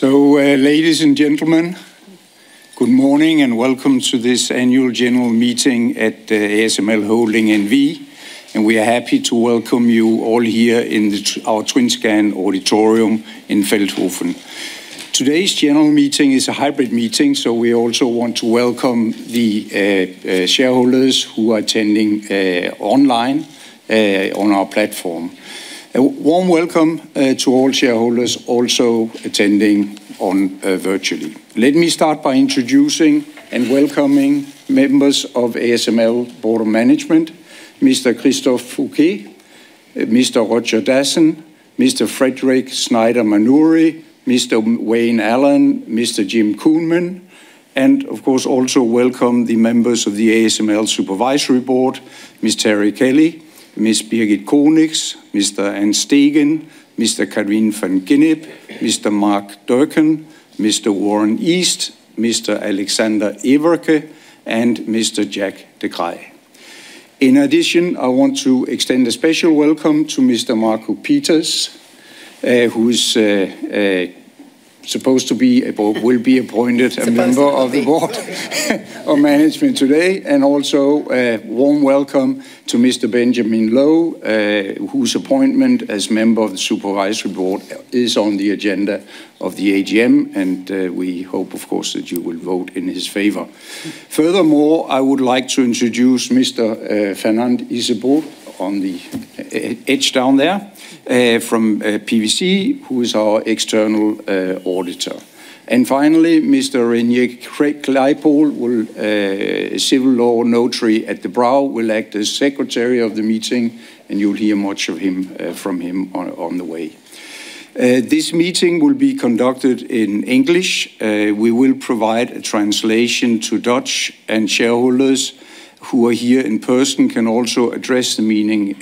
Ladies and gentlemen, good morning and welcome to this Annual General Meeting at ASML Holding N.V., and we are happy to welcome you all here in our TWINSCAN Auditorium in Veldhoven. Today's general meeting is a hybrid meeting, so we also want to welcome the shareholders who are attending online on our platform. A warm welcome to all shareholders also attending virtually. Let me start by introducing and welcoming members of ASML Board of Management, Mr. Christophe Fouquet, Mr. Roger Dassen, Mr. Frédéric Schneider-Maunoury, Mr. Wayne Allan, Mr. Jim Koonmen, and of course, also welcome the members of the ASML Supervisory Board, Ms. Terri Kelly, Ms. Birgit Conix, Ms. An Steegen, Ms. Karien van Gennip, Mr. Mark Durcan, Mr. Warren East, Mr. Alexander Everke, and Mr. Jack de Kreij. In addition, I want to extend a special welcome to Mr. Marco Pieters, who will be appointed- Supposed to be. a member of the board of management today, and also a warm welcome to Mr. Benjamin Loh, whose appointment as member of the Supervisory Board is on the agenda of the AGM, and we hope, of course, that you will vote in his favor. Furthermore, I would like to introduce Mr. Fernand Izeboud, on the edge down there, from PwC, who is our external auditor. Finally, Mr. Reinier Kleipool, a civil law notary at De Brauw, will act as secretary of the meeting, and you'll hear much from him on the way. This meeting will be conducted in English. We will provide a translation to Dutch, and shareholders who are here in person can also address the meeting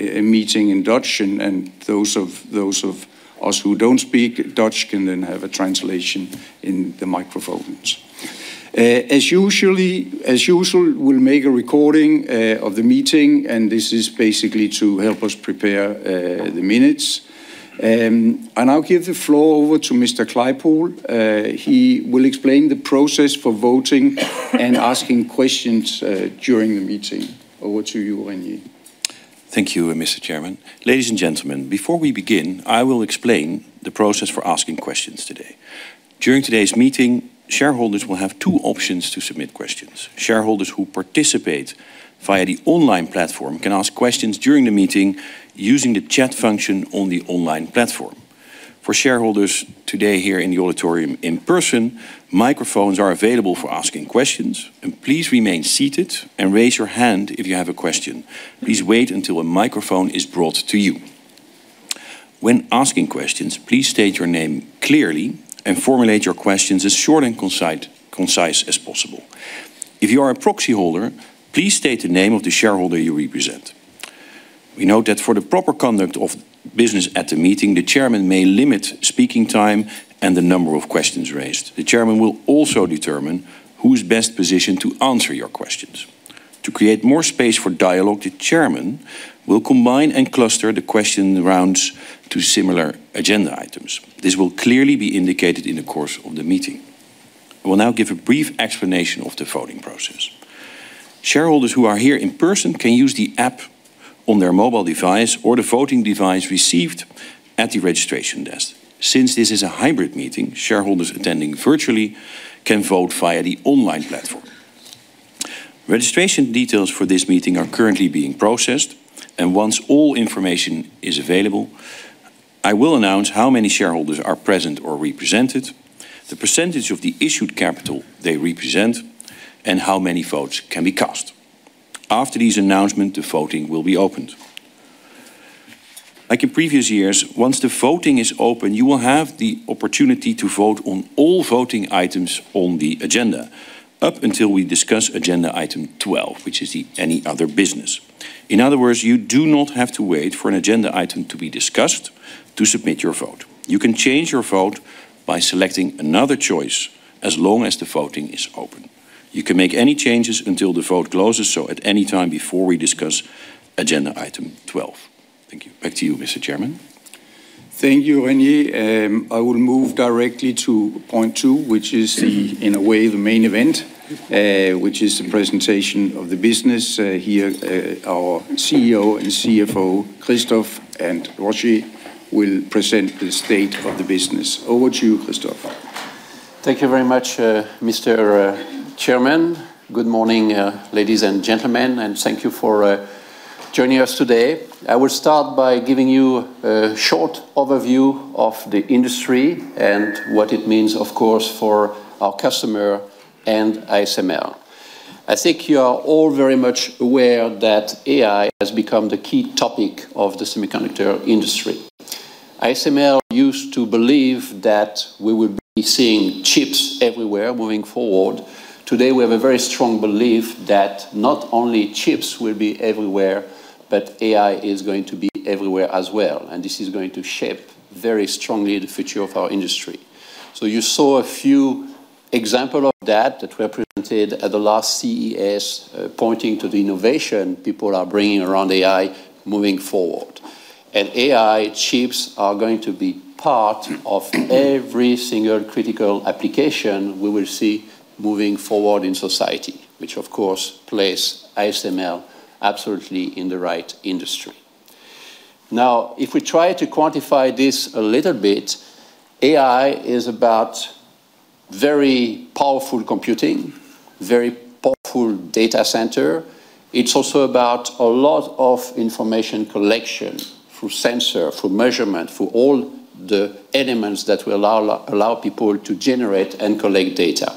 in Dutch, and those of us who don't speak Dutch can then have a translation in the microphones. As usual, we'll make a recording of the meeting, and this is basically to help us prepare the minutes. I now give the floor over to Mr. Kleipool. He will explain the process for voting and asking questions during the meeting. Over to you, Reinier. Thank you, Mr. Chairman. Ladies and gentlemen, before we begin, I will explain the process for asking questions today. During today's meeting, shareholders will have two options to submit questions. Shareholders who participate via the online platform can ask questions during the meeting using the chat function on the online platform. For shareholders today here in the auditorium in person, microphones are available for asking questions. Please remain seated and raise your hand if you have a question. Please wait until a microphone is brought to you. When asking questions, please state your name clearly and formulate your questions as short and concise as possible. If you are a proxy holder, please state the name of the shareholder you represent. We note that for the proper conduct of business at the meeting, the chairman may limit speaking time and the number of questions raised. The chairman will also determine who's best positioned to answer your questions. To create more space for dialogue, the chairman will combine and cluster the question rounds to similar agenda items. This will clearly be indicated in the course of the meeting. I will now give a brief explanation of the voting process. Shareholders who are here in person can use the app on their mobile device or the voting device received at the registration desk. Since this is a hybrid meeting, shareholders attending virtually can vote via the online platform. Registration details for this meeting are currently being processed, and once all information is available, I will announce how many shareholders are present or represented, the percentage of the issued capital they represent, and how many votes can be cast. After this announcement, the voting will be opened. Like in previous years, once the voting is open, you will have the opportunity to vote on all voting items on the agenda up until we discuss agendaitem 12, which is any other business. In other words, you do not have to wait for an agenda item to be discussed to submit your vote. You can change your vote by selecting another choice as long as the voting is open. You can make any changes until the vote closes, so at any time before we discuss agendaitem 12. Thank you. Back to you, Mr. Chairman. Thank you, Reinier. I will move directly to point two, which is, in a way, the main event, which is the presentation of the business. Here, our CEO and CFO, Christophe and Roger, will present the state of the business. Over to you, Christophe. Thank you very much, Mr. Chairman. Good morning, ladies and gentlemen, and thank you for joining us today. I will start by giving you a short overview of the industry and what it means, of course, for our customer and ASML. I think you are all very much aware that AI has become the key topic of the semiconductor industry. ASML used to believe that we would be seeing chips everywhere moving forward. Today, we have a very strong belief that not only chips will be everywhere, but AI is going to be everywhere as well, and this is going to shape very strongly the future of our industry. You saw a few examples of that that were presented at the last CES, pointing to the innovation people are bringing around AI moving forward. AI chips are going to be part of every single critical application we will see moving forward in society, which of course places ASML absolutely in the right industry. Now, if we try to quantify this a little bit, AI is about very powerful computing, very powerful data center. It's also about a lot of information collection through sensors, through measurements, through all the elements that will allow people to generate and collect data.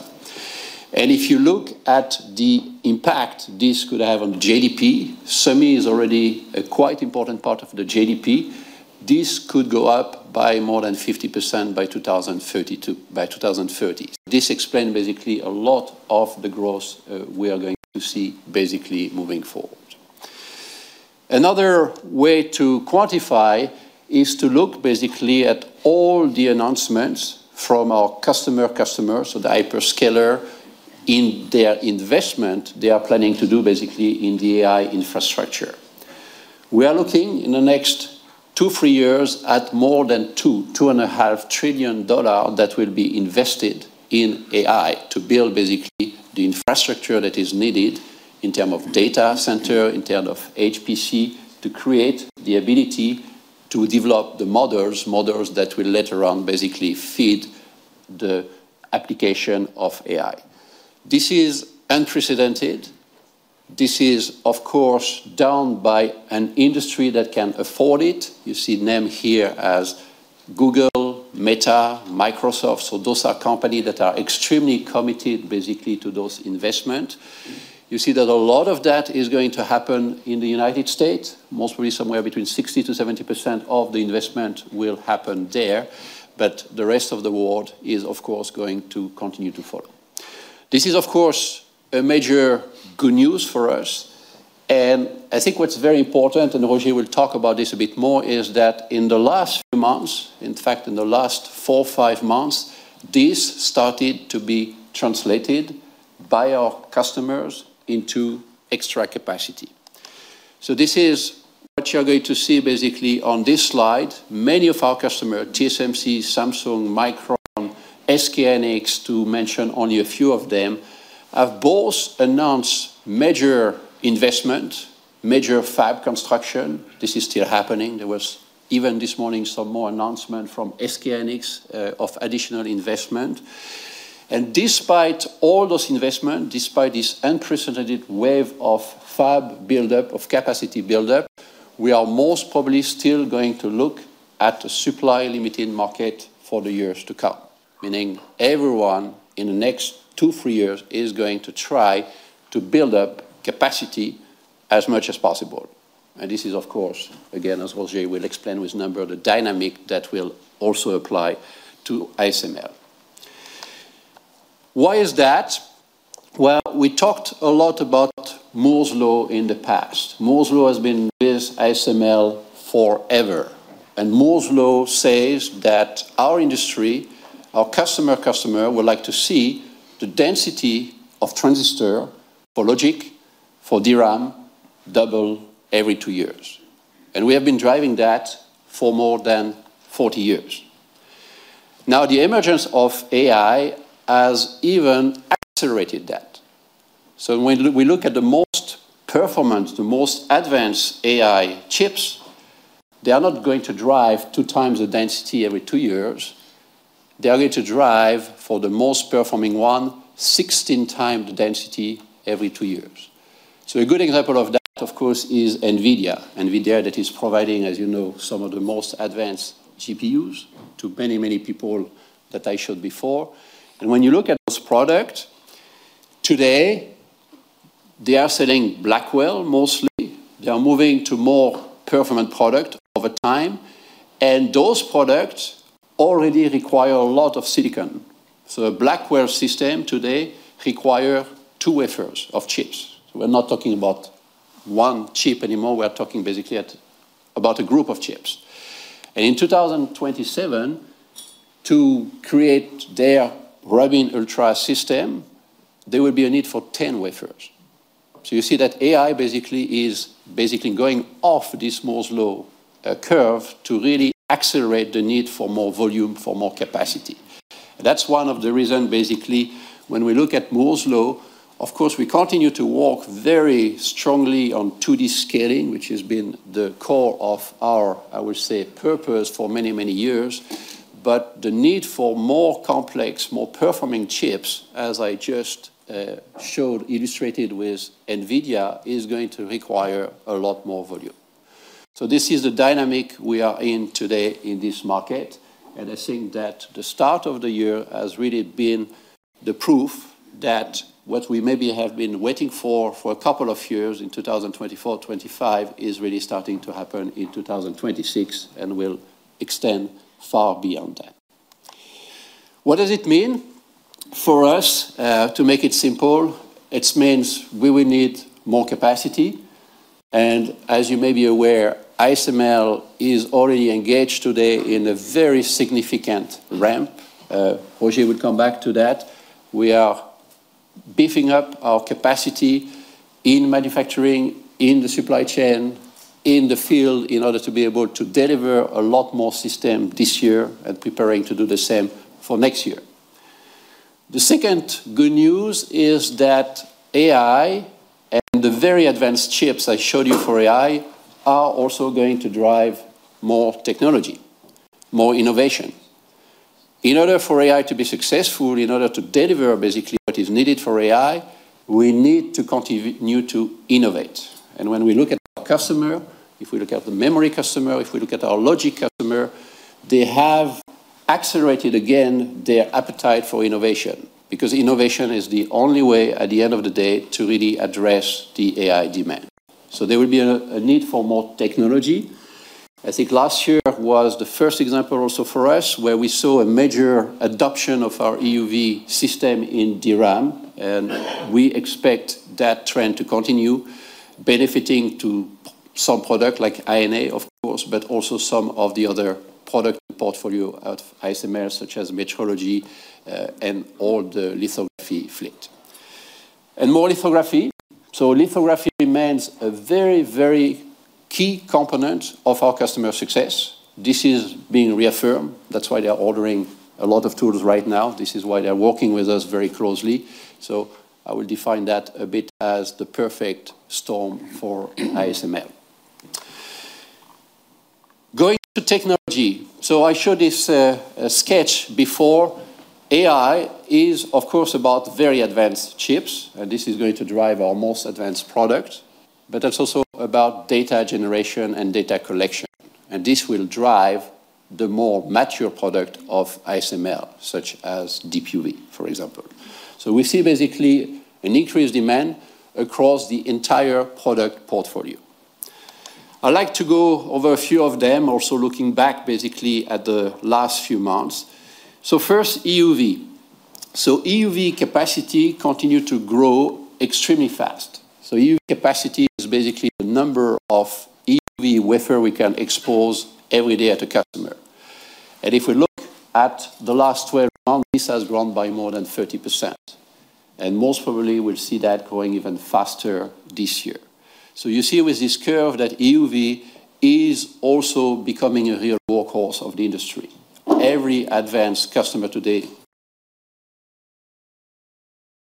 If you look at the impact this could have on GDP, semis is already a quite important part of the GDP. This could go up by more than 50% by 2030. This explains basically a lot of the growth we are going to see basically moving forward. Another way to quantify is to look basically at all the announcements from our customers, so the hyperscalers, in their investment they are planning to do basically in the AI infrastructure. We are looking in the next two-three years at more than $2.5 trillion that will be invested in AI to build basically the infrastructure that is needed in terms of data center, in terms of HPC, to create the ability to develop the models that will later on basically feed the application of AI. This is unprecedented. This is, of course, done by an industry that can afford it. You see them here as Google, Meta, Microsoft. Those are companies that are extremely committed basically to those investments. You see that a lot of that is going to happen in the United States. Most probably somewhere between 60%-70% of the investment will happen there. The rest of the world is, of course, going to continue to follow. This is, of course, a major good news for us, and I think what's very important, and Roger will talk about this a bit more, is that in the last few months, in fact in the last four or five months, this started to be translated by our customers into extra capacity. This is what you're going to see basically on this slide. Many of our customers, TSMC, Samsung, Micron, SK hynix, to mention only a few of them, have both announced major investment, major fab construction. This is still happening. There was even this morning some more announcement from SK hynix of additional investment. Despite all those investments, despite this unprecedented wave of fab buildup, of capacity buildup, we are most probably still going to look at a supply-limited market for the years to come, meaning everyone in the next two-three years is going to try to build up capacity as much as possible. This is of course, again, as Roger will explain with numbers, the dynamic that will also apply to ASML. Why is that? Well, we talked a lot about Moore's Law in the past. Moore's Law has been with ASML forever, and Moore's Law says that our industry, our customers, would like to see the density of transistors for logic, for DRAM, double every two years. We have been driving that for more than 40 years. Now, the emergence of AI has even accelerated that. When we look at the most performant, the most advanced AI chips, they are not going to drive 2x the density every two years. They are going to drive for the most performing one, 16x the density every two years. A good example of that, of course, is NVIDIA. NVIDIA that is providing, as you know, some of the most advanced GPUs to many, many people that I showed before. When you look at this product today, they are selling Blackwell mostly. They are moving to more performant product over time, and those products already require a lot of silicon. A Blackwell system today requires two wafers of chips. We're not talking about one chip anymore. We're talking basically about a group of chips. In 2027, to create their Rubin Ultra system, there will be a need for 10 wafers. You see that AI basically is going off this Moore's Law curve to really accelerate the need for more volume, for more capacity. That's one of the reasons, basically, when we look at Moore's Law, of course, we continue to work very strongly on 2D scaling, which has been the core of our, I would say, purpose for many, many years. The need for more complex, more performing chips, as I just showed, illustrated with NVIDIA, is going to require a lot more volume. This is the dynamic we are in today in this market, and I think that the start of the year has really been the proof that what we maybe have been waiting for for a couple of years in 2024, 2025, is really starting to happen in 2026 and will extend far beyond that. What does it mean for us? To make it simple, it means we will need more capacity. As you may be aware, ASML is already engaged today in a very significant ramp. Roger will come back to that. Beefing up our capacity in manufacturing, in the supply chain, in the field, in order to be able to deliver a lot more systems this year and preparing to do the same for next year. The second good news is that AI and the very advanced chips I showed you for AI are also going to drive more technology, more innovation. In order for AI to be successful, in order to deliver basically what is needed for AI, we need to continue to innovate. When we look at our customer, if we look at the memory customer, if we look at our logic customer, they have accelerated again their appetite for innovation, because innovation is the only way, at the end of the day, to really address the AI demand. There will be a need for more technology. I think last year was the first example also for us, where we saw a major adoption of our EUV system in DRAM, and we expect that trend to continue benefiting, too, some product, like High-NA, of course, but also some of the other product portfolio of ASML, such as metrology and all the lithography fleet. More lithography. Lithography remains a very, very key component of our customer success. This is being reaffirmed. That's why they're ordering a lot of tools right now. This is why they're working with us very closely. I will define that a bit as the perfect storm for ASML. Going to technology. I showed this sketch before. AI is, of course, about very advanced chips, and this is going to drive our most advanced product. It's also about data generation and data collection. This will drive the more mature product of ASML, such as DUV, for example. We see basically an increased demand across the entire product portfolio. I'd like to go over a few of them, also looking back basically at the last few months. First, EUV. EUV capacity continue to grow extremely fast. EUV capacity is basically the number of EUV wafer we can expose every day at the customer. If we look at the last 12 months, this has grown by more than 30%, and most probably we'll see that growing even faster this year. You see with this curve that EUV is also becoming a real workhorse of the industry for every advanced customer today,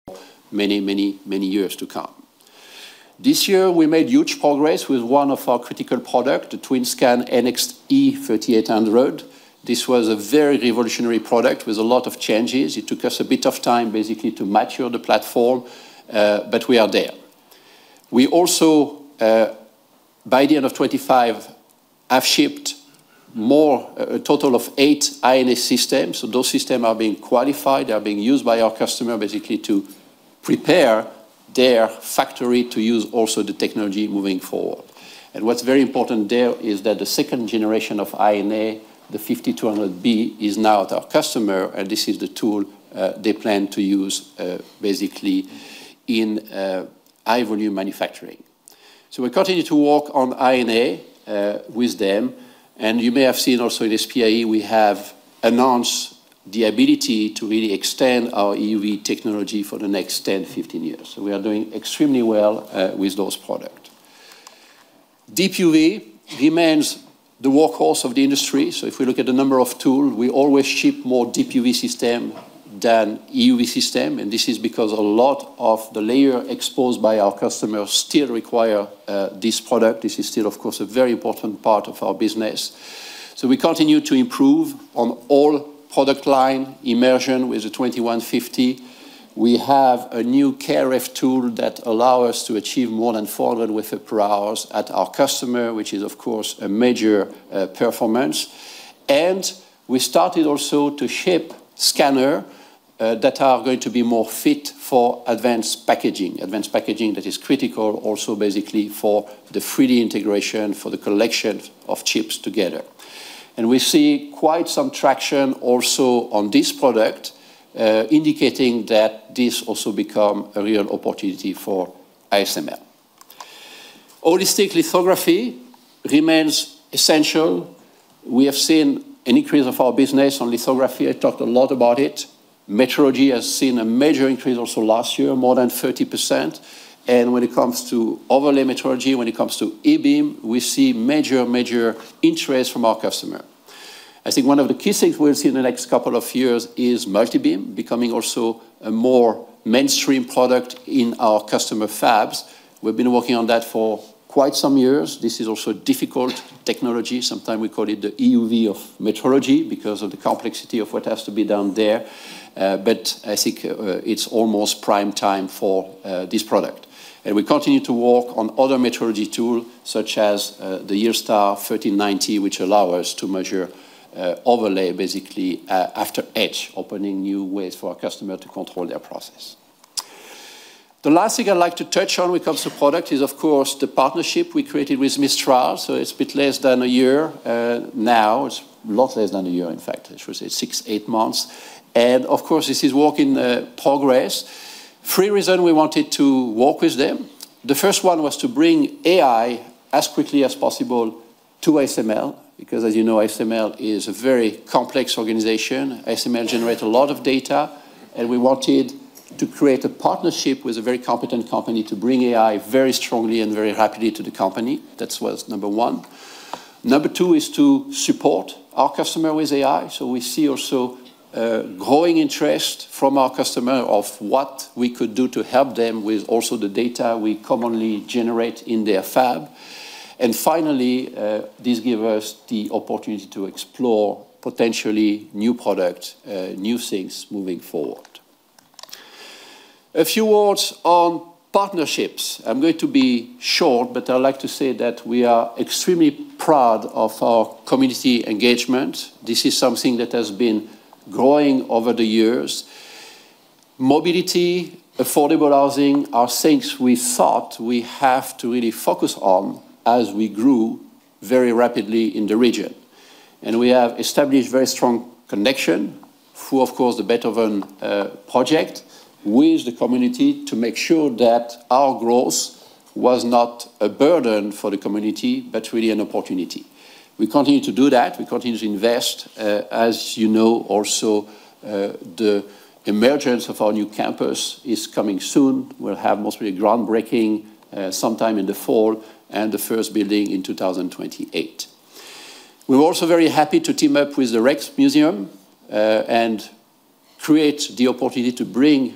for many years to come. This year we made huge progress with one of our critical product, the TWINSCAN NXE:3800. This was a very revolutionary product with a lot of changes. It took us a bit of time basically to mature the platform, but we are there. We also, by the end of 2025, have shipped a total of eight High-NA systems. Those system are being qualified, they are being used by our customer basically to prepare their factory to use also the technology moving forward. What's very important there is that the second generation of High-NA, the EXE:5200B, is now with our customer, and this is the tool they plan to use basically in high volume manufacturing. We continue to work on High-NA with them, and you may have seen also at SPIE, we have announced the ability to really extend our EUV technology for the next 10-15 years. We are doing extremely well with those products. DUV remains the workhorse of the industry. If we look at the number of tools, we always ship more DUV systems than EUV systems. This is because a lot of the layers exposed by our customers still require this product. This is still, of course, a very important part of our business. We continue to improve on all product lines immersion with the 2150. We have a new KrF tool that allows us to achieve more than 400 wafers per hour at our customers, which is, of course, a major performance. We started also to ship scanners that are going to be more fit for advanced packaging. Advanced packaging that is critical also basically for the 3D integration, for the collection of chips together. We see quite some traction also on this product, indicating that this also become a real opportunity for ASML. Holistic lithography remains essential. We have seen an increase of our business on lithography. I talked a lot about it. Metrology has seen a major increase also last year, more than 30%. When it comes to overlay metrology, when it comes to eBeam, we see major interest from our customer. I think one of the key things we'll see in the next couple of years is Multi-Beam becoming also a more mainstream product in our customer fabs. We've been working on that for quite some years. This is also difficult technology. Sometimes we call it the EUV of metrology because of the complexity of what has to be done there. I think it's almost prime time for this product. We continue to work on other metrology tool such as the YieldStar 1390, which allow us to measure overlay basically after etch, opening new ways for our customer to control their process. The last thing I'd like to touch on when it comes to product is, of course, the partnership we created with Mistral. It's a bit less than a year now. It's a lot less than a year, in fact. I should say six- eight months. Of course, this is work in progress. There are three reasons we wanted to work with them. The first one was to bring AI as quickly as possible to ASML, because as you know, ASML is a very complex organization. ASML generates a lot of data, and we wanted to create a partnership with a very competent company to bring AI very strongly and very rapidly to the company. That was number one. Number two is to support our customer with AI. We see also a growing interest from our customer of what we could do to help them with also the data we commonly generate in their fab. Finally, this gives us the opportunity to explore potentially new products, new things moving forward. A few words on partnerships. I'm going to be short, but I like to say that we are extremely proud of our community engagement. This is something that has been growing over the years. Mobility, affordable housing are things we thought we have to really focus on as we grew very rapidly in the region. We have established very strong connection through, of course, the Project Beethoven with the community to make sure that our growth was not a burden for the community, but really an opportunity. We continue to do that. We continue to invest. As you know also, the emergence of our new campus is coming soon. We'll have mostly groundbreaking sometime in the fall and the first building in 2028. We're also very happy to team up with the Rijksmuseum, and create the opportunity to bring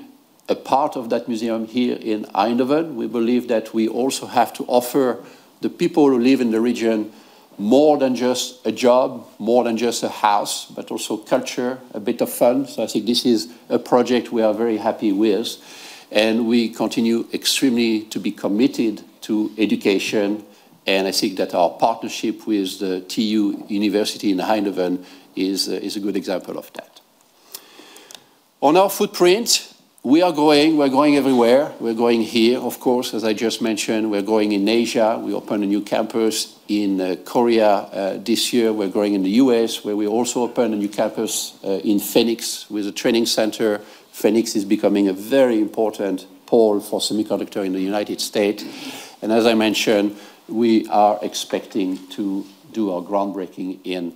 a part of that museum here in Eindhoven. We believe that we also have to offer the people who live in the region more than just a job, more than just a house, but also culture, a bit of fun. I think this is a project we are very happy with, and we continue to be extremely committed to education, and I think that our partnership with the TU/e in Eindhoven is a good example of that. On our footprint, we are going everywhere. We're going here, of course, as I just mentioned, we're going in Asia. We opened a new campus in Korea this year. We're growing in the U.S., where we also opened a new campus in Phoenix with a training center. Phoenix is becoming a very important pole for semiconductor in the United States. As I mentioned, we are expecting to do our groundbreaking in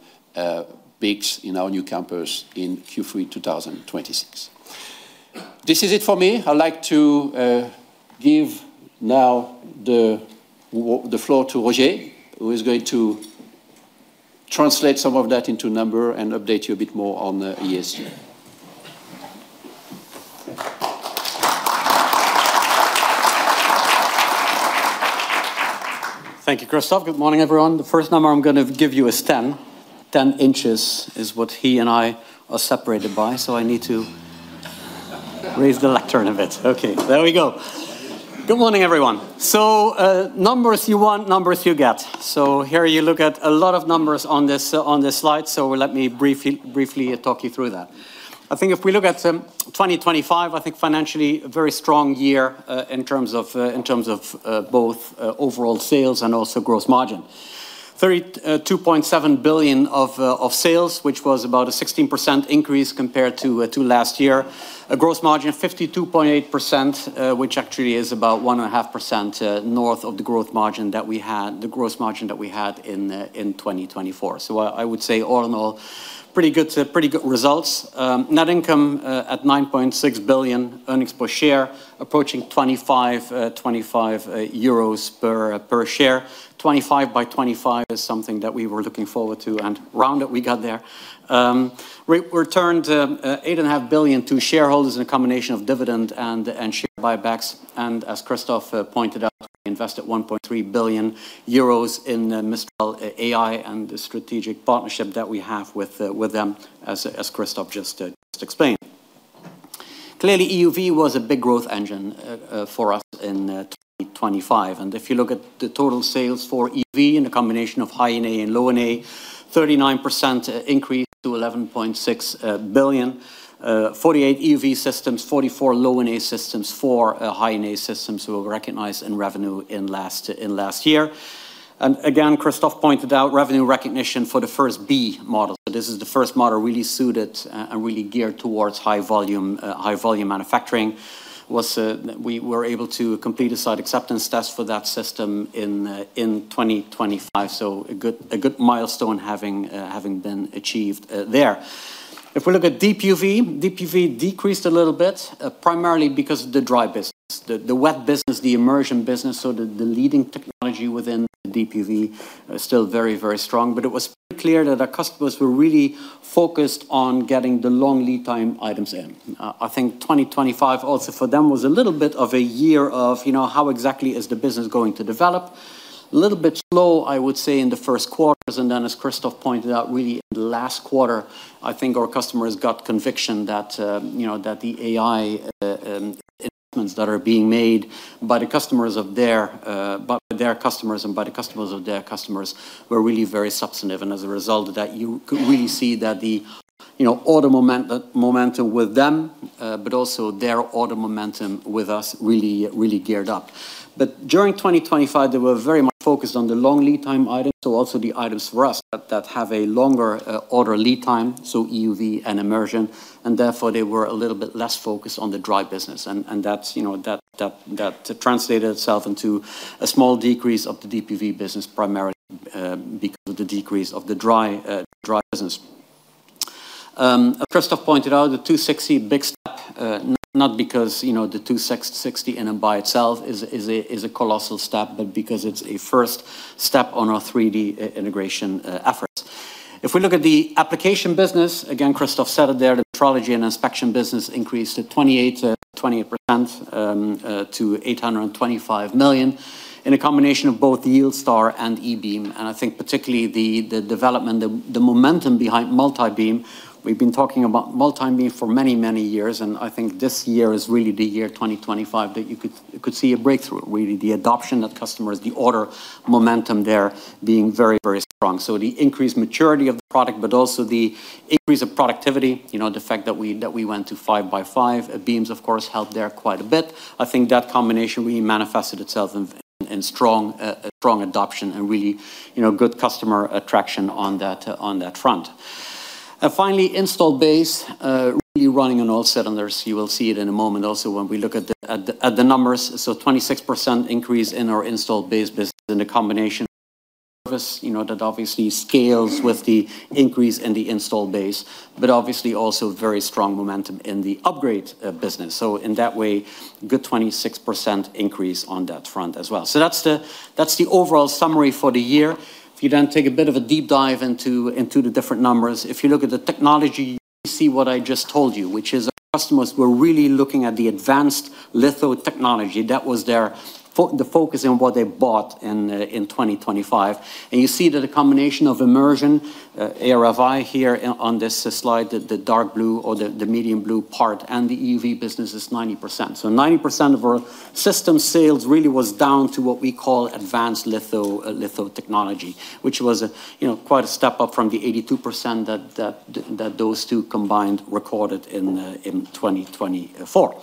BIC in our new campus in Q3 2026. This is it for me. I'd like to give now the floor to Roger, who is going to translate some of that into numbers and update you a bit more on the ESG. Thank you, Christophe. Good morning, everyone. The first number I'm going to give you is 10. 10 in is what he and I are separated by, so I need to raise the lectern a bit. Okay, there we go. Good morning, everyone. Numbers you want, numbers you get. Here you look at a lot of numbers on this slide, so let me briefly talk you through that. I think if we look at 2025, I think financially a very strong year in terms of both overall sales and also gross margin. 32.7 billion of sales, which was about a 16% increase compared to last year. A gross margin of 52.8%, which actually is about 1.5% north of the gross margin that we had in 2024. I would say all in all, pretty good results. Net income at 9.6 billion, earnings per share approaching 25 per share. 25 by 25 is something that we were looking forward to, and around that we got there. Returned 8.5 billion to shareholders in a combination of dividend and share buybacks. As Christophe pointed out, we invested 1.3 billion euros in Mistral AI and the strategic partnership that we have with them as Christophe just explained. Clearly, EUV was a big growth engine for us in 2025. If you look at the total sales for EUV in a combination of High-NA and Low-NA, 39% increase to 11.6 billion. 48 EUV systems, 44 Low-NA systems, 4 High-NA systems were recognized in revenue in last year. Again, Christophe pointed out revenue recognition for the first B model. This is the first model really suited and really geared towards high volume manufacturing. We were able to complete a site acceptance test for that system in 2025, so a good milestone having been achieved there. If we look at DUV decreased a little bit, primarily because of the dry business. The wet business, the immersion business, so the leading technology within DUV are still very strong, but it was pretty clear that our customers were really focused on getting the long lead time items in. I think 2025 also for them was a little bit of a year of how exactly is the business going to develop. A little bit slow, I would say, in the first quarters. As Christophe pointed out, really in the last quarter, I think our customers got conviction that the AI investments that are being made by their customers and by the customers of their customers were really very substantive. As a result of that, you could really see that the order momentum with them, but also their order momentum with us really geared up. During 2025, they were very much focused on the long lead time items. Also the items for us that have a longer order lead time, so EUV and immersion, and therefore they were a little bit less focused on the dry business. That translated itself into a small decrease of the DUV business, primarily because of the decrease of the dry business. Christophe pointed out the 260, big step, not because the 260 in and by itself is a colossal step, but because it's a first step on our 3D integration efforts. If we look at the application business, again, Christophe said it there, the metrology and inspection business increased 28% to 825 million, in a combination of both YieldStar and eBeam. I think particularly the development, the momentum behind Multi-Beam. We've been talking about Multi-Beam for many, many years, and I think this year is really the year 2025 that you could see a breakthrough, really the adoption of customers, the order momentum there being very, very strong. The increased maturity of the product, but also the increase of productivity, the fact that we went to 5 by 5 beams, of course, helped there quite a bit. I think that combination really manifested itself in strong adoption and really good customer attraction on that front. Finally, installed base, really running on all cylinders. You will see it in a moment also when we look at the numbers. 26% increase in our installed base business in the combination of service, that obviously scales with the increase in the installed base, but obviously also very strong momentum in the upgrade business. In that way, good 26% increase on that front as well. That's the overall summary for the year. If you then take a bit of a deep dive into the different numbers, if you look at the technology, you see what I just told you, which is our customers were really looking at the advanced litho technology. That was the focus on what they bought in 2025. You see that a combination of immersion, ArFi here on this slide, the dark blue or the medium blue part, and the EUV business is 90%. 90% of our system sales really was down to what we call advanced litho technology, which was quite a step up from the 82% that those two combined recorded in 2024.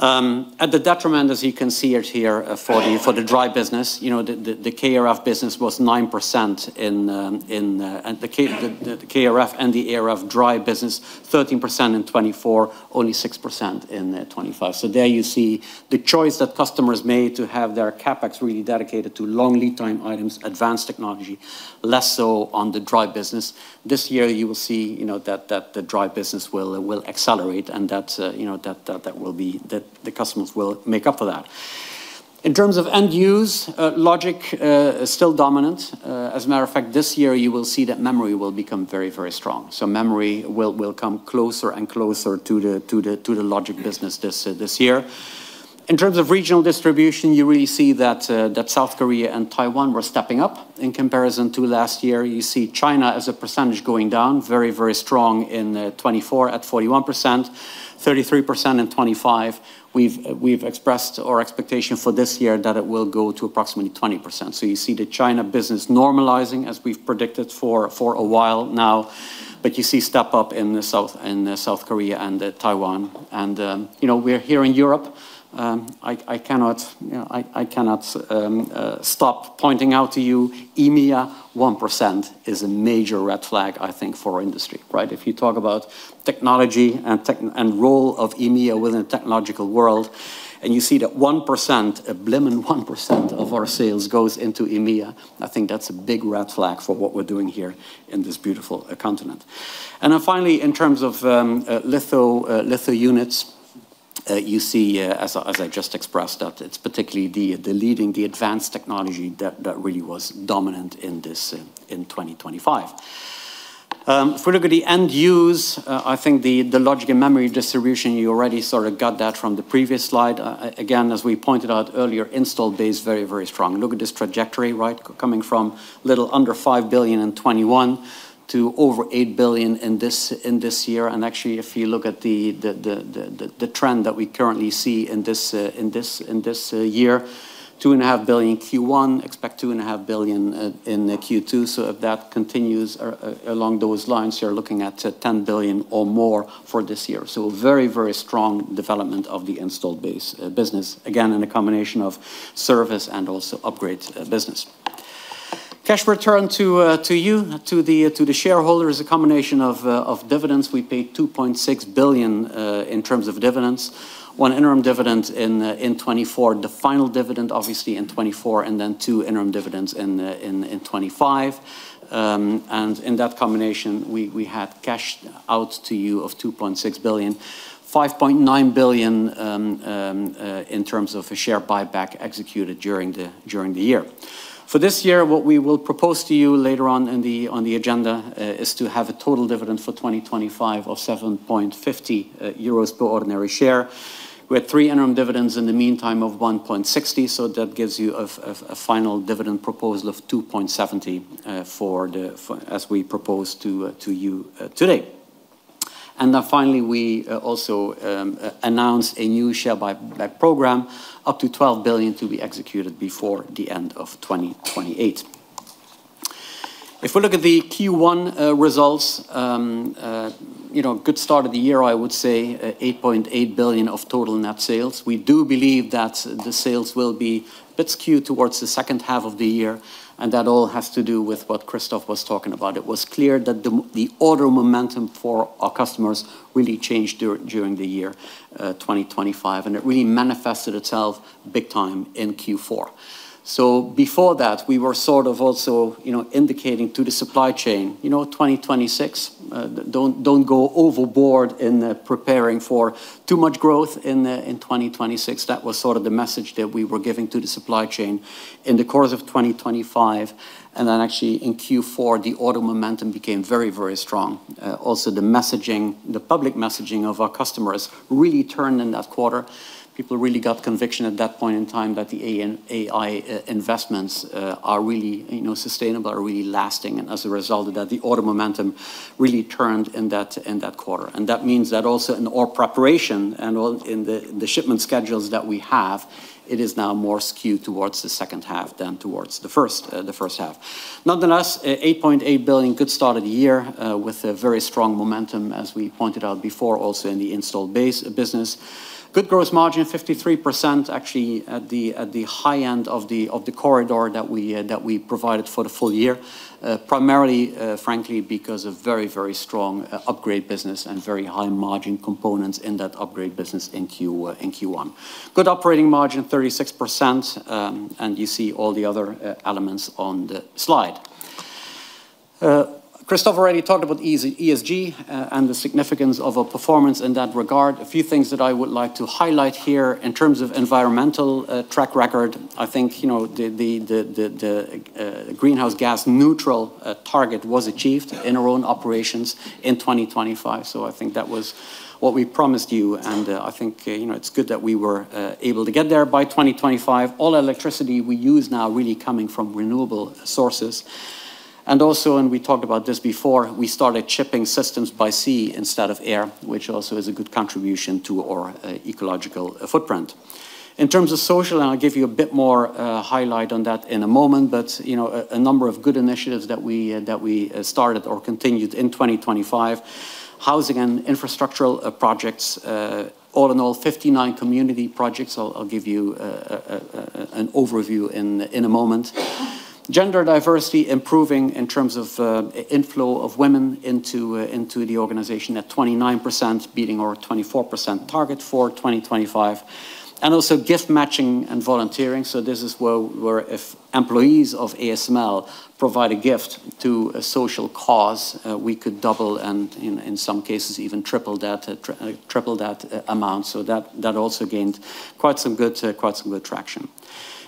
At the detriment, as you can see it here for the dry business, the KrF and the ArF dry business, 13% in 2024, only 6% in 2025. There you see the choice that customers made to have their CapEx really dedicated to long lead time items, advanced technology, less so on the dry business. This year, you will see that the dry business will accelerate and that the customers will make up for that. In terms of end use, logic is still dominant. As a matter of fact, this year, you will see that memory will become very, very strong. Memory will come closer and closer to the logic business this year. In terms of regional distribution, you really see that South Korea and Taiwan were stepping up in comparison to last year. You see China as a percentage going down very, very strong in 2024 at 41%, 33% in 2025. We've expressed our expectation for this year that it will go to approximately 20%. You see the China business normalizing as we've predicted for a while now. You see step up in South Korea and Taiwan. We're here in Europe. I cannot stop pointing out to you, EMEA, 1% is a major red flag, I think, for our industry, right? If you talk about technology and role of EMEA within a technological world, and you see that 1%, a blooming 1% of our sales goes into EMEA, I think that's a big red flag for what we're doing here in this beautiful continent. Then finally, in terms of litho units, you see, as I just expressed, that it's particularly the leading, the advanced technology that really was dominant in 2025. If we look at the end use, I think the logic and memory distribution, you already sort of got that from the previous slide. Again, as we pointed out earlier, installed base, very, very strong. Look at this trajectory, right? Coming from little under 5 billion in 2021 to over 8 billion in this year. Actually, if you look at the trend that we currently see in this year, 2.5 billion Q1, expect 2.5 billion in Q2. If that continues along those lines, you're looking at 10 billion or more for this year. Very, very strong development of the installed base business, again, in a combination of service and also upgrade business. Cash return to you, to the shareholder, is a combination of dividends. We paid 2.6 billion in terms of dividends, one interim dividend in 2024, the final dividend obviously in 2024, and then two interim dividends in 2025. In that combination, we had cashed out to you of 2.6 billion, 5.9 billion in terms of a share buyback executed during the year. For this year, what we will propose to you later on in the agenda is to have a total dividend for 2025 of 7.50 euros per ordinary share, with interim dividends in the meantime of 1.60. That gives you a final dividend proposal of 2.70 as we propose to you today. Finally, we also announced a new share buyback program, up to 12 billion to be executed before the end of 2028. If we look at the Q1 results, good start of the year, I would say 8.8 billion of total net sales. We do believe that the sales will be a bit skewed towards the second half of the year, and that all has to do with what Christophe was talking about. It was clear that the order momentum for our customers really changed during the year 2025, and it really manifested itself big time in Q4. Before that, we were sort of also indicating to the supply chain, 2026, don't go overboard in preparing for too much growth in 2026. That was sort of the message that we were giving to the supply chain in the course of 2025, and then actually in Q4, the order momentum became very, very strong. Also, the public messaging of our customers really turned in that quarter. People really got conviction at that point in time that the AI investments are really sustainable, are really lasting, and as a result of that, the order momentum really turned in that quarter. That means that also in our preparation and in the shipment schedules that we have, it is now more skewed towards the second half than towards the first half. Nonetheless, 8.8 billion, good start of the year with a very strong momentum, as we pointed out before, also in the installed base business. Good gross margin, 53%, actually at the high end of the corridor that we provided for the full year. Primarily, frankly, because of very, very strong upgrade business and very high-margin components in that upgrade business in Q1. Good operating margin, 36%, and you see all the other elements on the slide. Christophe already talked about ESG and the significance of our performance in that regard. A few things that I would like to highlight here in terms of environmental track record. I think the greenhouse gas neutral target was achieved in our own operations in 2025. I think that was what we promised you, and I think it's good that we were able to get there by 2025. All electricity we use now really coming from renewable sources. Also, we talked about this before, we started shipping systems by sea instead of air, which also is a good contribution to our ecological footprint. In terms of social, I'll give you a bit more highlight on that in a moment. A number of good initiatives that we started or continued in 2025. Housing and infrastructural projects. All in all, 59 community projects. I'll give you an overview in a moment. Gender diversity improving in terms of inflow of women into the organization at 29%, beating our 24% target for 2025. Also gift matching and volunteering. This is where if employees of ASML provide a gift to a social cause, we could double and in some cases even triple that amount. That also gained quite some good traction.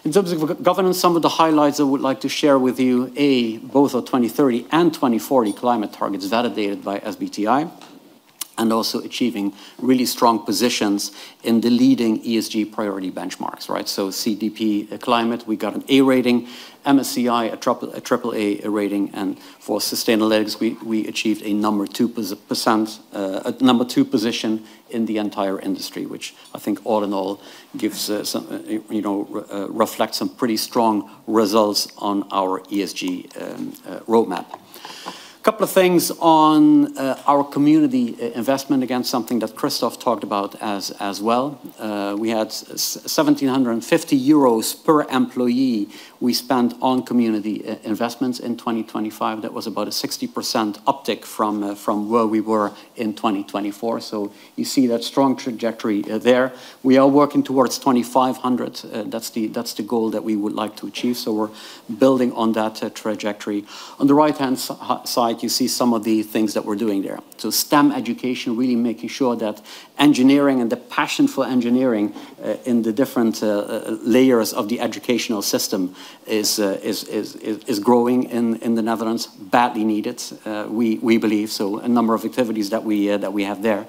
In terms of governance, some of the highlights I would like to share with you. A, both our 2030 and 2040 climate targets, validated by SBTi, and also achieving really strong positions in the leading ESG priority benchmarks. CDP climate, we got an A rating, MSCI, a triple A rating, and for Sustainalytics, we achieved a number two position in the entire industry, which I think all in all reflects some pretty strong results on our ESG roadmap. Couple of things on our community investment, again, something that Christophe talked about as well. We had 1,750 euros per employee we spent on community investments in 2025. That was about a 60% uptick from where we were in 2024. You see that strong trajectory there. We are working towards 2,500. That's the goal that we would like to achieve. We're building on that trajectory. On the right-hand side, you see some of the things that we're doing there. STEM education, really making sure that engineering and the passion for engineering in the different layers of the educational system is growing in the Netherlands. Badly needed, we believe. A number of activities that we have there.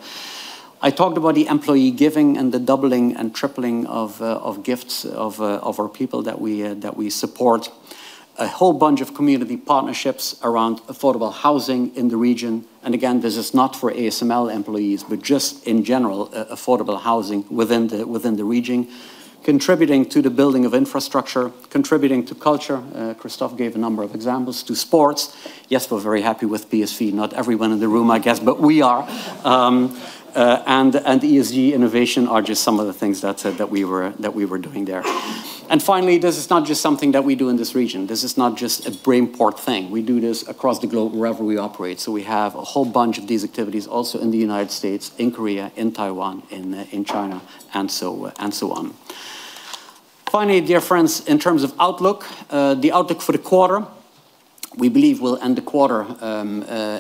I talked about the employee giving and the doubling and tripling of gifts of our people that we support. A whole bunch of community partnerships around affordable housing in the region. Again, this is not for ASML employees, but just in general, affordable housing within the region. Contributing to the building of infrastructure, contributing to culture. Christophe gave a number of examples to sports. Yes, we're very happy with PSV. Not everyone in the room, I guess, but we are. ESG innovation are just some of the things that we were doing there. Finally, this is not just something that we do in this region. This is not just a Brainport thing. We do this across the globe wherever we operate. We have a whole bunch of these activities also in the U.S., in Korea, in Taiwan, in China, and so on. Finally, dear friends, in terms of outlook, the outlook for the quarter, we believe we'll end the quarter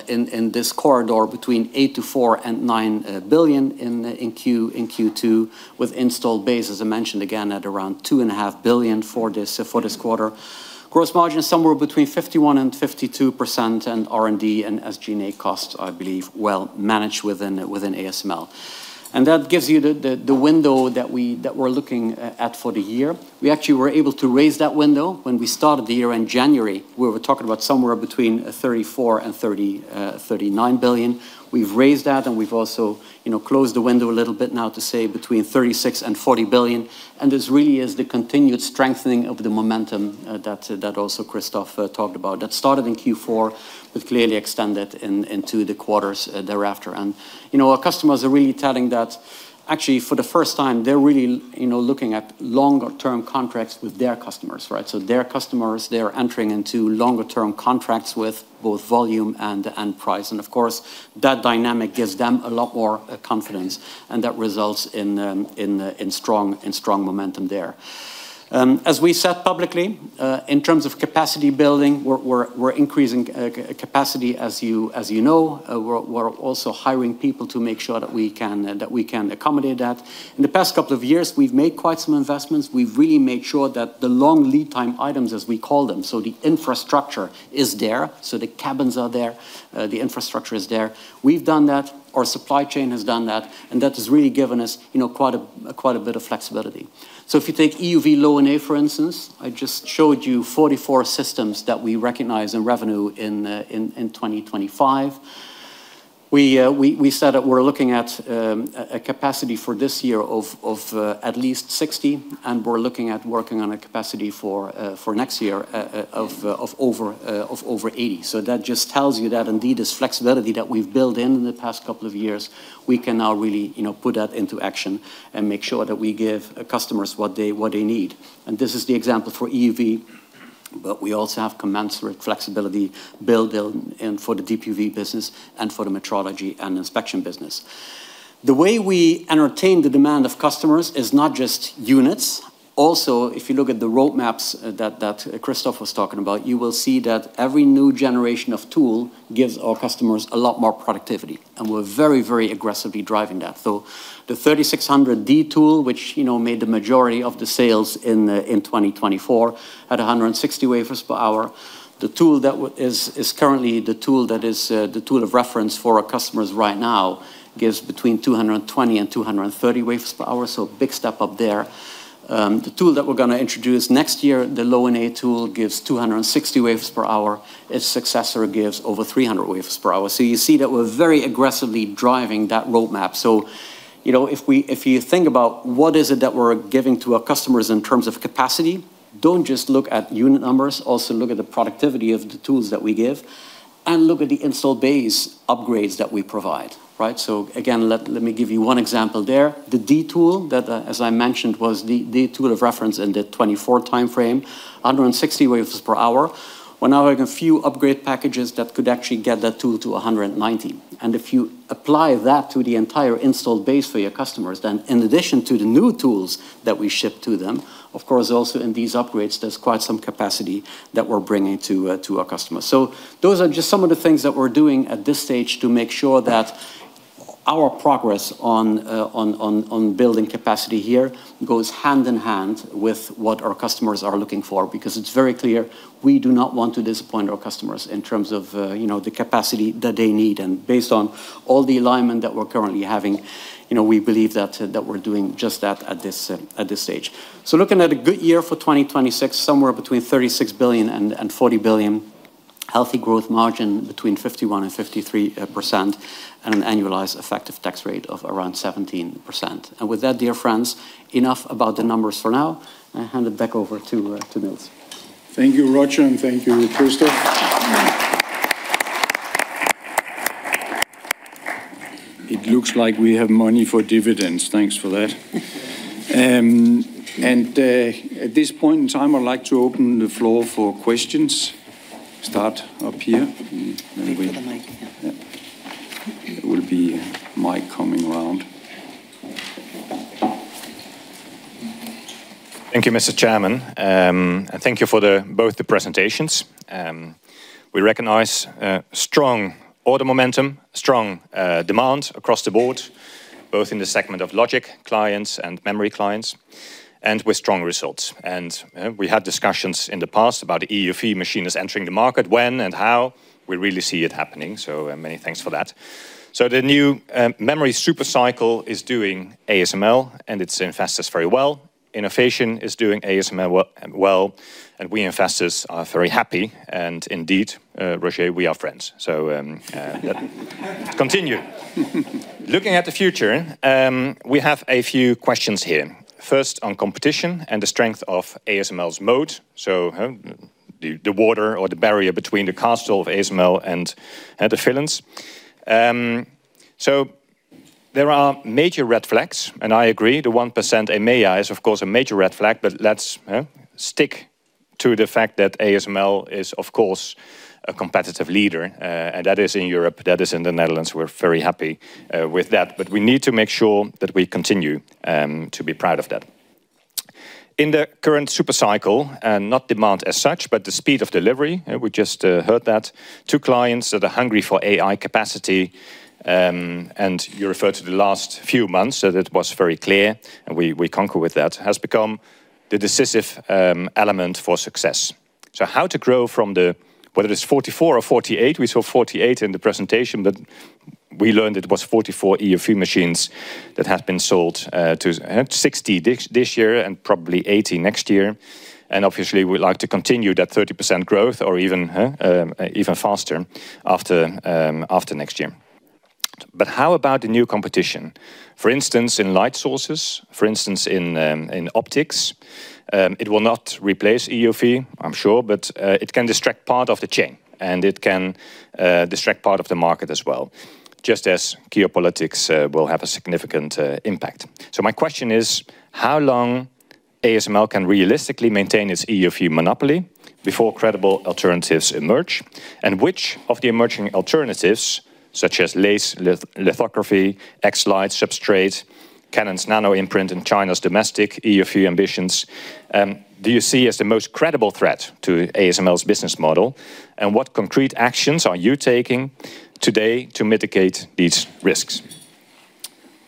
in this corridor between 8.4 billion and 9 billion in Q2 with installed base, as I mentioned, again, at around 2.5 billion for this quarter. Gross margin is somewhere between 51% and 52%, and R&D and SG&A costs, I believe, well managed within ASML. That gives you the window that we're looking at for the year. We actually were able to raise that window. When we started the year in January, we were talking about somewhere between 34 billion and 39 billion. We've raised that, and we've also closed the window a little bit now to say between 36 billion and 40 billion. This really is the continued strengthening of the momentum that also Christophe talked about, that started in Q4, but clearly extended into the quarters thereafter. Our customers are really telling that actually for the first time, they're really looking at longer term contracts with their customers, right? Their customers, they are entering into longer term contracts with both volume and price. Of course, that dynamic gives them a lot more confidence, and that results in strong momentum there. As we said publicly, in terms of capacity building, we're increasing capacity as you know. We're also hiring people to make sure that we can accommodate that. In the past couple of years, we've made quite some investments. We've really made sure that the long lead time items, as we call them, so the infrastructure is there, so the cabins are there, the infrastructure is there. We've done that. Our supply chain has done that, and that has really given us quite a bit of flexibility. If you take EUV Low-NA, for instance, I just showed you 44 systems that we recognize in revenue in 2025. We said that we're looking at a capacity for this year of at least 60, and we're looking at working on a capacity for next year of over 80. That just tells you that indeed, this flexibility that we've built in the past couple of years, we can now really put that into action and make sure that we give customers what they need. This is the example for EUV, but we also have commensurate flexibility built in for the DUV business and for the metrology and inspection business. The way we anticipate the demand of customers is not just units. Also, if you look at the roadmaps that Christophe was talking about, you will see that every new generation of tool gives our customers a lot more productivity, and we're very aggressively driving that. The 3600D tool, which made the majority of the sales in 2024 at 160 wafers per hour. The tool that is currently the tool of reference for our customers right now gives between 220 and 230 wafers per hour. Big step up there. The tool that we're going to introduce next year, the Low-NA tool, gives 260 wafers per hour. Its successor gives over 300 wafers per hour. You see that we're very aggressively driving that roadmap. If you think about what is it that we're giving to our customers in terms of capacity, don't just look at unit numbers. Look at the productivity of the tools that we give, and look at the installed base upgrades that we provide. Right? Again, let me give you one example there. The D tool that, as I mentioned, was the tool of reference in the 2024 timeframe, 160 wafers per hour. We're now having a few upgrade packages that could actually get that tool to 190. If you apply that to the entire installed base for your customers, then in addition to the new tools that we ship to them, of course, also in these upgrades, there's quite some capacity that we're bringing to our customers. Those are just some of the things that we're doing at this stage to make sure that our progress on building capacity here goes hand in hand with what our customers are looking for, because it's very clear we do not want to disappoint our customers in terms of the capacity that they need. Based on all the alignment that we're currently having, we believe that we're doing just that at this stage. Looking at a good year for 2026, somewhere between 36 billion and 40 billion, healthy gross margin between 51% and 53%, and an annualized effective tax rate of around 17%. With that, dear friends, enough about the numbers for now. I hand it back over to Nils. Thank you, Roger, and thank you, Christophe. It looks like we have money for dividends. Thanks for that. At this point in time, I'd like to open the floor for questions. Start up here. Wait for the mic. Yeah. There will be a mic coming around. Thank you, Mr. Chairman. Thank you for both the presentations. We recognize strong order momentum, strong demand across the board, both in the segment of logic clients and memory clients, and with strong results. We had discussions in the past about EUV machines entering the market, when and how. We really see it happening. Many thanks for that. The new memory super cycle is doing ASML and its investors very well. Innovation is doing ASML well, and we investors are very happy and indeed, Roger, we are friends. Continue. Looking at the future, we have a few questions here. First, on competition and the strength of ASML's moat. The water or the barrier between the castle of ASML and the villains. There are major red flags, and I agree the 1% in May is of course a major red flag, but let's stick to the fact that ASML is of course a competitive leader, and that is in Europe, that is in the Netherlands. We're very happy with that, but we need to make sure that we continue to be proud of that. In the current super cycle, not demand as such, but the speed of delivery, we just heard that two clients that are hungry for AI capacity, and you referred to the last few months, so that was very clear and we concur with that, has become the decisive element for success. How to grow from the, whether it's 44 or 48, we saw 48 in the presentation, but we learned it was 44 EUV machines that have been sold to 60 this year and probably 80 next year. Obviously we'd like to continue that 30% growth or even faster after next year. How about the new competition, for instance, in light sources, for instance, in optics? It will not replace EUV, I'm sure, but it can disrupt part of the chain, and it can disrupt part of the market as well, just as geopolitics will have a significant impact. My question is how long ASML can realistically maintain its EUV monopoly before credible alternatives emerge? Which of the emerging alternatives, such as laser lithography, X-ray lithography, Canon's nanoimprint, and China's domestic EUV ambitions, do you see as the most credible threat to ASML's business model? What concrete actions are you taking today to mitigate these risks?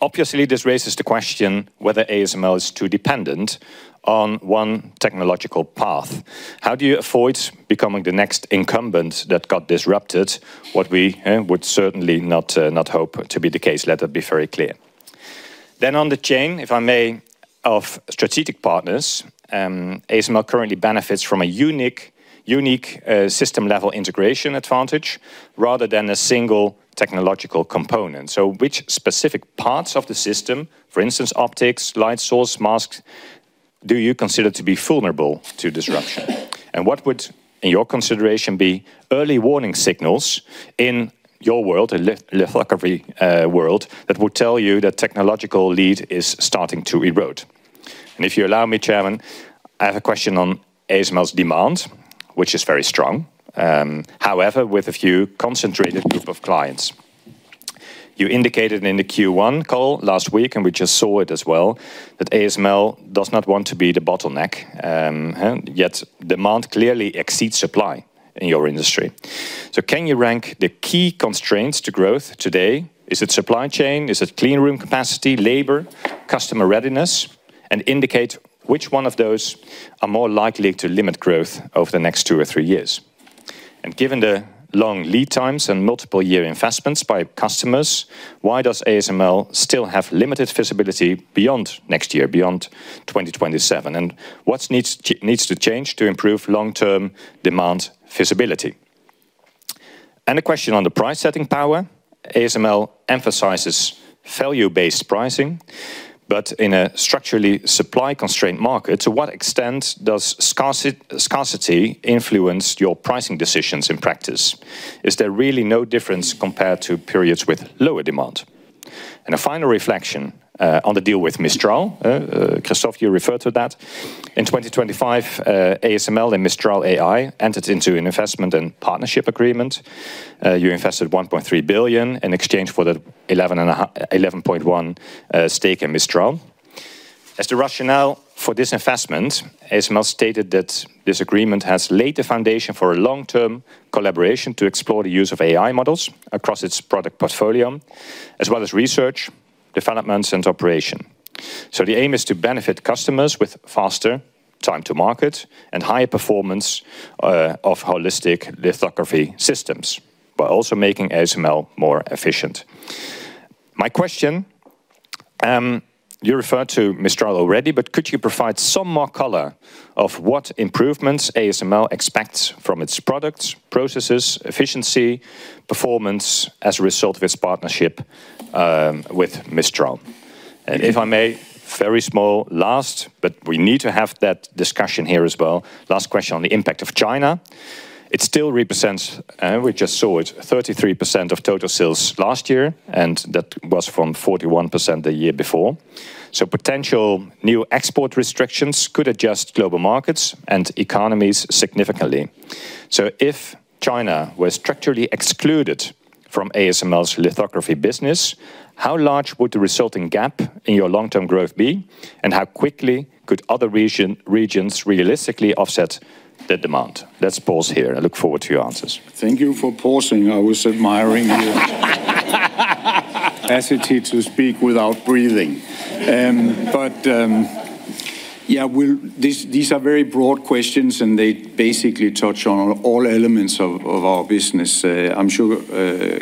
Obviously, this raises the question whether ASML is too dependent on one technological path. How do you avoid becoming the next incumbent that got disrupted? What we would certainly not hope to be the case, let that be very clear. On the chain, if I may, of strategic partners, ASML currently benefits from a unique system-level integration advantage rather than a single technological component. Which specific parts of the system, for instance, optics, light source, masks, do you consider to be vulnerable to disruption? What would, in your consideration, be early warning signals in your world, the lithography world, that would tell you that technological lead is starting to erode? If you allow me, Chairman, I have a question on ASML's demand, which is very strong. However, with a few concentrated group of clients, you indicated in the Q1 call last week, and we just saw it as well, that ASML does not want to be the bottleneck, and yet demand clearly exceeds supply in your industry. Can you rank the key constraints to growth today? Is it supply chain? Is it clean room capacity, labor, customer readiness? Indicate which one of those are more likely to limit growth over the next two or three years. Given the long lead times and multiple year investments by customers, why does ASML still have limited visibility beyond next year, beyond 2027? What needs to change to improve long-term demand visibility? A question on the pricing power. ASML emphasizes value-based pricing, but in a structurally supply-constrained market, to what extent does scarcity influence your pricing decisions in practice? Is there really no difference compared to periods with lower demand? A final reflection on the deal with Mistral. Christophe, you referred to that. In 2025, ASML and Mistral AI entered into an investment and partnership agreement. You invested $1.3 billion in exchange for the 11.1 stake in Mistral. As the rationale for this investment, ASML stated that this agreement has laid the foundation for a long-term collaboration to explore the use of AI models across its product portfolio, as well as research, development, and operation. The aim is to benefit customers with faster time to market and higher performance of holistic lithography systems, while also making ASML more efficient. My question, you referred to Mistral already, but could you provide some more color of what improvements ASML expects from its products, processes, efficiency, performance as a result of its partnership with Mistral? If I may, very small last, but we need to have that discussion here as well. Last question on the impact of China. It still represents, we just saw it, 33% of total sales last year, and that was from 41% the year before. Potential new export restrictions could adjust global markets and economies significantly. If China were structurally excluded from ASML's lithography business, how large would the resulting gap in your long-term growth be, and how quickly could other regions realistically offset the demand? Let's pause here. I look forward to your answers. Thank you for pausing. I was admiring your capacity to speak without breathing. These are very broad questions, and they basically touch on all elements of our business. I'm sure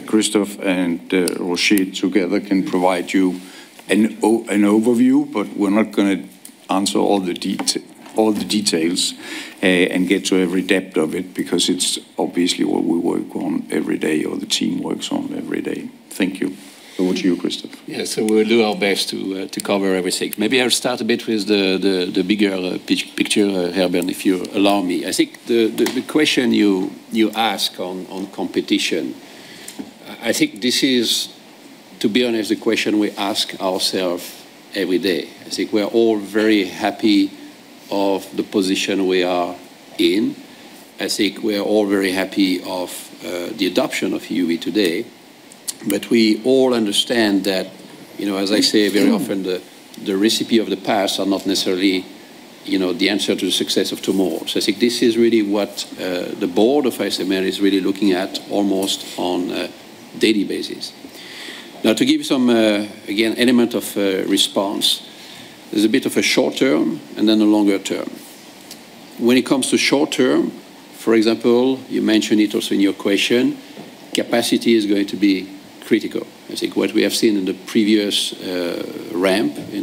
Christophe and Roger together can provide you an overview, but we're not going to answer all the details and get to every depth of it, because it's obviously what we work on every day or the team works on every day. Thank you. Over to you, Christophe. Yeah. We'll do our best to cover everything. Maybe I'll start a bit with the bigger picture, Herbert, if you allow me. I think the question you ask on competition, I think this is, to be honest, the question we ask ourselves every day. I think we're all very happy of the position we are in. I think we're all very happy of the adoption of EUV today. We all understand that, as I say very often, the recipe of the past are not necessarily the answer to the success of tomorrow. I think this is really what the board of ASML is really looking at almost on a daily basis. Now to give you some, again, element of response There's a bit of a short-term and then a longer term. When it comes to short-term, for example, you mentioned it also in your question, capacity is going to be critical. I think what we have seen in the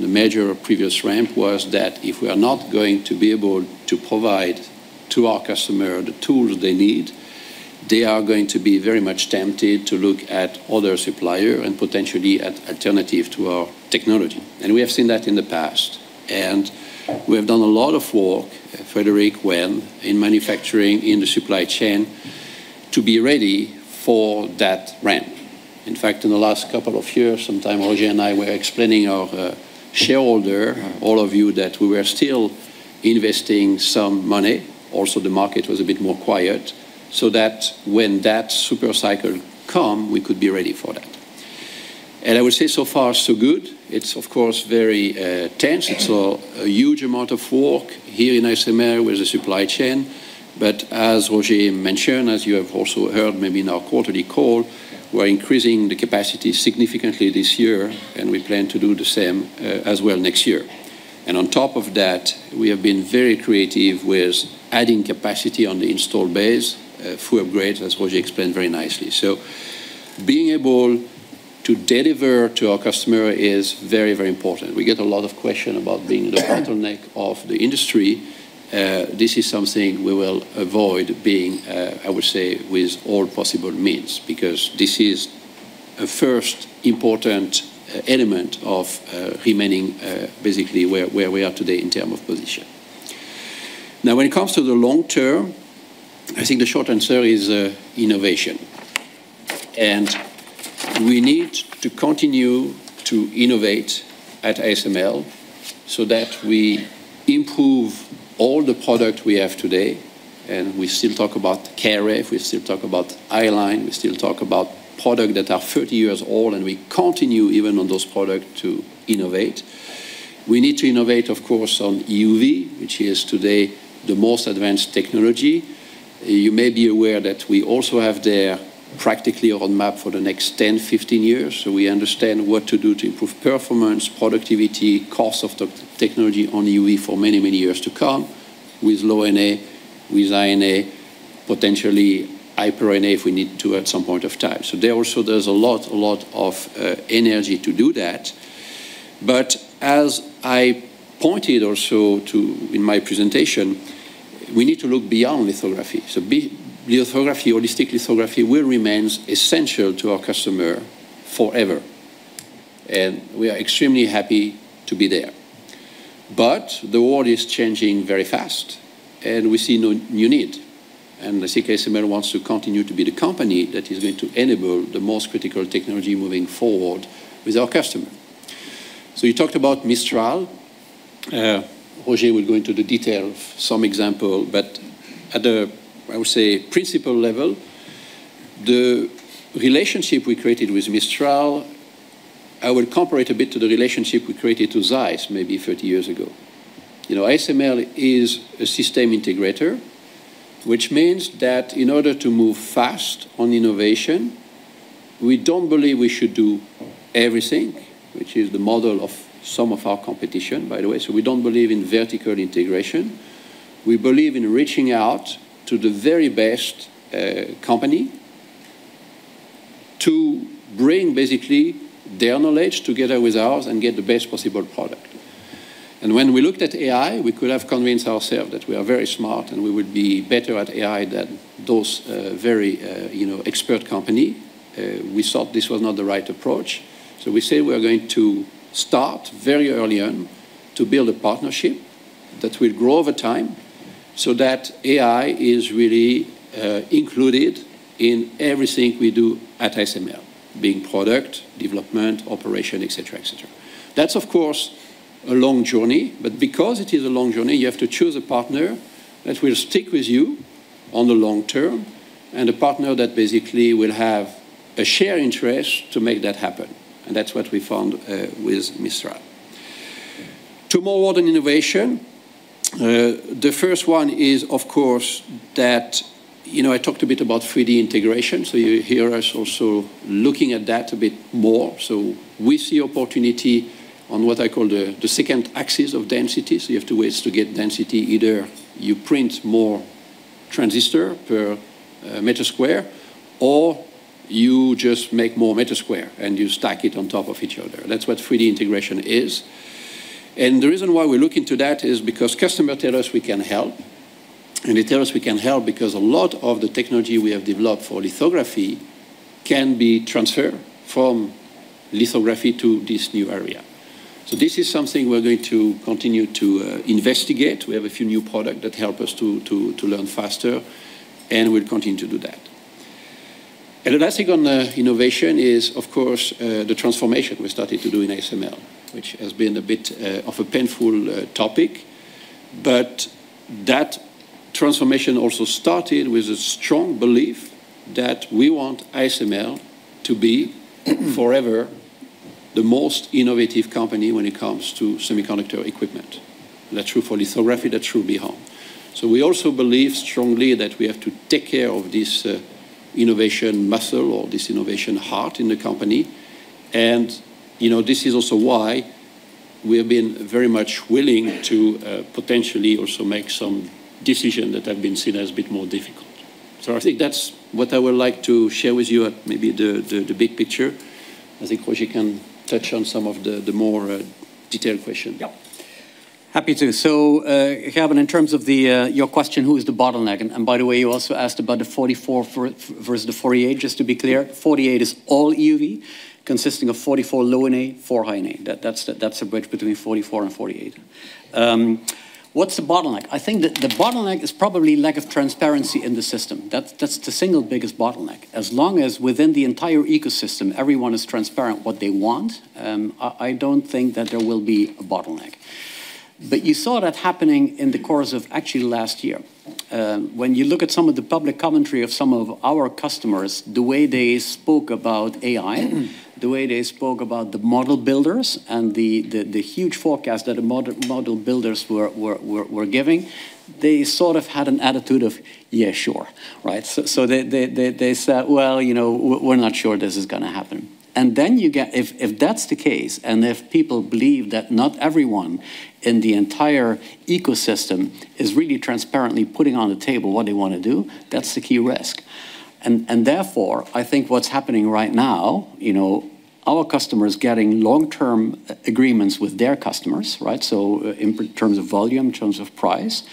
major previous ramp was that if we are not going to be able to provide to our customer the tools they need, they are going to be very much tempted to look at other supplier and potentially at alternative to our technology. We have seen that in the past, and we have done a lot of work, Frédéric, when in manufacturing, in the supply chain to be ready for that ramp. In fact, in the last couple of years, sometimes Roger and I were explaining our shareholder, all of you, that we were still investing some money. Also, the market was a bit more quiet, so that when that super cycle come, we could be ready for that. I would say, so far, so good. It's of course very tense. It's a huge amount of work here in ASML with the supply chain as Roger mentioned, as you have also heard maybe in our quarterly call, we're increasing the capacity significantly this year, and we plan to do the same as well next year. On top of that, we have been very creative with adding capacity on the install base through upgrades, as Roger explained very nicely. Being able to deliver to our customer is very important. We get a lot of questions about being the bottleneck of the industry. This is something we will avoid being, I would say, with all possible means, because this is a first important element of remaining basically where we are today in terms of position. Now, when it comes to the long-term, I think the short answer is innovation. We need to continue to innovate at ASML so that we improve all the products we have today, and we still talk about CARE, we still talk about i-line, we still talk about products that are 30 years old, and we continue even on those products to innovate. We need to innovate, of course, on EUV, which is today the most advanced technology. You may be aware that we also have there practically a road map for the next 10, 15 years, we understand what to do to improve performance, productivity, cost of the technology on EUV for many years to come with Low-NA, with High-NA, potentially Hyper-NA if we need to at some point of time. There also, there's a lot of energy to do that. As I pointed also to in my presentation, we need to look beyond lithography. Lithography, holistic lithography will remains essential to our customer forever. We are extremely happy to be there. The world is changing very fast and we see no new need. I think ASML wants to continue to be the company that is going to enable the most critical technology moving forward with our customer. You talked about Mistral. Roger will go into the detail of some example, but at the, I would say, principal level, the relationship we created with Mistral, I will compare it a bit to the relationship we created to ZEISS maybe 30 years ago. ASML is a system integrator, which means that in order to move fast on innovation, we don't believe we should do everything, which is the model of some of our competition, by the way. We don't believe in vertical integration. We believe in reaching out to the very best company to bring basically their knowledge together with ours and get the best possible product. When we looked at AI, we could have convinced ourself that we are very smart and we would be better at AI than those very expert company. We thought this was not the right approach. We say we are going to start very early on to build a partnership that will grow over time so that AI is really included in everything we do at ASML, being product, development, operation, et cetera. That's of course a long journey, but because it is a long journey, you have to choose a partner that will stick with you on the long-term and a partner that basically will have a shared interest to make that happen. That's what we found with Mistral. To more world and innovation, the first one is, of course, that I talked a bit about 3D integration, so you hear us also looking at that a bit more. We see opportunity on what I call the second axis of density. You have two ways to get density. Either you print more transistors per square meter, or you just make more square meters and you stack it on top of each other. That's what 3D integration is. The reason why we're looking to that is because customers tell us we can help, and they tell us we can help because a lot of the technology we have developed for lithography can be transferred from lithography to this new area. This is something we're going to continue to investigate. We have a few new products that help us to learn faster, and we'll continue to do that. The last thing on innovation is, of course, the transformation we started to do in ASML, which has been a bit of a painful topic. That transformation also started with a strong belief that we want ASML to be forever the most innovative company when it comes to semiconductor equipment. That's true for lithography, that's true beyond. So we also believe strongly that we have to take care of this innovation muscle or this innovation heart in the company. This is also why we have been very much willing to potentially also make some decisions that have been seen as a bit more difficult. I think that's what I would like to share with you, maybe the big picture. I think Roger can touch on some of the more detailed questions. Yeah. Happy to. Gerben, in terms of your question, who is the bottleneck? By the way, you also asked about the 44 versus the 48, just to be clear, 48 is all EUV, consisting of 44 Low-NA, 4 High-NA. That's the bridge between 44 and 48. What's the bottleneck? I think the bottleneck is probably lack of transparency in the system. That's the single biggest bottleneck. As long as within the entire ecosystem, everyone is transparent what they want, I don't think that there will be a bottleneck. You saw that happening in the course of actually last year. When you look at some of the public commentary of some of our customers, the way they spoke about AI, the way they spoke about the model builders and the huge forecast that the model builders were giving, they sort of had an attitude of, "Yeah, sure." Right? They said, "Well, we're not sure this is going to happen." If that's the case, and if people believe that not everyone in the entire ecosystem is really transparently putting on the table what they want to do, that's the key risk. Therefore, I think what's happening right now, our customers getting long-term agreements with their customers, right? In terms of volume, in terms of price,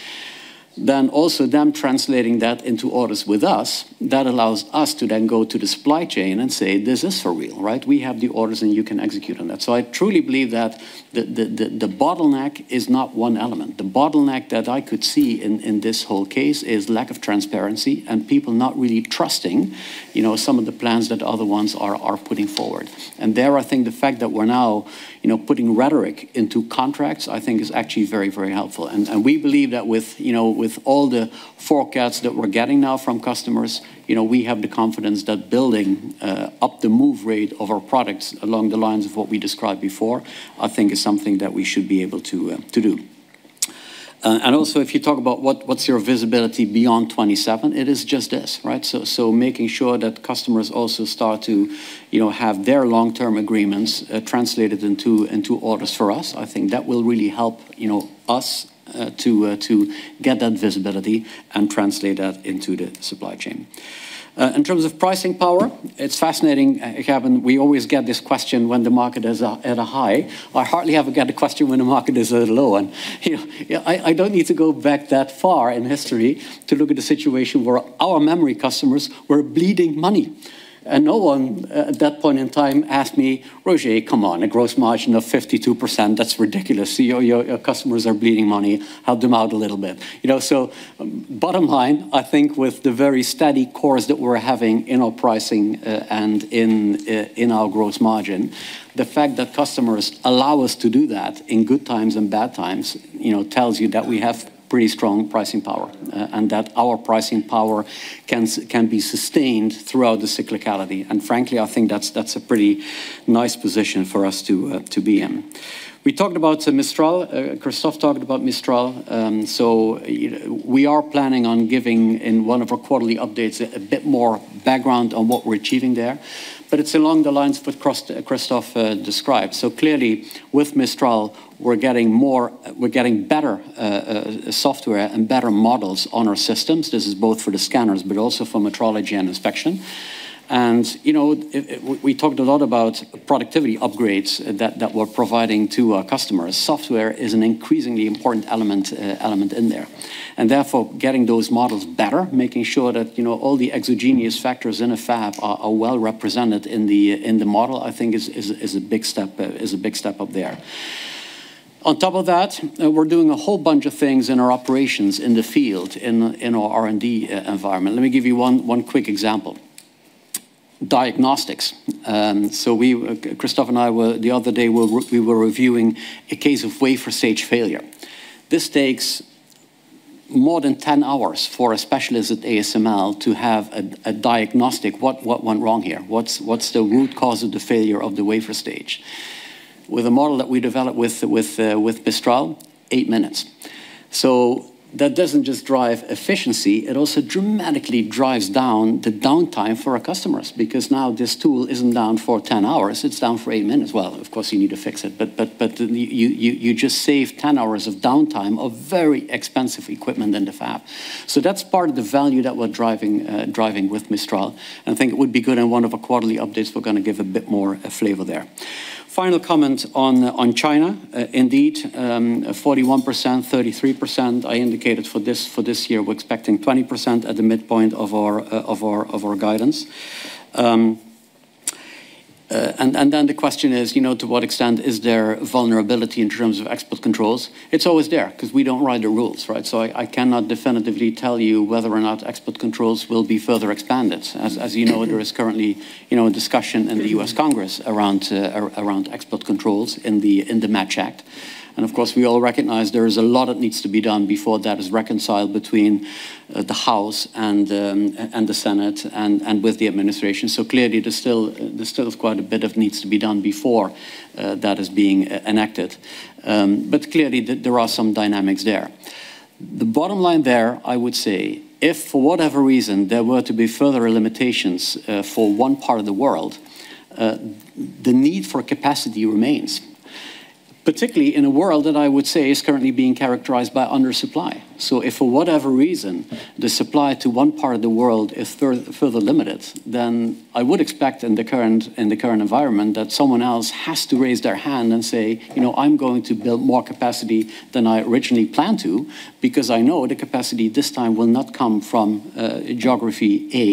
then also them translating that into orders with us, that allows us to then go to the supply chain and say, "This is for real," right? We have the orders and you can execute on that." I truly believe that the bottleneck is not one element. The bottleneck that I could see in this whole case is lack of transparency and people not really trusting some of the plans that other ones are putting forward. There, I think the fact that we're now putting rhetoric into contracts, I think is actually very, very helpful. We believe that with all the forecasts that we're getting now from customers, we have the confidence that building up the move rate of our products along the lines of what we described before, I think is something that we should be able to do. Also, if you talk about what's your visibility beyond 2027, it is just this, right? Making sure that customers also start to have their long-term agreements translated into orders for us, I think that will really help us to get that visibility and translate that into the supply chain. In terms of pricing power, it's fascinating, Gerben. We always get this question when the market is at a high. I hardly ever get the question when the market is at a low. I don't need to go back that far in history to look at a situation where our memory customers were bleeding money, and no one at that point in time asked me, "Roger, come on, a gross margin of 52%, that's ridiculous. Your customers are bleeding money. Help them out a little bit." Bottom line, I think with the very steady course that we're having in our pricing and in our gross margin, the fact that customers allow us to do that in good times and bad times, tells you that we have pretty strong pricing power and that our pricing power can be sustained throughout the cyclicality. Frankly, I think that's a pretty nice position for us to be in. We talked about Mistral. Christophe talked about Mistral. We are planning on giving in one of our quarterly updates a bit more background on what we're achieving there. It's along the lines of what Christophe described. Clearly with Mistral, we're getting better software and better models on our systems. This is both for the scanners, but also for metrology and inspection. We talked a lot about productivity upgrades that we're providing to our customers. Software is an increasingly important element in there, and therefore, getting those models better, making sure that all the exogenous factors in a fab are well represented in the model, I think is a big step up there. On top of that, we're doing a whole bunch of things in our operations in the field, in our R&D environment. Let me give you one quick example. Diagnostics. Christophe and I the other day, we were reviewing a case of wafer stage failure. This takes more than 10 hours for a specialist at ASML to have a diagnostic. What went wrong here? What's the root cause of the failure of the wafer stage? With a model that we developed with Mistral, eight minutes. That doesn't just drive efficiency, it also dramatically drives down the downtime for our customers, because now this tool isn't down for 10 hours, it's down for eight minutes. Well, of course, you need to fix it, but you just saved 10 hours of downtime of very expensive equipment in the fab. That's part of the value that we're driving with Mistral, and I think it would be good in one of our quarterly updates. We're going to give a bit more flavor there. Final comment on China. Indeed, 41%, 33% I indicated for this year. We're expecting 20% at the midpoint of our guidance. Then the question is, to what extent is there vulnerability in terms of export controls? It's always there because we don't write the rules, right? I cannot definitively tell you whether or not export controls will be further expanded. As you know, there is currently a discussion in the U.S. Congress around export controls in the MATCH Act. Of course, we all recognize there is a lot that needs to be done before that is reconciled between the House and the Senate and with the administration. Clearly, there's still quite a bit of needs to be done before that is being enacted. Clearly, there are some dynamics there. The bottom line there, I would say, if for whatever reason there were to be further limitations for one part of the world, the need for capacity remains. Particularly in a world that I would say is currently being characterized by undersupply. If for whatever reason, the supply to one part of the world is further limited, then I would expect in the current environment that someone else has to raise their hand and say, "I'm going to build more capacity than I originally planned to, because I know the capacity this time will not come from geography A,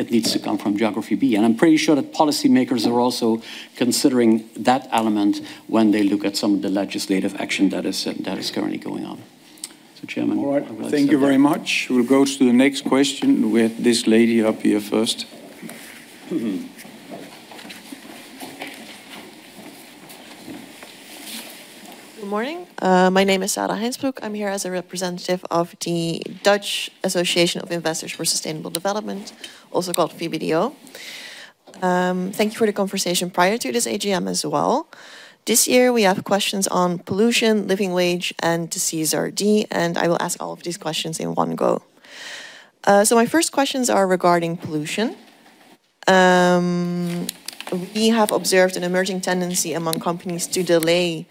it needs to come from geography B." I'm pretty sure that policymakers are also considering that element when they look at some of the legislative action that is currently going on. Chairman. All right. Thank you very much. We'll go to the next question with this lady up here first. Good morning. My name is Sara Heinsbroek. I'm here as a representative of the Dutch Association of Investors for Sustainable Development, also called VBDO. Thank you for the conversation prior to this AGM as well. This year we have questions on pollution, living wage, and the CSRD, and I will ask all of these questions in one go. My first questions are regarding pollution. We have observed an emerging tendency among companies to delay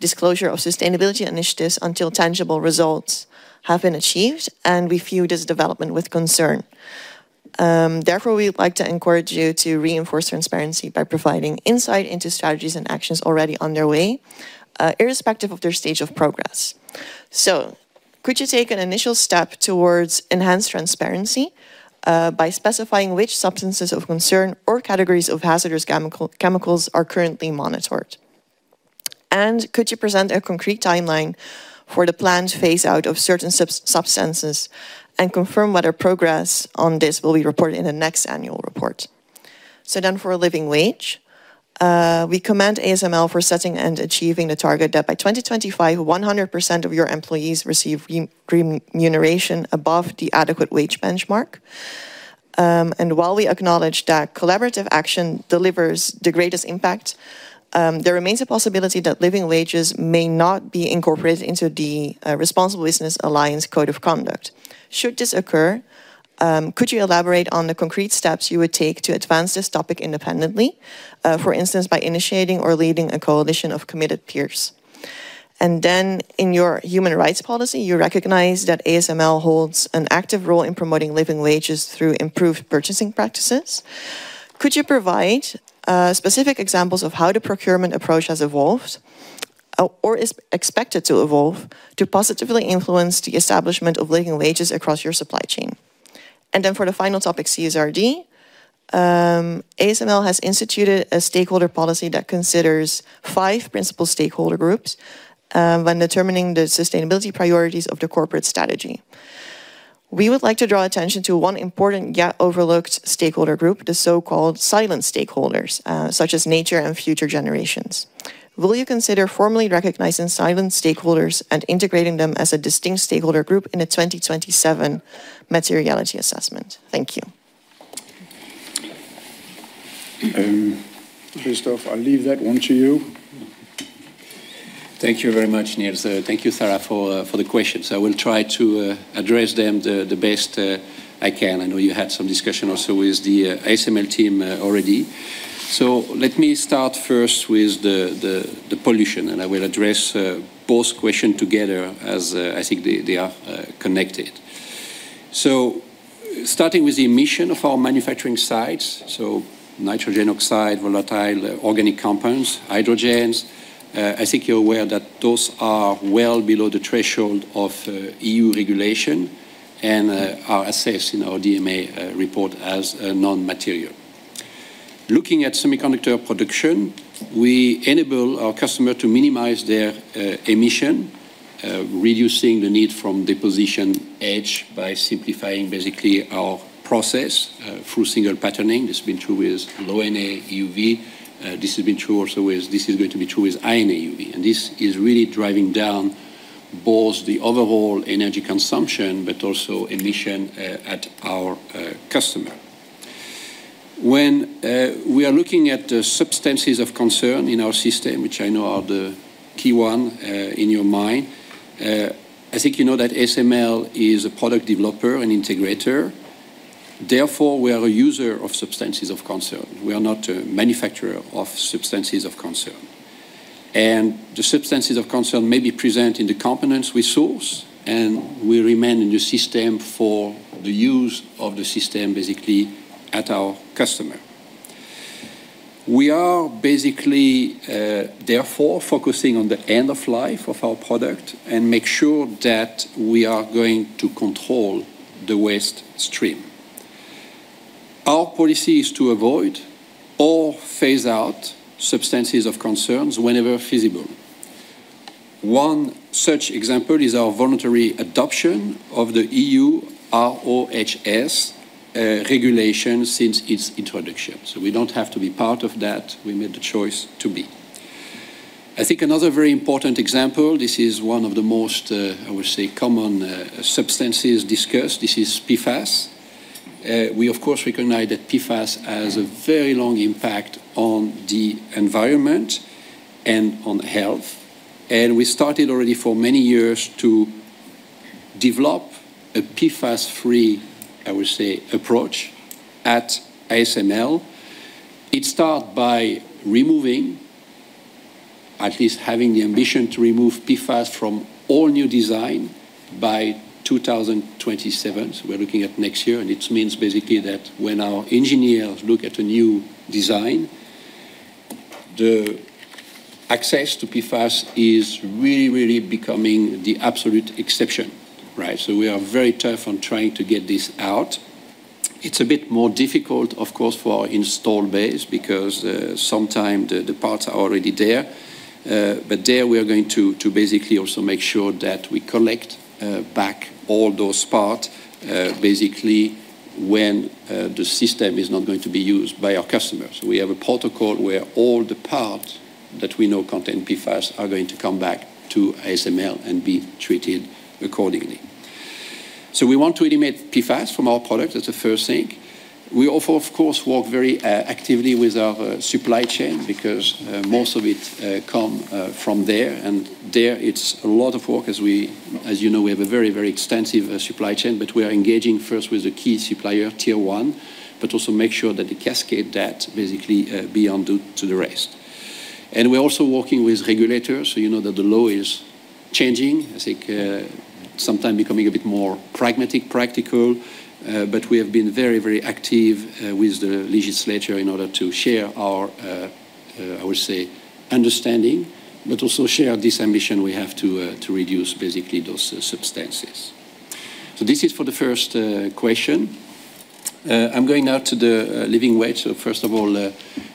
disclosure of sustainability initiatives until tangible results have been achieved, and we view this development with concern. Therefore, we would like to encourage you to reinforce transparency by providing insight into strategies and actions already underway, irrespective of their stage of progress. Could you take an initial step towards enhanced transparency by specifying which substances of concern or categories of hazardous chemicals are currently monitored? Could you present a concrete timeline for the planned phase-out of certain substances and confirm whether progress on this will be reported in the next annual report? For a living wage, we commend ASML for setting and achieving the target that by 2025, 100% of your employees receive remuneration above the adequate wage benchmark. While we acknowledge that collaborative action delivers the greatest impact, there remains a possibility that living wages may not be incorporated into the Responsible Business Alliance Code of Conduct. Should this occur, could you elaborate on the concrete steps you would take to advance this topic independently, for instance, by initiating or leading a coalition of committed peers? In your human rights policy, you recognize that ASML holds an active role in promoting living wages through improved purchasing practices. Could you provide specific examples of how the procurement approach has evolved or is expected to evolve to positively influence the establishment of living wages across your supply chain? For the final topic, CSRD. ASML has instituted a stakeholder policy that considers five principal stakeholder groups when determining the sustainability priorities of the corporate strategy. We would like to draw attention to one important yet overlooked stakeholder group, the so-called silent stakeholders, such as nature and future generations. Will you consider formally recognizing silent stakeholders and integrating them as a distinct stakeholder group in the 2027 materiality assessment? Thank you. Christophe, I'll leave that one to you. Thank you very much, Nils. Thank you, Sara, for the questions. I will try to address them the best I can. I know you had some discussion also with the ASML team already. Let me start first with the pollution, and I will address both questions together as I think they are connected. Starting with the emission of our manufacturing sites, so nitrogen oxide, volatile organic compounds, hydrogens. I think you're aware that those are well below the threshold of EU regulation and are assessed in our DMA report as non-material. Looking at semiconductor production, we enable our customer to minimize their emission, reducing the need from deposition etch by simplifying basically our process through single patterning. This has been true with Low-NA EUV. This is going to be true with High-NA EUV. This is really driving down both the overall energy consumption, but also emission at our customer. When we are looking at the substances of concern in our system, which I know are the key one in your mind, I think you know that ASML is a product developer and integrator. Therefore, we are a user of substances of concern. We are not a manufacturer of substances of concern. The substances of concern may be present in the components we source, and will remain in the system for the use of the system, basically at our customer. We are basically therefore focusing on the end of life of our product and make sure that we are going to control the waste stream. Our policy is to avoid or phase out substances of concerns whenever feasible. One such example is our voluntary adoption of the EU RoHS regulation since its introduction. We don't have to be part of that. We made the choice to be. I think another very important example, this is one of the most, I would say, common substances discussed. This is PFAS. We, of course, recognize that PFAS has a very long impact on the environment and on health, and we started already for many years to develop a PFAS-free, I would say, approach at ASML. It starts by removing, at least having the ambition to remove PFAS from all new design by 2027. We're looking at next year, and it means basically that when our engineers look at a new design, the use of PFAS is really becoming the absolute exception. We are very tough on trying to get this out. It's a bit more difficult, of course, for our install base because sometimes the parts are already there. There, we are going to basically also make sure that we collect back all those parts, basically when the system is not going to be used by our customers. We have a protocol where all the parts that we know contain PFAS are going to come back to ASML and be treated accordingly. We want to eliminate PFAS from our product. That's the first thing. We also, of course, work very actively with our supply chain because most of it come from there, and there, it's a lot of work as you know, we have a very extensive supply chain. We are engaging first with the key supplier, tier one, but also make sure that they cascade that basically beyond to the rest. We're also working with regulators, so you know that the law is changing. I think sometimes becoming a bit more pragmatic, practical. We have been very active with the legislature in order to share our, I would say, understanding, but also share this ambition we have to reduce basically those substances. This is for the first question. I'm going now to the living wage. First of all,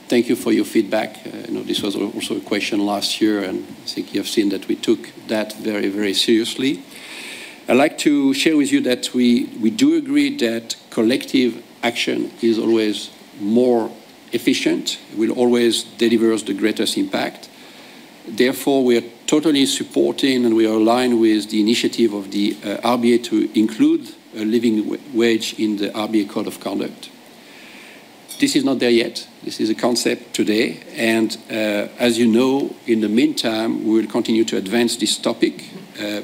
thank you for your feedback. I know this was also a question last year, and I think you have seen that we took that very seriously. I'd like to share with you that we do agree that collective action is always more efficient. It will always delivers the greatest impact. Therefore, we are totally supporting and we are aligned with the initiative of the RBA to include a living wage in the RBA code of conduct. This is not there yet. This is a concept today, and as you know, in the meantime, we'll continue to advance this topic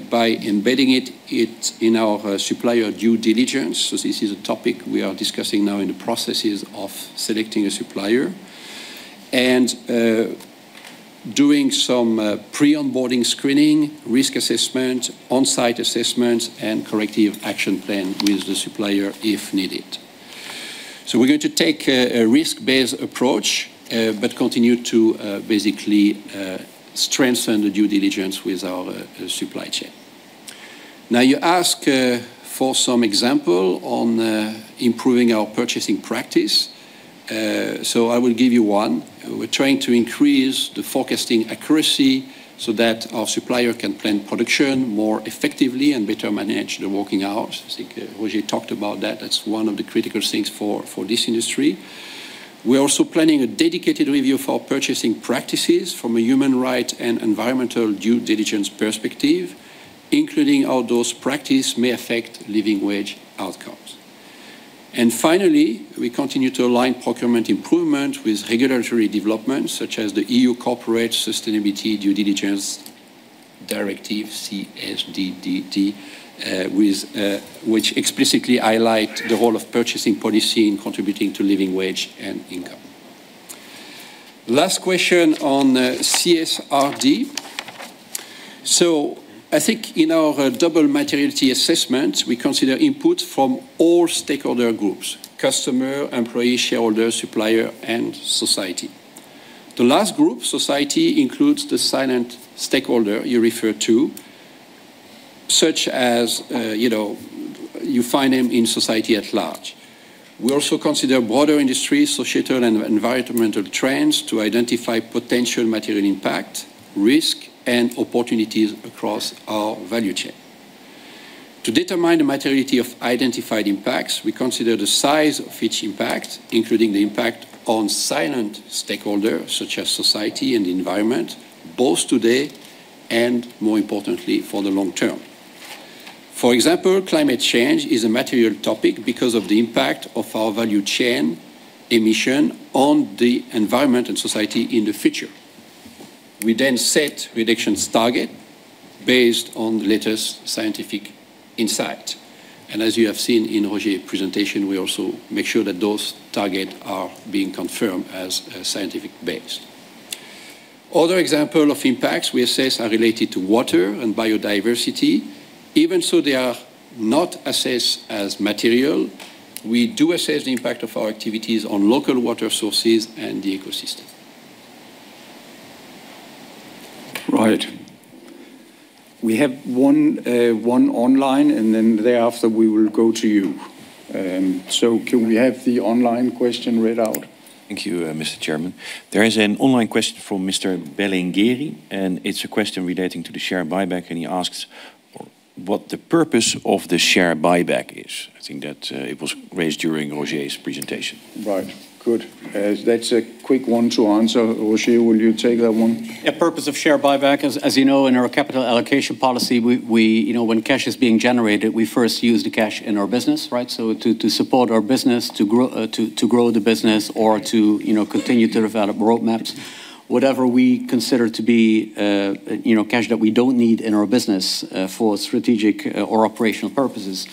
by embedding it in our supplier due diligence. This is a topic we are discussing now in the processes of selecting a supplier, doing some pre-onboarding screening, risk assessment, on-site assessments, and corrective action plan with the supplier if needed. We're going to take a risk-based approach, but continue to basically strengthen the due diligence with our supply chain. Now, you ask for some example on improving our purchasing practice. I will give you one. We're trying to increase the forecasting accuracy so that our supplier can plan production more effectively and better manage the working hours. I think Roger talked about that. That's one of the critical things for this industry. We are also planning a dedicated review for purchasing practices from a human rights and environmental due diligence perspective, including how those practices may affect living wage outcomes. Finally, we continue to align procurement improvement with regulatory development, such as the Corporate Sustainability Due Diligence Directive, CSDDD, which explicitly highlights the role of purchasing policy in contributing to living wage and income. Last question on CSRD. I think in our double materiality assessment, we consider input from all stakeholder groups, customer, employee, shareholder, supplier, and society. The last group, society, includes the silent stakeholder you refer to, such as you find them in society at large. We also consider broader industry, societal, and environmental trends to identify potential material impact, risk, and opportunities across our value chain. To determine the materiality of identified impacts, we consider the size of each impact, including the impact on silent stakeholders, such as society and the environment, both today and more importantly, for the long-term. For example, climate change is a material topic because of the impact of our value chain emissions on the environment and society in the future. We then set reduction targets based on the latest scientific insights, and as you have seen in Roger's presentation, we also make sure that those targets are being confirmed as science-based. Other examples of impacts we assess are related to water and biodiversity. Even so, they are not assessed as material; we do assess the impact of our activities on local water sources and the ecosystem. Right. We have one online, and then thereafter, we will go to you. Can we have the online question read out? Thank you, Mr. Chairman. There is an online question from Mr. Bellingeri, and it's a question relating to the share buyback, and he asks. What is the purpose of the share buyback? I think that it was raised during Roger's presentation. Right. Good. That's a quick one to answer. Roger, will you take that one? The purpose of share buyback, as you know, in our capital allocation policy, when cash is being generated, we first use the cash in our business, right? To support our business, to grow the business or to continue to develop roadmaps. Whatever we consider to be cash that we don't need in our business for strategic or operational purposes,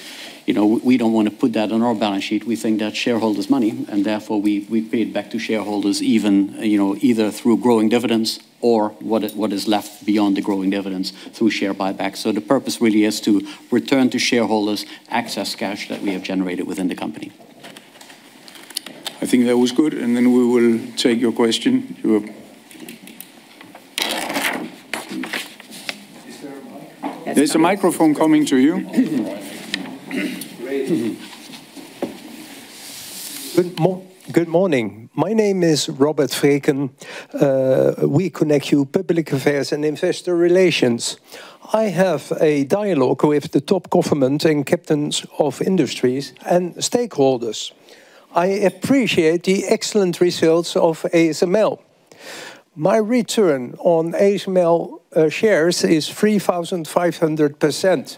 we don't want to put that on our balance sheet. We think that's shareholders' money, and therefore, we pay it back to shareholders either through growing dividends or what is left beyond the growing dividends through share buybacks. The purpose really is to return to shareholders excess cash that we have generated within the company. I think that was good, and then we will take your question. There's a microphone coming to you. Great. Good morning. My name is Robert Pakan. We connect you public affairs and investor relations. I have a dialogue with the top government and captains of industries and stakeholders. I appreciate the excellent results of ASML. My return on ASML shares is 3,500%.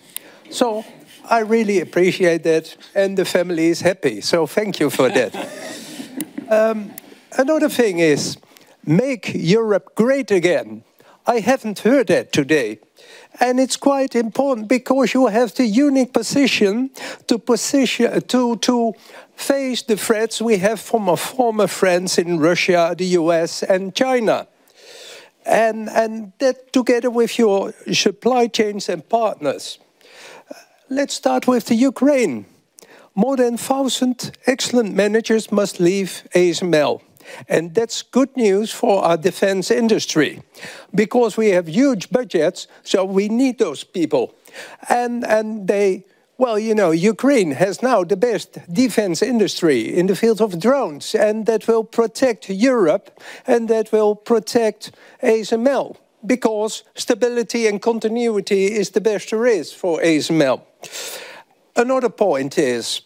I really appreciate that, and the family is happy. Thank you for that. Another thing is, make Europe great again. I haven't heard that today, and it's quite important because you have the unique position to face the threats we have from our former friends in Russia, the U.S., and China. That together with your supply chains and partners. Let's start with the Ukraine. More than 1,000 excellent managers must leave ASML, and that's good news for our defense industry because we have huge budgets, so we need those people. Well, Ukraine has now the best defense industry in the field of drones, and that will protect Europe, and that will protect ASML because stability and continuity is the best there is for ASML. Another point is,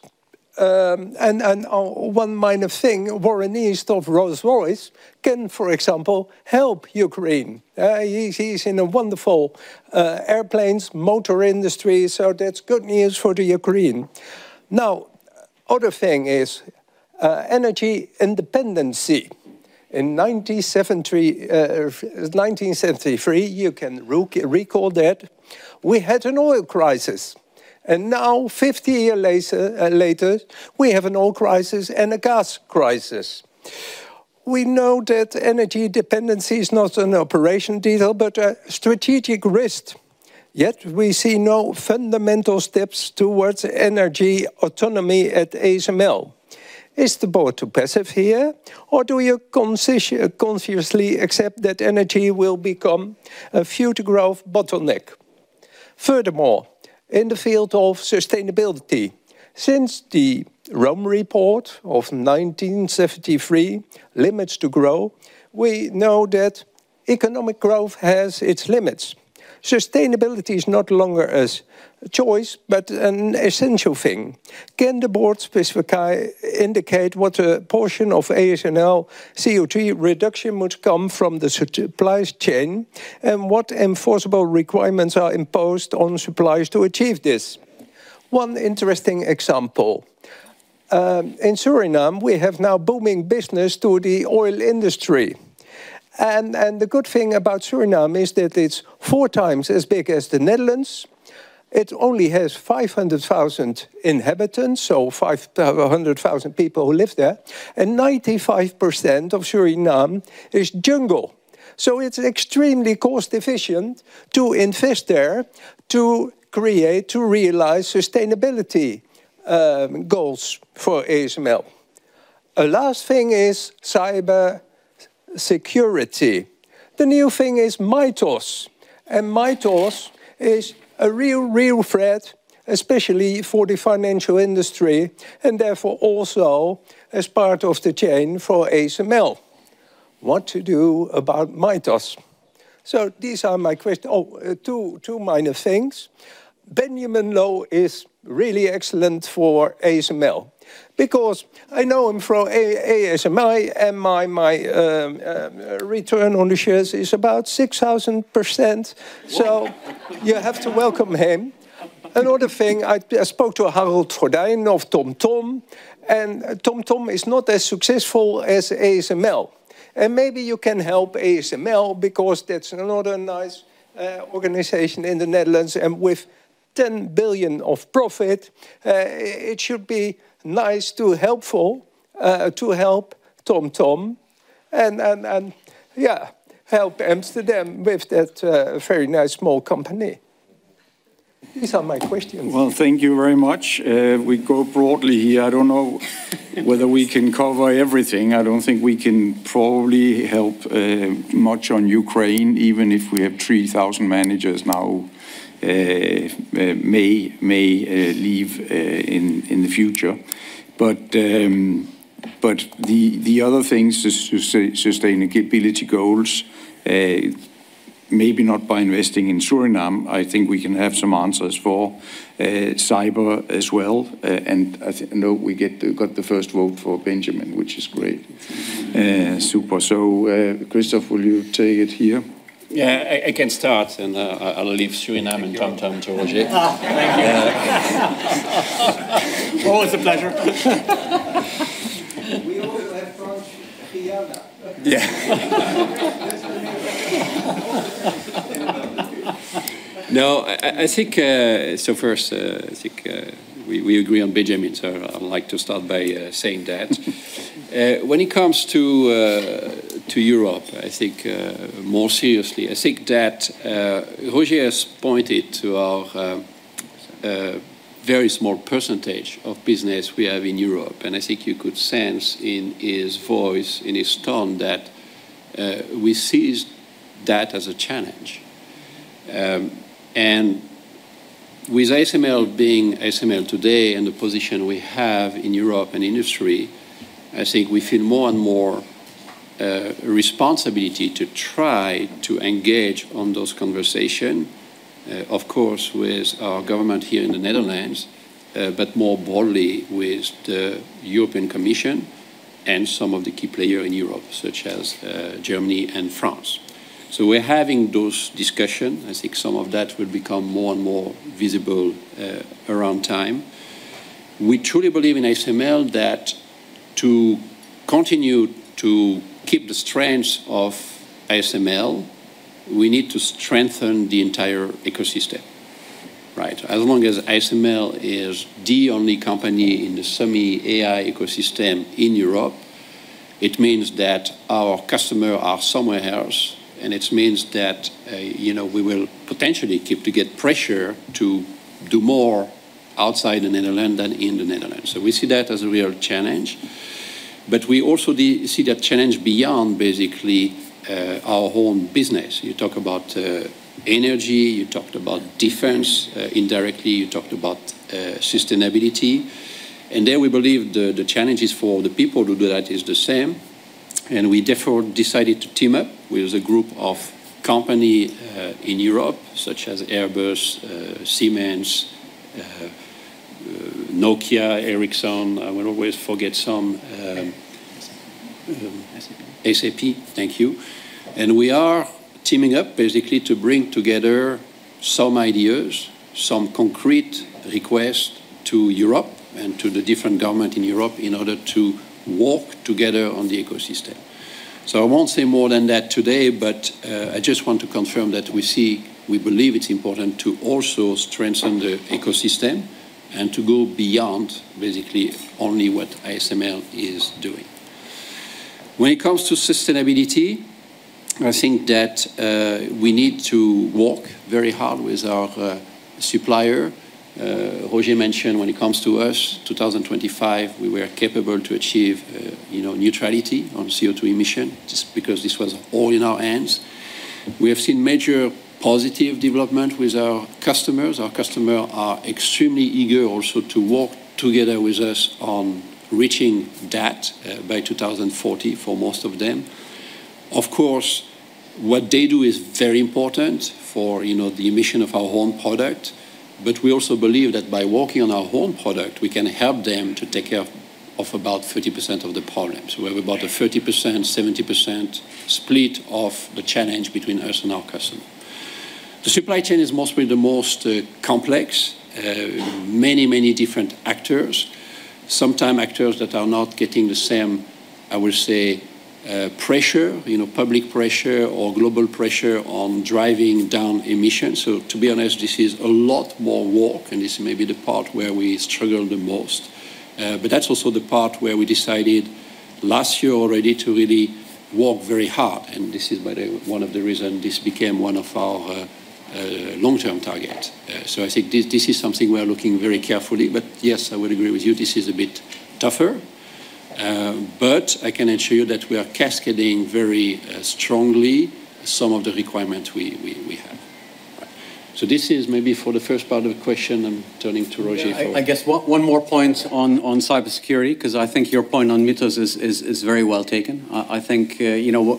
and one minor thing, Warren East of Rolls-Royce can, for example, help Ukraine. He's in a wonderful airplanes, motor industry, so that's good news for the Ukraine. Now, other thing is energy independence. In 1973, you can recall that, we had an oil crisis. Now, 50 years later, we have an oil crisis and a gas crisis. We know that energy dependency is not an operational detail, but a strategic risk. Yet, we see no fundamental steps towards energy autonomy at ASML. Is the board too passive here, or do you consciously accept that energy will become a future growth bottleneck? Furthermore, in the field of sustainability, since the Club of Rome report of 1973, "Limits to Growth," we know that economic growth has its limits. Sustainability is no longer a choice, but an essential thing. Can the board indicate what portion of ASML CO2 reduction would come from the supply chain, and what enforceable requirements are imposed on suppliers to achieve this? One interesting example. In Suriname, we have now booming business to the oil industry. The good thing about Suriname is that it's four times as big as the Netherlands. It only has 500,000 inhabitants, so 500,000 people who live there, and 95% of Suriname is jungle. It's extremely cost efficient to invest there to create, to realize sustainability goals for ASML. A last thing is cyber security. The new thing is Mythos, and Mythos is a real threat, especially for the financial industry, and therefore, also as part of the chain for ASML. What to do about Mythos? These are my questions. Oh, two minor things. Benjamin Loh is really excellent for ASML because I know him from ASMI, and my return on the shares is about 6,000%. You have to welcome him. Another thing, I spoke to Harold Goddijn of TomTom, and TomTom is not as successful as ASML. Maybe you can help ASML because that's another nice organization in the Netherlands. With 10 billion of profit, it should be nice to help TomTom, and yeah, help Amsterdam with that very nice small company. These are my questions. Well, thank you very much. We go broadly here. I don't know whether we can cover everything. I don't think we can probably help much on Ukraine, even if we have 3,000 managers now may leave in the future. The other things, sustainability goals, maybe not by investing in Suriname, I think we can have some answers for cyber as well, and I know we got the first vote for Benjamin, which is great. Super. Christophe, will you take it here? Yeah, I can start, and I'll leave Suriname and TomTom to Roger. Thank you. Always a pleasure. We also have French Guiana. Yeah. No. First, I think we agree on Benjamin, so I'd like to start by saying that. When it comes to Europe, I think more seriously, I think that Roger has pointed to our very small percentage of business we have in Europe, and I think you could sense in his voice, in his tone, that we see that as a challenge. With ASML being ASML today and the position we have in Europe and industry, I think we feel more and more responsibility to try to engage on those conversation. Of course, with our government here in the Netherlands, but more broadly with the European Commission and some of the key players in Europe, such as Germany and France. We're having those discussions. I think some of that will become more and more visible over time. We truly believe in ASML that to continue to keep the strength of ASML, we need to strengthen the entire ecosystem, right? As long as ASML is the only company in the semi-AI ecosystem in Europe, it means that our customers are somewhere else, and it means that we will potentially keep to get pressure to do more outside the Netherlands than in the Netherlands. We see that as a real challenge. We also see that challenge beyond basically our own business. You talk about energy, you talked about defense indirectly, you talked about sustainability. There we believe the challenges for the people to do that is the same, and we therefore decided to team up with a group of companies in Europe, such as Airbus, Siemens, Nokia, Ericsson. I will always forget some. SAP SAP. Thank you. We are teaming up basically to bring together some ideas, some concrete requests to Europe and to the different governments in Europe in order to work together on the ecosystem. I won't say more than that today, but I just want to confirm that we believe it's important to also strengthen the ecosystem and to go beyond basically only what ASML is doing. When it comes to sustainability, I think that we need to work very hard with our supplier. Roger mentioned when it comes to us, 2025, we were capable to achieve neutrality on CO2 emission, just because this was all in our hands. We have seen major positive development with our customers. Our customers are extremely eager also to work together with us on reaching that by 2040 for most of them. Of course, what they do is very important for the emissions of our own product. We also believe that by working on our own product, we can help them to take care of about 30% of the problems. We have about a 30%-70% split of the challenge between us and our customer. The supply chain is mostly the most complex. Many different actors, sometimes actors that are not getting the same, I would say, pressure, public pressure or global pressure on driving down emissions. To be honest, this is a lot more work and this may be the part where we struggle the most. That's also the part where we decided last year already to really work very hard, and this is one of the reasons this became one of our long-term targets. I think this is something we are looking at very carefully. Yes, I would agree with you, this is a bit tougher. I can assure you that we are cascading very strongly some of the requirements we have. This is maybe for the first part of the question, I'm turning to Roger for- I guess one more point on cybersecurity, because I think your point on Mythos is very well taken. I think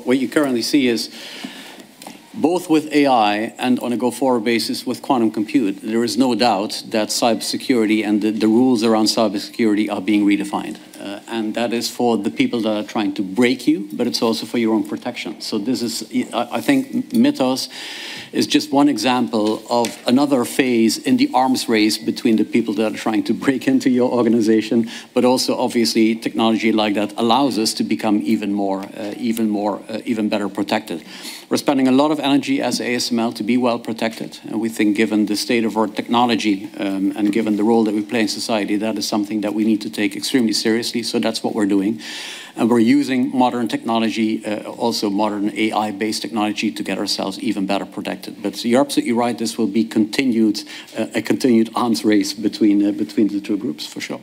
what you currently see is both with AI and on a go-forward basis with quantum computing, there is no doubt that cybersecurity and the rules around cybersecurity are being redefined. That is for the people that are trying to break you, but it's also for your own protection. This is, I think Mythos is just one example of another phase in the arms race between the people that are trying to break into your organization, but also obviously technology like that allows us to become even better protected. We're spending a lot of energy as ASML to be well protected, and we think given the state of our technology and given the role that we play in society, that is something that we need to take extremely seriously, so that's what we're doing. We're using modern technology, also modern AI-based technology, to get ourselves even better protected. You're absolutely right, this will be a continued arms race between the two groups, for sure.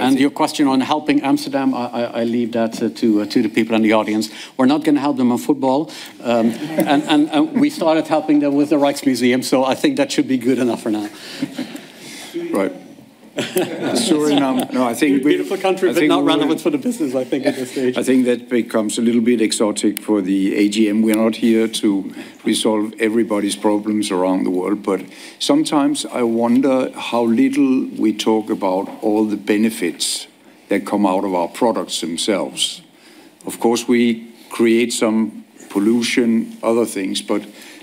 Your question on helping Amsterdam, I leave that to the people in the audience. We're not going to help them on football. We started helping them with the Rijksmuseum, so I think that should be good enough for now. Right. Sure enough. No, I think we Beautiful country, but not relevant for the business, I think, at this stage. I think that becomes a little bit exotic for the AGM. We are not here to resolve everybody's problems around the world. Sometimes I wonder how little we talk about all the benefits that come out of our products themselves. Of course, we create some pollution, other things.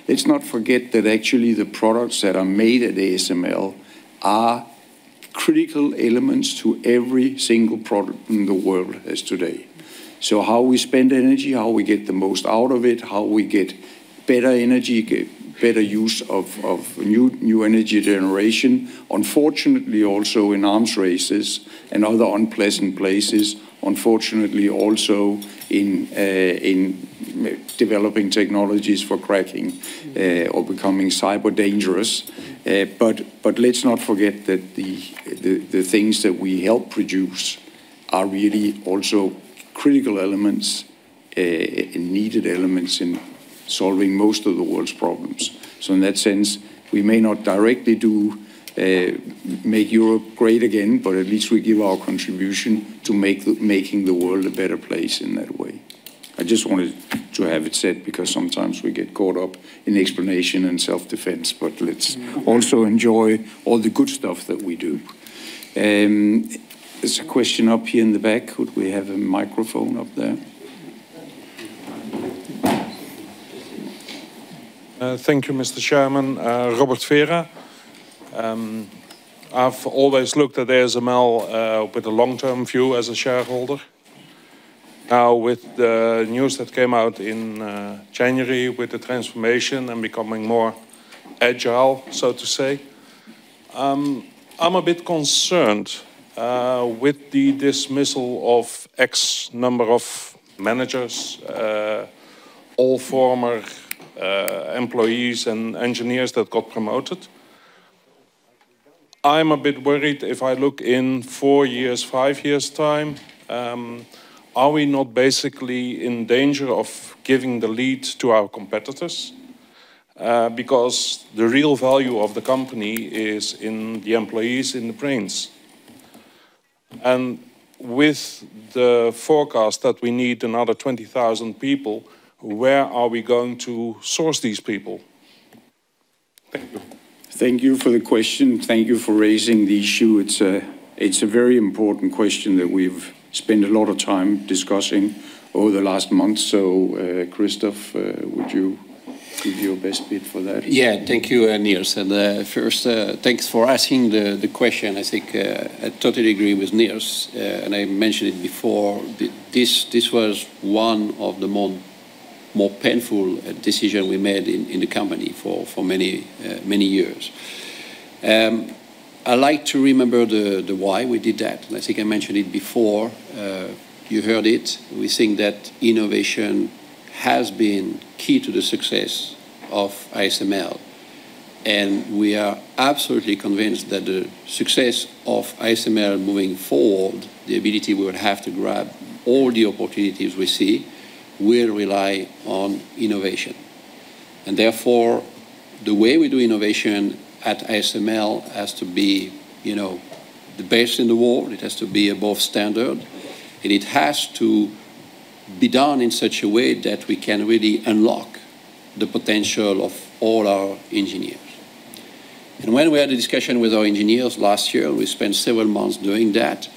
Let's not forget that actually the products that are made at ASML are critical elements to every single product in the world as today. How we spend energy, how we get the most out of it, how we get better energy, get better use of new energy generation. Unfortunately, also in arms races and other unpleasant places. Unfortunately, also in developing technologies for cracking or becoming cyber dangerous. Let's not forget that the things that we help produce are really also critical elements, and needed elements in solving most of the world's problems. In that sense, we may not directly do Make Europe Great Again, but at least we give our contribution to making the world a better place in that way. I just wanted to have it said, because sometimes we get caught up in explanation and self-defense, but let's also enjoy all the good stuff that we do. There's a question up here in the back. Could we have a microphone up there? Thank you, Mr. Chairman. Robert Vera. I've always looked at ASML with a long-term view as a shareholder. Now, with the news that came out in January with the transformation and becoming more agile, so to say, I'm a bit concerned with the dismissal of X number of managers, all former employees and engineers that got promoted. I'm a bit worried if I look in four years, five years' time, are we not basically in danger of giving the lead to our competitors? Because the real value of the company is in the employees, in the brains. With the forecast that we need another 20,000 people, where are we going to source these people? Thank you. Thank you for the question. Thank you for raising the issue. It's a very important question that we've spent a lot of time discussing over the last month. Christophe, would you give your best bit for that? Yeah. Thank you, Nils. First, thanks for asking the question. I think I totally agree with Nils, and I mentioned it before, this was one of the more painful decision we made in the company for many years. I like to remember the why we did that, and I think I mentioned it before. You heard it. We think that innovation has been key to the success of ASML, and we are absolutely convinced that the success of ASML moving forward, the ability we would have to grab all the opportunities we see, will rely on innovation. Therefore, the way we do innovation at ASML has to be the best in the world, it has to be above standard, and it has to be done in such a way that we can really unlock the potential of all our engineers. When we had a discussion with our engineers last year, we spent several months doing that.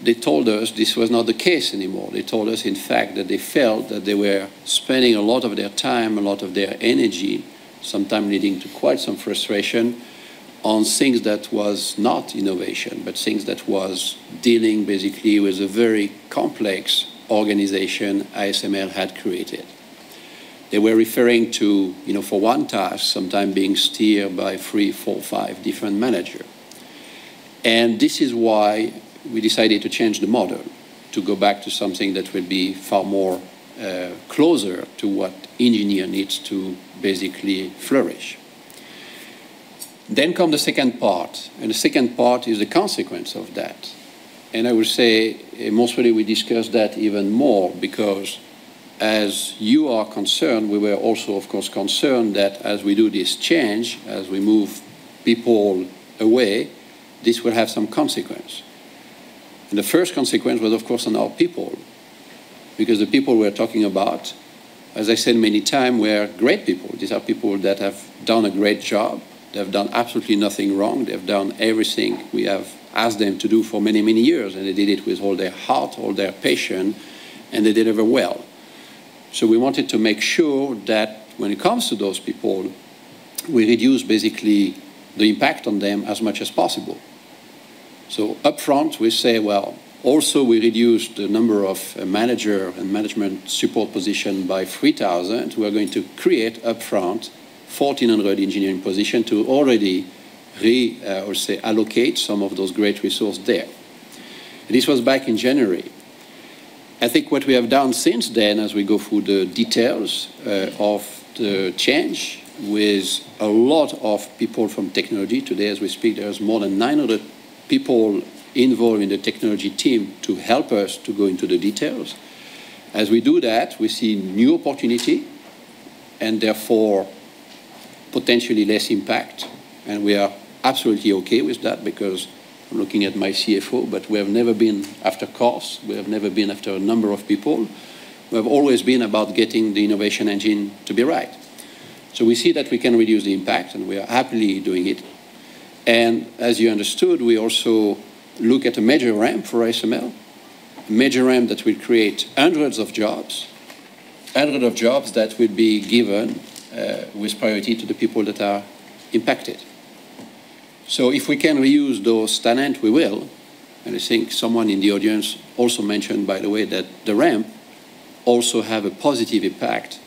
They told us this was not the case anymore. They told us, in fact, that they felt that they were spending a lot of their time, a lot of their energy, sometimes leading to quite some frustration, on things that was not innovation, but things that was dealing basically with a very complex organization ASML had created. They were referring to, for one task, sometimes being steered by three, four, five different manager. This is why we decided to change the model. To go back to something that would be far more closer to what engineer needs to basically flourish. Comes the second part, and the second part is a consequence of that. I will say, mostly we discussed that even more because as you are concerned, we were also, of course, concerned that as we do this change, as we move people away, this will have some consequence. The first consequence was, of course, on our people. Because the people we're talking about, as I said many times, were great people. These are people that have done a great job. They have done absolutely nothing wrong. They have done everything we have asked them to do for many, many years, and they did it with all their heart, all their passion, and they deliver well. We wanted to make sure that when it comes to those people, we reduce basically the impact on them as much as possible. Up front, we say, well, also we reduce the number of manager and management support position by 3,000. We are going to create upfront 1,400 engineering positions to already allocate some of those great resources there. This was back in January. I think what we have done since then, as we go through the details of the change with a lot of people from technology, today as we speak, there is more than 900 people involved in the technology team to help us to go into the details. As we do that, we see new opportunities and therefore, potentially less impact. We are absolutely okay with that because I'm looking at my CFO, but we have never been after costs, we have never been after a number of people. We have always been about getting the innovation engine to be right. We see that we can reduce the impact, and we are happily doing it. As you understood, we also look at a major ramp for ASML, a major ramp that will create hundreds of jobs that will be given with priority to the people that are impacted. If we can reuse those talents, we will, and I think someone in the audience also mentioned, by the way, that the ramp also has a positive impact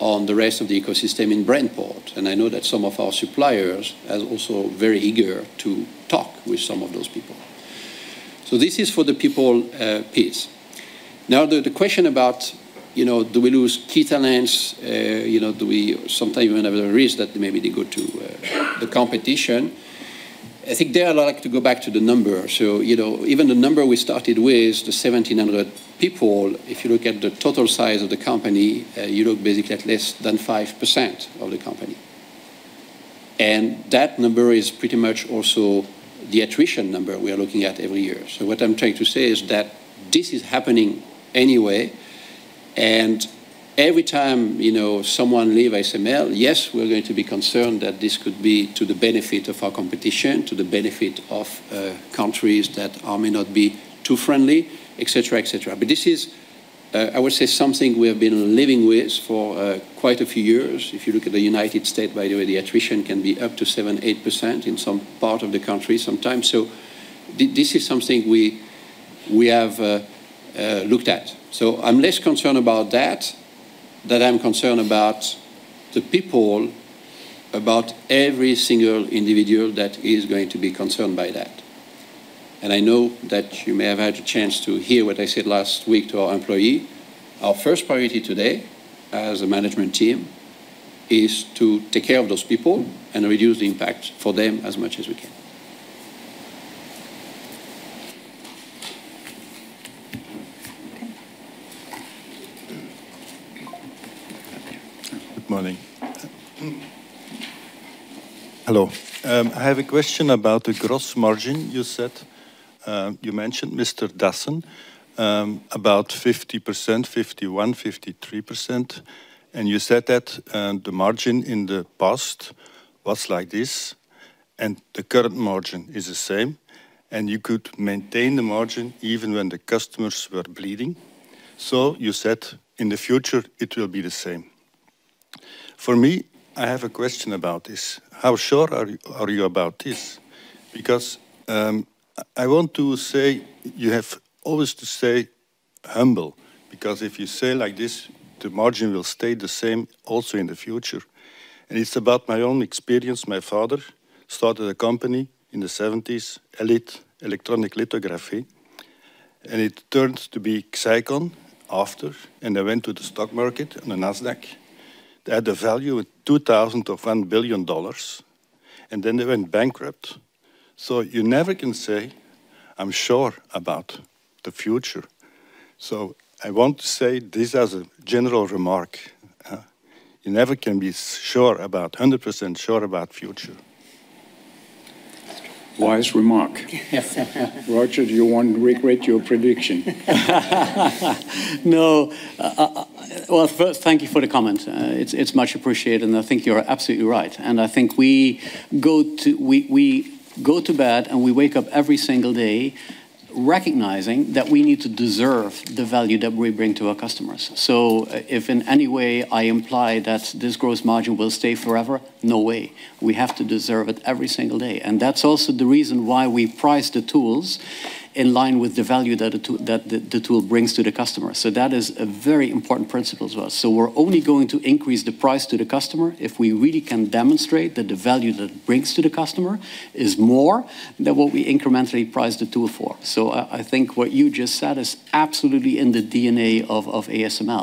on the rest of the ecosystem in Brainport. I know that some of our suppliers are also very eager to talk with some of those people. This is for the people piece. Now, the question about do we lose key talents, do we sometimes even have a risk that maybe they go to the competition? I think there, I'd like to go back to the number. Even the number we started with, the 1,700 people, if you look at the total size of the company, you look basically at less than 5% of the company. That number is pretty much also the attrition number we are looking at every year. What I'm trying to say is that this is happening anyway, and every time someone leave ASML, yes, we're going to be concerned that this could be to the benefit of our competition, to the benefit of countries that may not be too friendly, et cetera. This is, I would say, something we have been living with for quite a few years. If you look at the United States, by the way, the attrition can be up to 7%-8% in some part of the country sometimes. This is something we have looked at. I'm less concerned about that than I'm concerned about the people, about every single individual that is going to be concerned by that. I know that you may have had a chance to hear what I said last week to our employee. Our first priority today, as a management team, is to take care of those people and reduce the impact for them as much as we can. Good morning. Hello. I have a question about the gross margin. You mentioned, Mr. Dassen, about 50%, 51%, 53%, and you said that the margin in the past was like this, and the current margin is the same, and you could maintain the margin even when the customers were bleeding. You said in the future it will be the same. For me, I have a question about this. How sure are you about this? Because I want to say you have always to stay humble, because if you say like this, the margin will stay the same also in the future. It's about my own experience. My father started a company in the 1970s, Elite Electronic Lithography, and it turned to be Cycon after, and they went to the stock market on the NASDAQ. They had a value of $2 billion, and then they went bankrupt. You never can say, "I'm sure about the future." I want to say this as a general remark. You never can be 100% sure about future. Wise remark. Roger, do you want to regret your prediction? No. Well, first, thank you for the comment. It's much appreciated, and I think you're absolutely right. I think we go to bed and we wake up every single day recognizing that we need to deserve the value that we bring to our customers. If in any way I imply that this gross margin will stay forever, no way. We have to deserve it every single day. That's also the reason why we price the tools in line with the value that the tool brings to the customer. That is a very important principle to us. We're only going to increase the price to the customer if we really can demonstrate that the value that it brings to the customer is more than what we incrementally price the tool for. I think what you just said is absolutely in the DNA of ASML.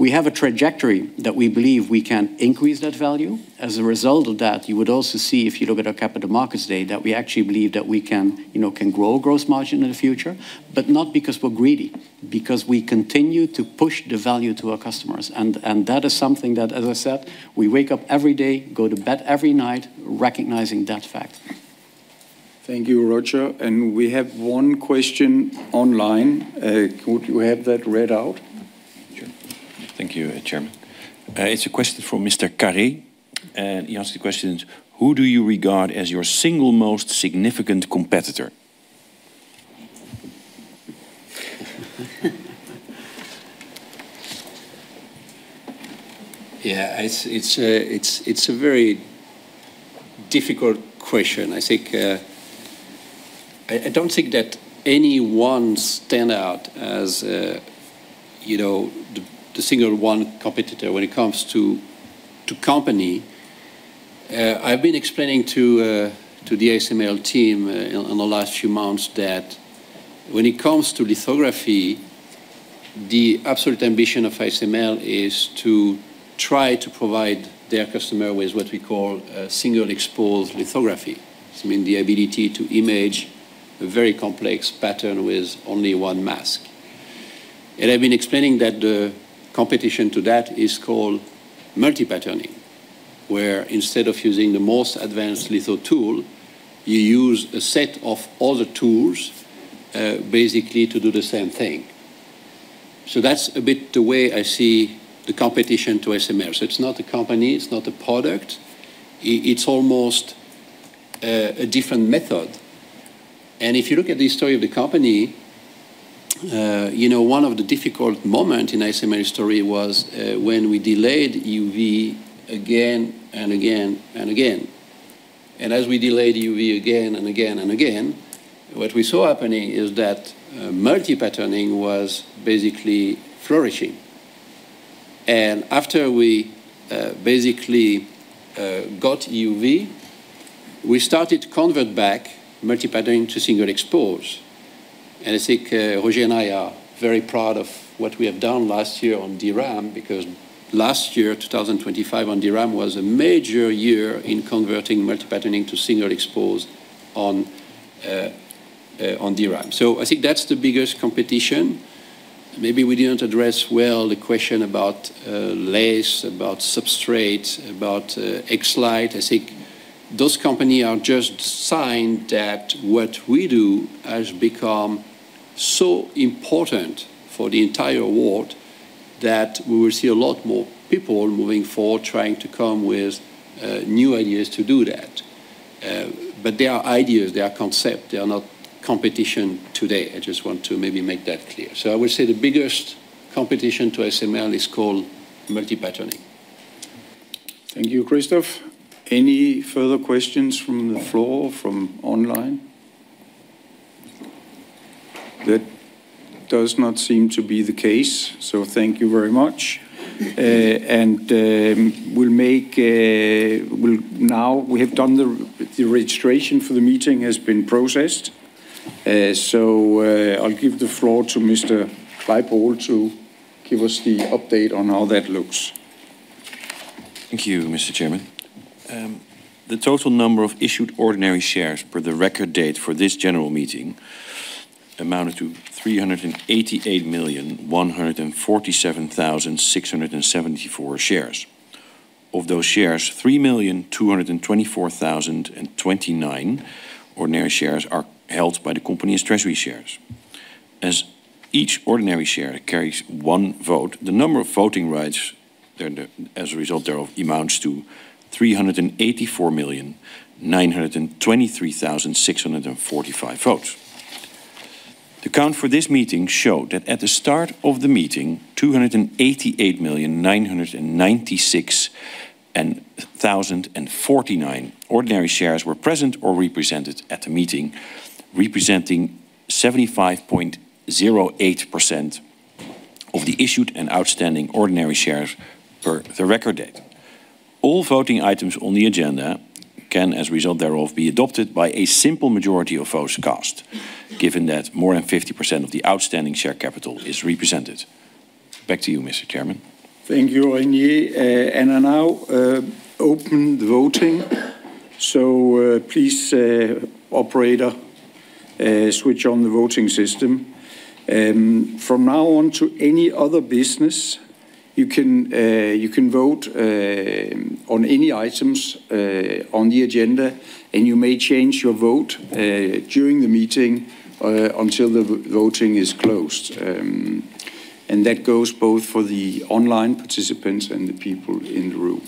We have a trajectory that we believe we can increase that value. As a result of that, you would also see, if you look at our Capital Markets Day, that we actually believe that we can grow gross margin in the future, but not because we're greedy, because we continue to push the value to our customers. That is something that, as I said, we wake up every day, go to bed every night recognizing that fact. Thank you, Roger. We have one question online. Could you have that read out? Sure. Thank you, Chairman. It's a question from Mr. Carey, and he asks the question, "Who do you regard as your single most significant competitor? Yeah, it's a very difficult question. I don't think that any one stands out as the single competitor when it comes to the company. I've been explaining to the ASML team in the last few months that when it comes to lithography, the absolute ambition of ASML is to try to provide their customer with what we call single exposure lithography, so meaning the ability to image a very complex pattern with only one mask. I've been explaining that the competition to that is called multi-patterning, where instead of using the most advanced litho tool, you use a set of all the tools, basically to do the same thing. That's a bit the way I see the competition to ASML. It's not a company, it's not a product. It's almost a different method. If you look at the story of the company, one of the difficult moment in ASML's story was when we delayed EUV again and again and again. As we delayed EUV again and again and again, what we saw happening is that multi-patterning was basically flourishing. After we basically got EUV, we started to convert back multi-patterning to single exposure. I think Roger and I are very proud of what we have done last year on DRAM, because last year, 2025, on DRAM was a major year in converting multi-patterning to single exposure on DRAM. I think that's the biggest competition. Maybe we didn't address well the question about laser, about substrates, about X-ray. I think those companies are just a sign that what we do has become so important for the entire world, that we will see a lot more people moving forward trying to come with new ideas to do that. They are ideas, they are concepts, they are not competition today. I just want to maybe make that clear. I would say the biggest competition to ASML is called Multi-Patterning. Thank you, Christophe. Any further questions from the floor, from online? That does not seem to be the case, so thank you very much. The registration for the meeting has been processed, so I'll give the floor to Mr. Reinier Kleipool to give us the update on how that looks. Thank you, Mr. Chairman. The total number of issued ordinary shares per the record date for this general meeting amounted to 388,147,674 shares. Of those shares, 3,224,029 ordinary shares are held by the company as treasury shares. As each ordinary share carries one vote, the number of voting rights as a result thereof amounts to 384,923,645 votes. The count for this meeting showed that at the start of the meeting, 288,996,049 ordinary shares were present or represented at the meeting, representing 75.08% of the issued and outstanding ordinary shares per the record date. All voting items on the agenda can, as a result thereof, be adopted by a simple majority of votes cast, given that more than 50% of the outstanding share capital is represented. Back to you, Mr. Chairman. Thank you, Reinier. I now open the voting. Please, operator, switch on the voting system. From now on to any other business, you can vote on any items on the agenda, and you may change your vote during the meeting, until the voting is closed. That goes both for the online participants and the people in the room.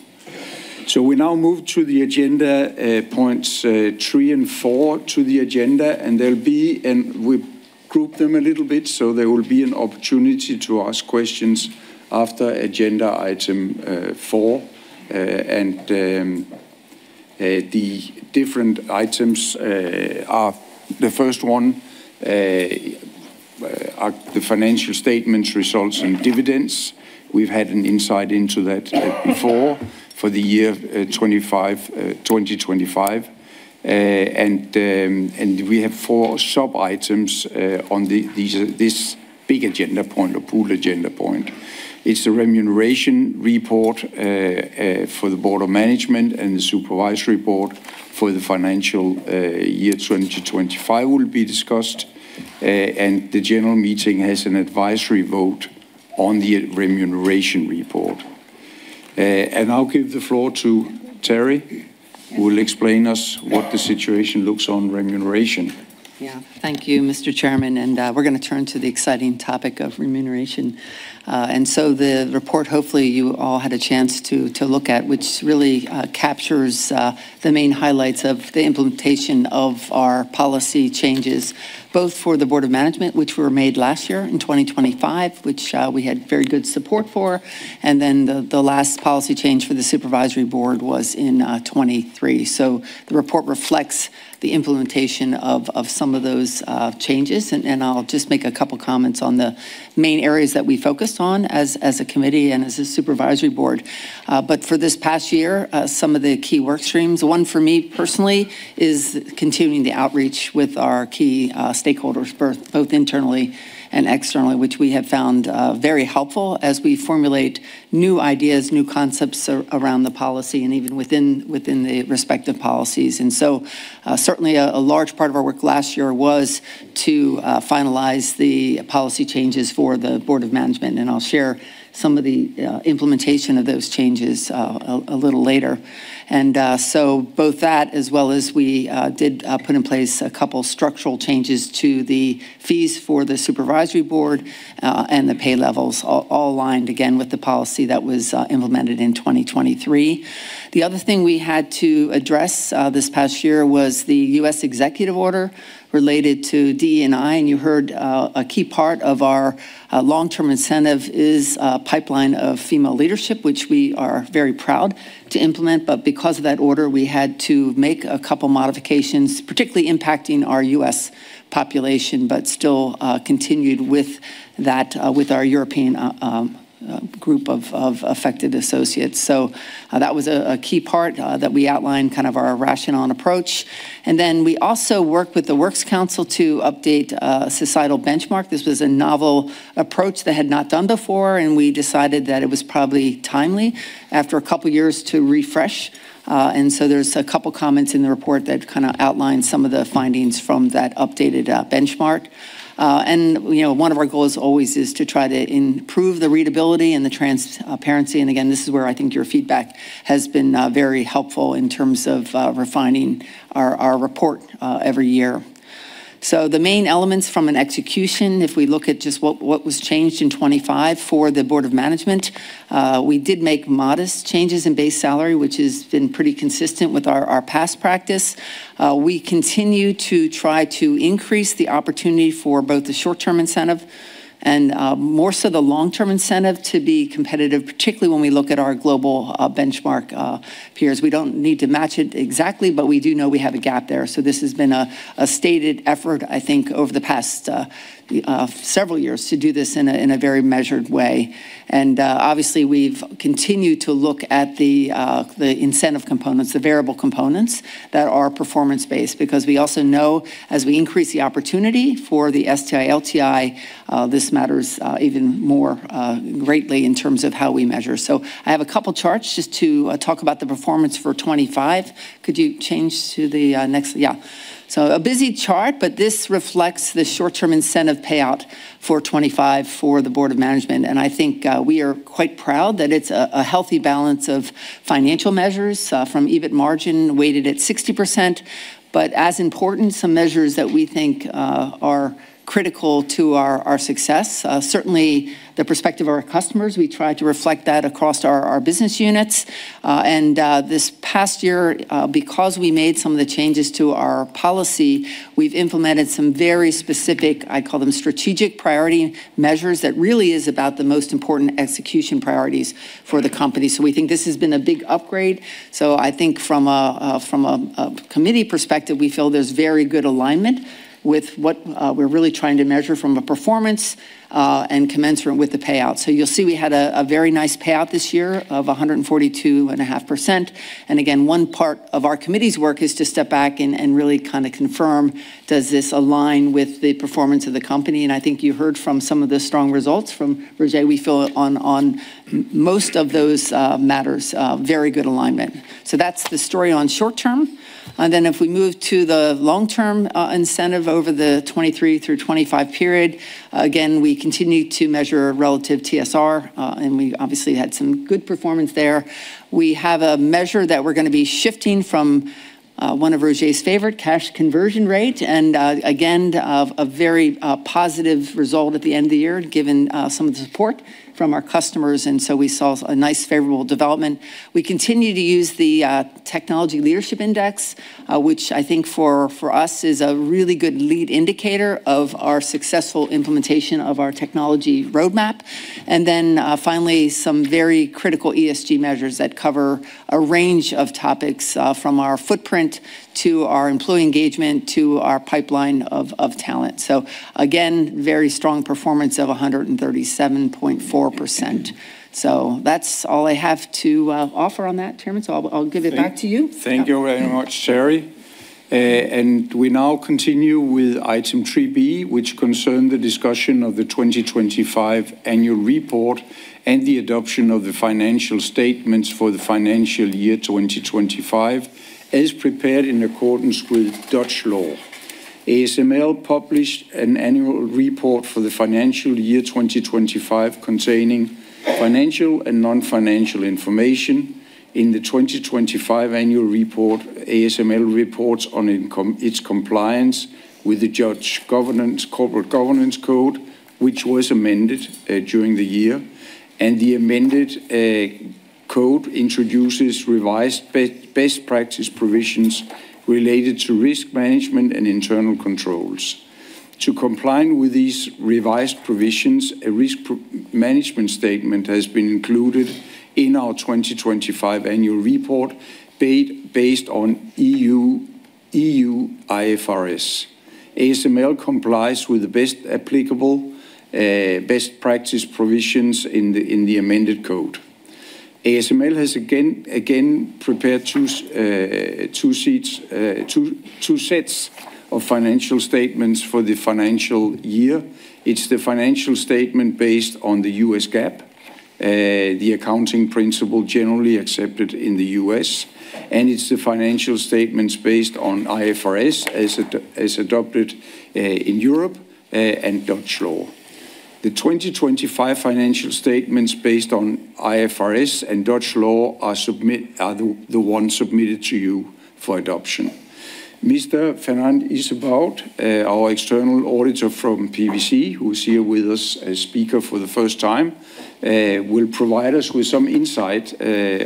We now move to the agenda, points three and four to the agenda, and we group them a little bit, so there will be an opportunity to ask questions after agenda item four. The different items are, the first one, are the financial statements, results, and dividends. We've had an insight into that before for the year 2025. We have four sub-items on this big agenda point or pool agenda point. It's the remuneration report for the Board of Management and the Supervisory Board for the financial year 2025 will be discussed. The general meeting has an advisory vote on the remuneration report. I'll give the floor to Terri, who will explain us what the situation looks on remuneration. Yeah. Thank you, Mr. Chairman, and we're going to turn to the exciting topic of remuneration. The report, hopefully you all had a chance to look at, which really captures the main highlights of the implementation of our policy changes, both for the Board of Management, which were made last year in 2025, which we had very good support for. The last policy change for the Supervisory Board was in 2023. The report reflects the implementation of some of those changes, and I'll just make a couple comments on the main areas that we focused on as a committee and as a Supervisory Board. For this past year, some of the key work streams, one for me personally, is continuing the outreach with our key stakeholders, both internally and externally, which we have found very helpful as we formulate new ideas, new concepts around the policy and even within the respective policies. Certainly a large part of our work last year was to finalize the policy changes for the board of management. I'll share some of the implementation of those changes a little later. Both that as well as we did put in place a couple structural changes to the fees for the supervisory board, and the pay levels all aligned again with the policy that was implemented in 2023. The other thing we had to address this past year was the U.S. executive order related to DE&I, and you heard a key part of our long-term incentive is a pipeline of female leadership, which we are very proud to implement, but because of that order, we had to make a couple modifications, particularly impacting our U.S. population, but still continued with our European group of affected associates. That was a key part that we outlined our rationale and approach. Then we also worked with the Works Council to update a societal benchmark. This was a novel approach that had not done before, and we decided that it was probably timely after a couple of years to refresh. There's a couple of comments in the report that kind of outline some of the findings from that updated benchmark. One of our goals always is to try to improve the readability and the transparency. Again, this is where I think your feedback has been very helpful in terms of refining our report every year. The main elements from an execution, if we look at just what was changed in 2025 for the Board of Management, we did make modest changes in base salary, which has been pretty consistent with our past practice. We continue to try to increase the opportunity for both the short-term incentive and more so the long-term incentive to be competitive, particularly when we look at our global benchmark peers. We don't need to match it exactly, but we do know we have a gap there. This has been a stated effort, I think, over the past several years to do this in a very measured way. Obviously, we've continued to look at the incentive components, the variable components that are performance-based, because we also know as we increase the opportunity for the STI, LTI, this matters even more greatly in terms of how we measure. I have a couple charts just to talk about the performance for 2025. Could you change to the next? Yeah. A busy chart, but this reflects the short-term incentive payout for 2025 for the board of management. I think we are quite proud that it's a healthy balance of financial measures from EBIT margin weighted at 60%, but as important, some measures that we think are critical to our success, certainly the perspective of our customers, we try to reflect that across our business units. This past year, because we made some of the changes to our policy, we've implemented some very specific, I call them strategic priority measures that really is about the most important execution priorities for the company. We think this has been a big upgrade. I think from a committee perspective, we feel there's very good alignment with what we're really trying to measure from a performance, and commensurate with the payout. You'll see we had a very nice payout this year of 142.5%. Again, one part of our committee's work is to step back and really kind of confirm, does this align with the performance of the company? I think you heard from some of the strong results from Roger, we feel on most of those matters, very good alignment. That's the story on short-term. Then if we move to the long-term incentive over the 2023 through 2025 period, again, we continue to measure relative TSR, and we obviously had some good performance there. We have a measure that we're going to be shifting from one of Roger's favorite, cash conversion rate, and again, a very positive result at the end of the year, given some of the support from our customers, and so we saw a nice favorable development. We continue to use the technology leadership index, which I think for us is a really good lead indicator of our successful implementation of our technology roadmap. Finally, some very critical ESG measures that cover a range of topics from our footprint to our employee engagement to our pipeline of talent. Again, very strong performance of 137.4%. That's all I have to offer on that, Chairman, so I'll give it back to you. Thank you very much, Terri. We now continue with item threeb, which concern the discussion of the 2025 annual report and the adoption of the financial statements for the financial year 2025, as prepared in accordance with Dutch law. ASML published an annual report for the financial year 2025 containing financial and non-financial information. In the 2025 annual report, ASML reports on its compliance with the Dutch Corporate Governance Code, which was amended during the year. The amended code introduces revised best practice provisions related to risk management and internal controls. To comply with these revised provisions, a risk management statement has been included in our 2025 annual report based on EU IFRS. ASML complies with the best applicable, best practice provisions in the amended code. ASML has again prepared two sets of financial statements for the financial year. It's the financial statement based on the U.S. GAAP, the accounting principle generally accepted in the U.S., and it's the financial statements based on IFRS as adopted in Europe and Dutch law. The 2025 financial statements based on IFRS and Dutch law are the ones submitted to you for adoption. Mr. Fernand Izeboud, our external auditor from PricewaterhouseCoopers, who is here with us as speaker for the first time, will provide us with some insight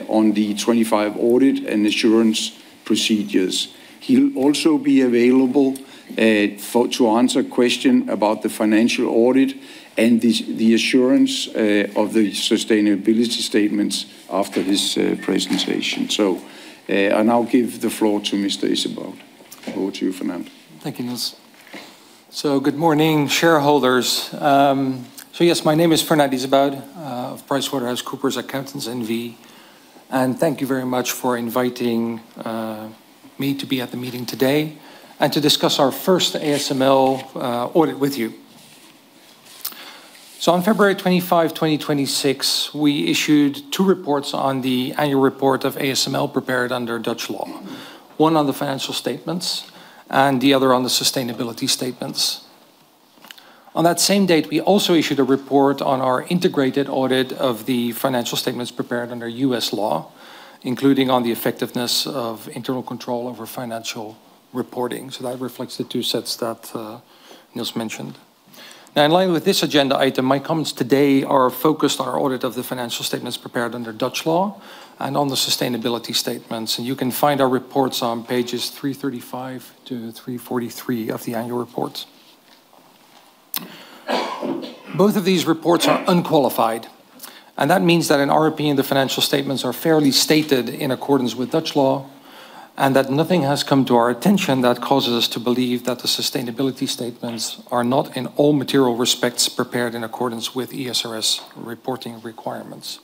on the 2025 audit and assurance procedures. He'll also be available to answer questions about the financial audit and the assurance of the sustainability statements after his presentation. I now give the floor to Mr. Izeboud. Over to you, Fernand. Thank you, Nils. Good morning, shareholders. Yes, my name is Fernand Izeboud of PricewaterhouseCoopers Accountants N.V., and thank you very much for inviting me to be at the meeting today and to discuss our first ASML audit with you. On February 25, 2026, we issued two reports on the annual report of ASML prepared under Dutch law, one on the financial statements, and the other on the sustainability statements. On that same date, we also issued a report on our integrated audit of the financial statements prepared under U.S. law, including on the effectiveness of internal control over financial reporting. That reflects the two sets that Nils mentioned. Now, in line with this agenda item, my comments today are focused on our audit of the financial statements prepared under Dutch law and on the sustainability statements. You can find our reports on pages 335-343 of the annual report. Both of these reports are unqualified, and that means that in our opinion, the financial statements are fairly stated in accordance with Dutch law, and that nothing has come to our attention that causes us to believe that the sustainability statements are not, in all material respects, prepared in accordance with ESRS reporting requirements.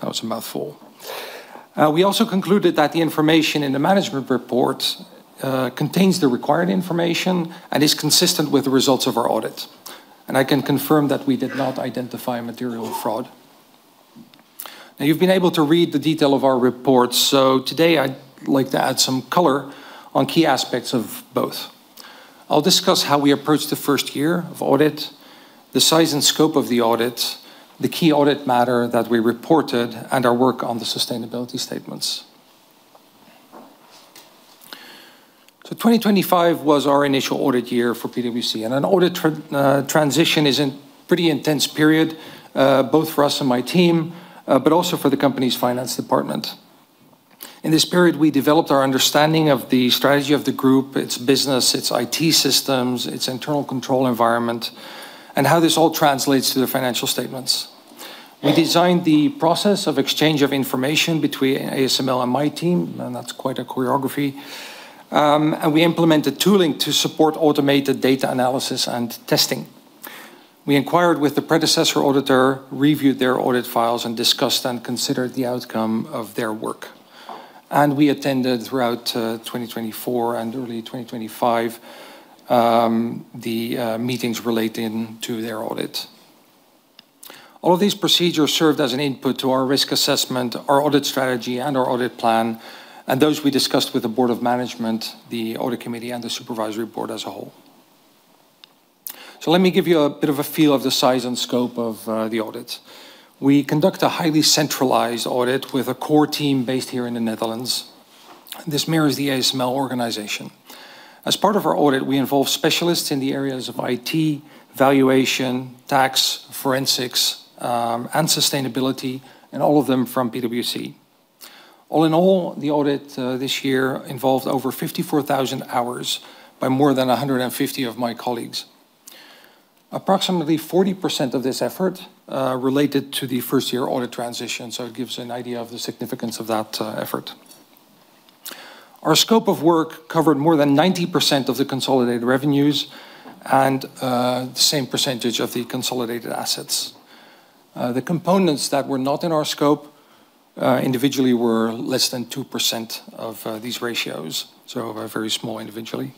That was a mouthful. We also concluded that the information in the management report contains the required information and is consistent with the results of our audit, and I can confirm that we did not identify material fraud. Now, you've been able to read the detail of our report, so today I'd like to add some color on key aspects of both. I'll discuss how we approached the first year of audit, the size and scope of the audit, the key audit matter that we reported, and our work on the sustainability statements. 2025 was our initial audit year for PwC, and an audit transition is a pretty intense period, both for us and my team, but also for the company's finance department. In this period, we developed our understanding of the strategy of the group, its business, its IT systems, its internal control environment, and how this all translates to the financial statements. We designed the process of exchange of information between ASML and my team, and that's quite a choreography, and we implemented tooling to support automated data analysis and testing. We inquired with the predecessor auditor, reviewed their audit files, and discussed and considered the outcome of their work. We attended, throughout 2024 and early 2025, the meetings relating to their audit. All of these procedures served as an input to our risk assessment, our audit strategy, and our audit plan, and those we discussed with the board of management, the audit committee, and the supervisory board as a whole. Let me give you a bit of a feel of the size and scope of the audit. We conduct a highly centralized audit with a core team based here in the Netherlands. This mirrors the ASML organization. As part of our audit, we involve specialists in the areas of IT, valuation, tax, forensics, and sustainability, and all of them from PwC. All in all, the audit this year involved over 54,000 hours by more than 150 of my colleagues. Approximately 40% of this effort related to the first-year audit transition, so it gives an idea of the significance of that effort. Our scope of work covered more than 90% of the consolidated revenues and the same percentage of the consolidated assets. The components that were not in our scope, individually, were less than 2% of these ratios, so are very small individually.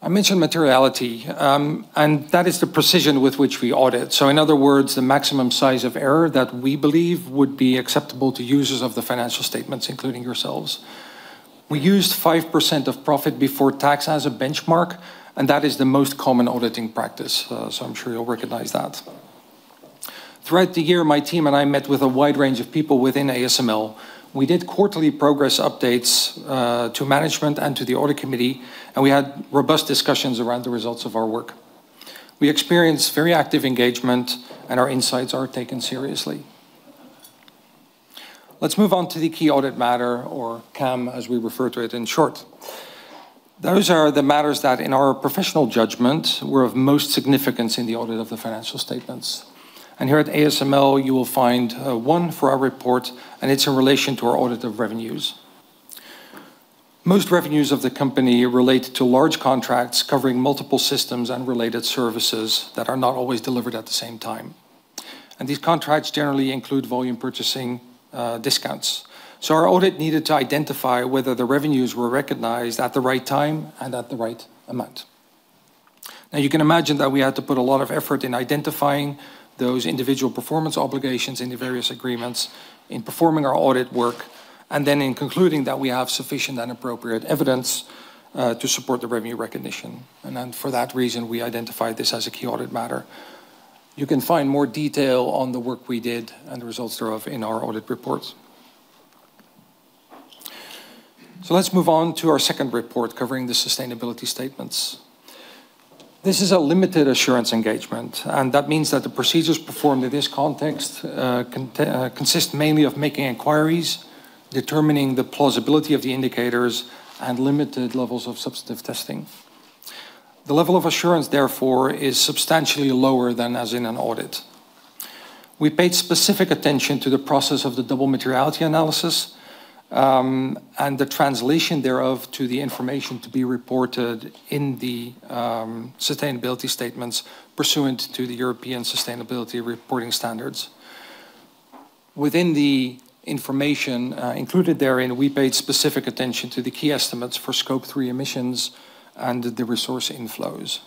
I mentioned materiality, and that is the precision with which we audit. In other words, the maximum size of error that we believe would be acceptable to users of the financial statements, including yourselves. We used 5% of profit before tax as a benchmark, and that is the most common auditing practice, so I'm sure you'll recognize that. Throughout the year, my team and I met with a wide range of people within ASML. We did quarterly progress updates to management and to the audit committee, and we had robust discussions around the results of our work. We experienced very active engagement, and our insights are taken seriously. Let's move on to the key audit matter, or KAM, as we refer to it in short. Those are the matters that, in our professional judgment, were of most significance in the audit of the financial statements. Here at ASML, you will find one for our report, and it's in relation to our audit of revenues. Most revenues of the company relate to large contracts covering multiple systems and related services that are not always delivered at the same time. These contracts generally include volume purchasing discounts. Our audit needed to identify whether the revenues were recognized at the right time and at the right amount. Now, you can imagine that we had to put a lot of effort in identifying those individual performance obligations in the various agreements in performing our audit work in concluding that we have sufficient and appropriate evidence to support the revenue recognition. For that reason, we identified this as a key audit matter. You can find more detail on the work we did and the results thereof in our audit reports. Let's move on to our second report covering the sustainability statements. This is a limited assurance engagement, and that means that the procedures performed in this context consist mainly of making inquiries, determining the plausibility of the indicators, and limited levels of substantive testing. The level of assurance, therefore, is substantially lower than as in an audit. We paid specific attention to the process of the double materiality analysis, and the translation thereof to the information to be reported in the sustainability statements pursuant to the European Sustainability Reporting Standards. Within the information included therein, we paid specific attention to the key estimates for Scope 3 emissions and the resource inflows.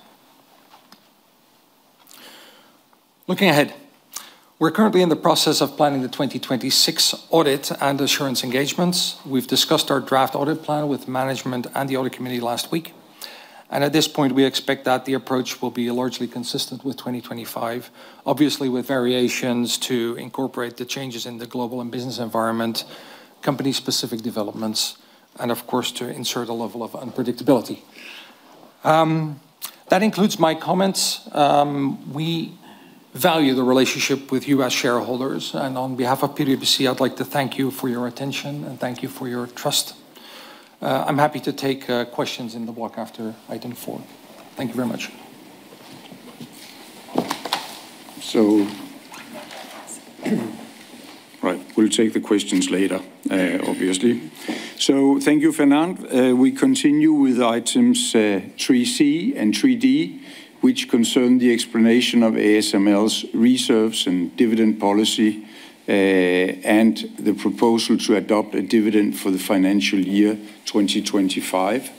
Looking ahead, we're currently in the process of planning the 2026 audit and assurance engagements. We've discussed our draft audit plan with management and the audit committee last week. At this point, we expect that the approach will be largely consistent with 2025, obviously with variations to incorporate the changes in the global and business environment, company-specific developments, and of course, to insert a level of unpredictability. That includes my comments. We value the relationship with you as shareholders. On behalf of PwC, I'd like to thank you for your attention and thank you for your trust. I'm happy to take questions in the walk after item four. Thank you very much. Right, we'll take the questions later, obviously. Thank you, Fernand. We continue with items 3C and 3D, which concern the explanation of ASML's reserves and dividend policy, and the proposal to adopt a dividend for the financial year 2025.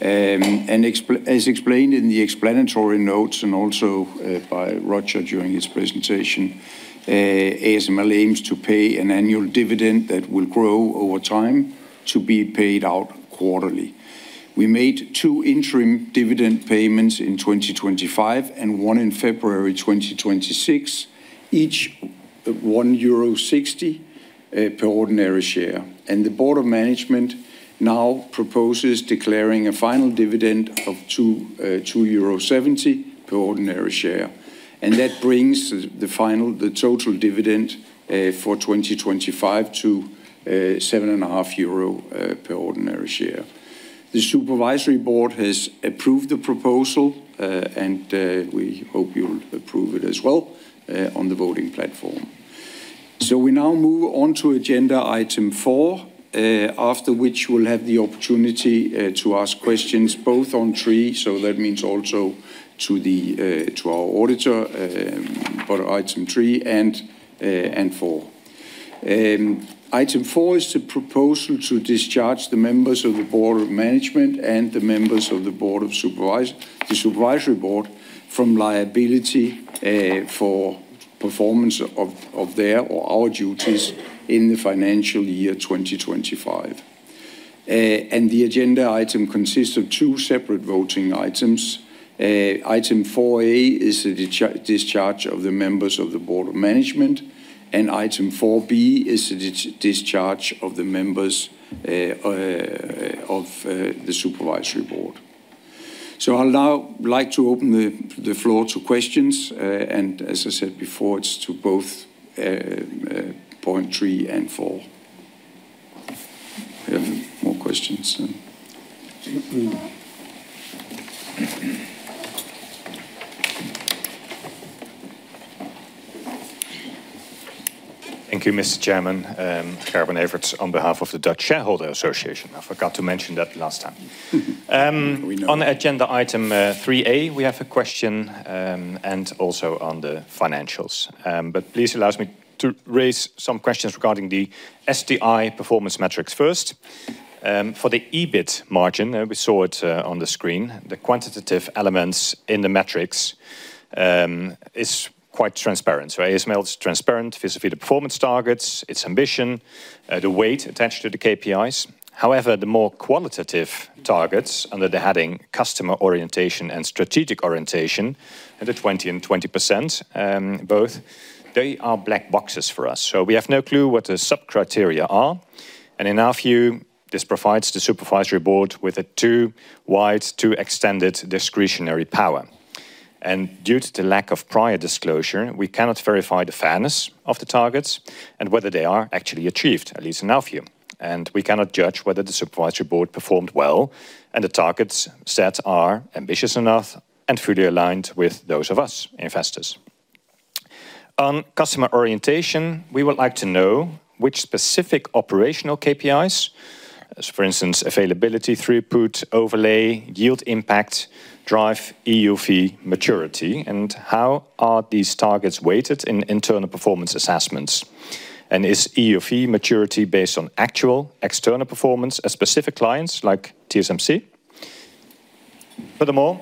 As explained in the explanatory notes and also by Roger during his presentation, ASML aims to pay an annual dividend that will grow over time to be paid out quarterly. We made two interim dividend payments in 2025 and one in February 2026, each at 1.60 per ordinary share, and the Board of Management now proposes declaring a final dividend of 2.70 euro per ordinary share. That brings the total dividend for 2025 to 7.50 euro per ordinary share. The Supervisory Board has approved the proposal, and we hope you'll approve it as well on the voting platform. We now move on to agenda item four, after which you will have the opportunity to ask questions both on three, so that means also to our auditor, for item three and four. Item four is the proposal to discharge the members of the Board of Management and the members of the Supervisory Board from liability for performance of their or our duties in the financial year 2025. The agenda item consists of two separate voting items. item foura is the discharge of the members of the Board of Management, and item fourb is the discharge of the members of the Supervisory Board. I'll now like to open the floor to questions, and as I said before, it's to both point three and four. We have more questions, then. Thank you, Mr. Chairman. Gerben Everts on behalf of the Dutch Shareholders' Association. I forgot to mention that last time. We know. On agenda item threea, we have a question, and also on the financials. Please allow me to raise some questions regarding the SDI performance metrics first. For the EBIT margin, we saw it on the screen, the quantitative elements in the metrics, is quite transparent. ASML is transparent vis-a-vis the performance targets, its ambition, the weight attached to the KPIs. However, the more qualitative targets under the heading Customer Orientation and Strategic Orientation, the 20% and 20% both, they are black boxes for us. We have no clue what the sub-criteria are. In our view, this provides the Supervisory Board with a too wide, too extended discretionary power. Due to the lack of prior disclosure, we cannot verify the fairness of the targets and whether they are actually achieved, at least in our view. We cannot judge whether the Supervisory Board performed well and the targets set are ambitious enough and fully aligned with those of us investors. On customer orientation, we would like to know which specific operational KPIs, for instance, availability, throughput, overlay, yield impact, drive EUV maturity, and how are these targets weighted in internal performance assessments? Is EUV maturity based on actual external performance as specific clients like TSMC? Furthermore,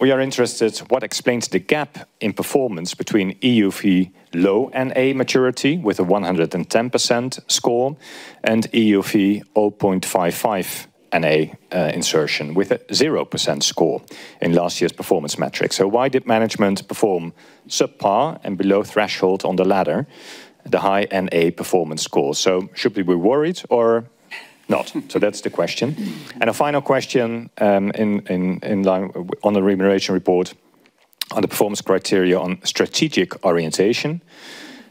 we are interested in what explains the gap in performance between EUV Low-NA maturity with a 110% score and EUV 0.55 NA insertion with a 0% score in last year's performance metrics. Why did management perform subpar and below threshold on the latter, the High-NA performance score? Should we be worried or not? That's the question. A final question on the remuneration report on the performance criteria on strategic orientation.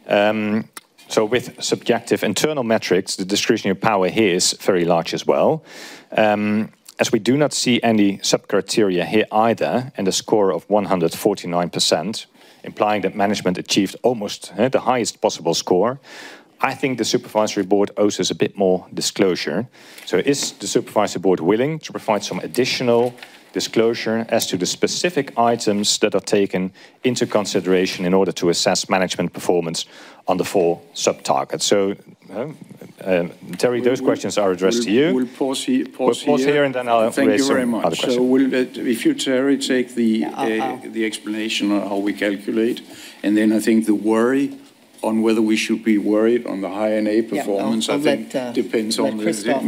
With subjective internal metrics, the discretionary power here is very large as well. As we do not see any sub-criteria here either, and a score of 149%, implying that management achieved almost the highest possible score. I think the Supervisory Board owes us a bit more disclosure. Is the Supervisory Board willing to provide some additional disclosure as to the specific items that are taken into consideration in order to assess management performance on the four sub-targets? Terri, those questions are addressed to you. We'll pause here. We'll pause here, and then I'll raise some other questions. Thank you very much. If ou, Terri, take the I'll the explanation on how we calculate, and then I think the worry on whether we should be worried on the High-NA performance, I think depends on the I'll let Christophe.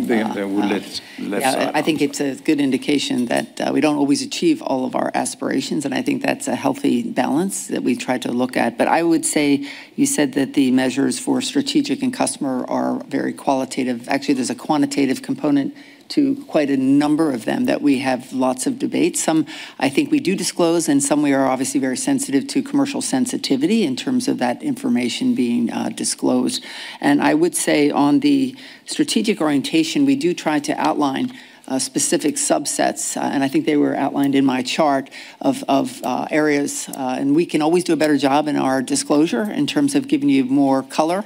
We'll let answer. I think it's a good indication that we don't always achieve all of our aspirations, and I think that's a healthy balance that we try to look at. I would say you said that the measures for strategic and customer are very qualitative. Actually, there's a quantitative component to quite a number of them that we have lots of debates. Some I think we do disclose, and some we are obviously very sensitive to commercial sensitivity in terms of that information being disclosed. I would say on the strategic orientation, we do try to outline specific subsets, and I think they were outlined in my chart of areas. We can always do a better job in our disclosure in terms of giving you more color.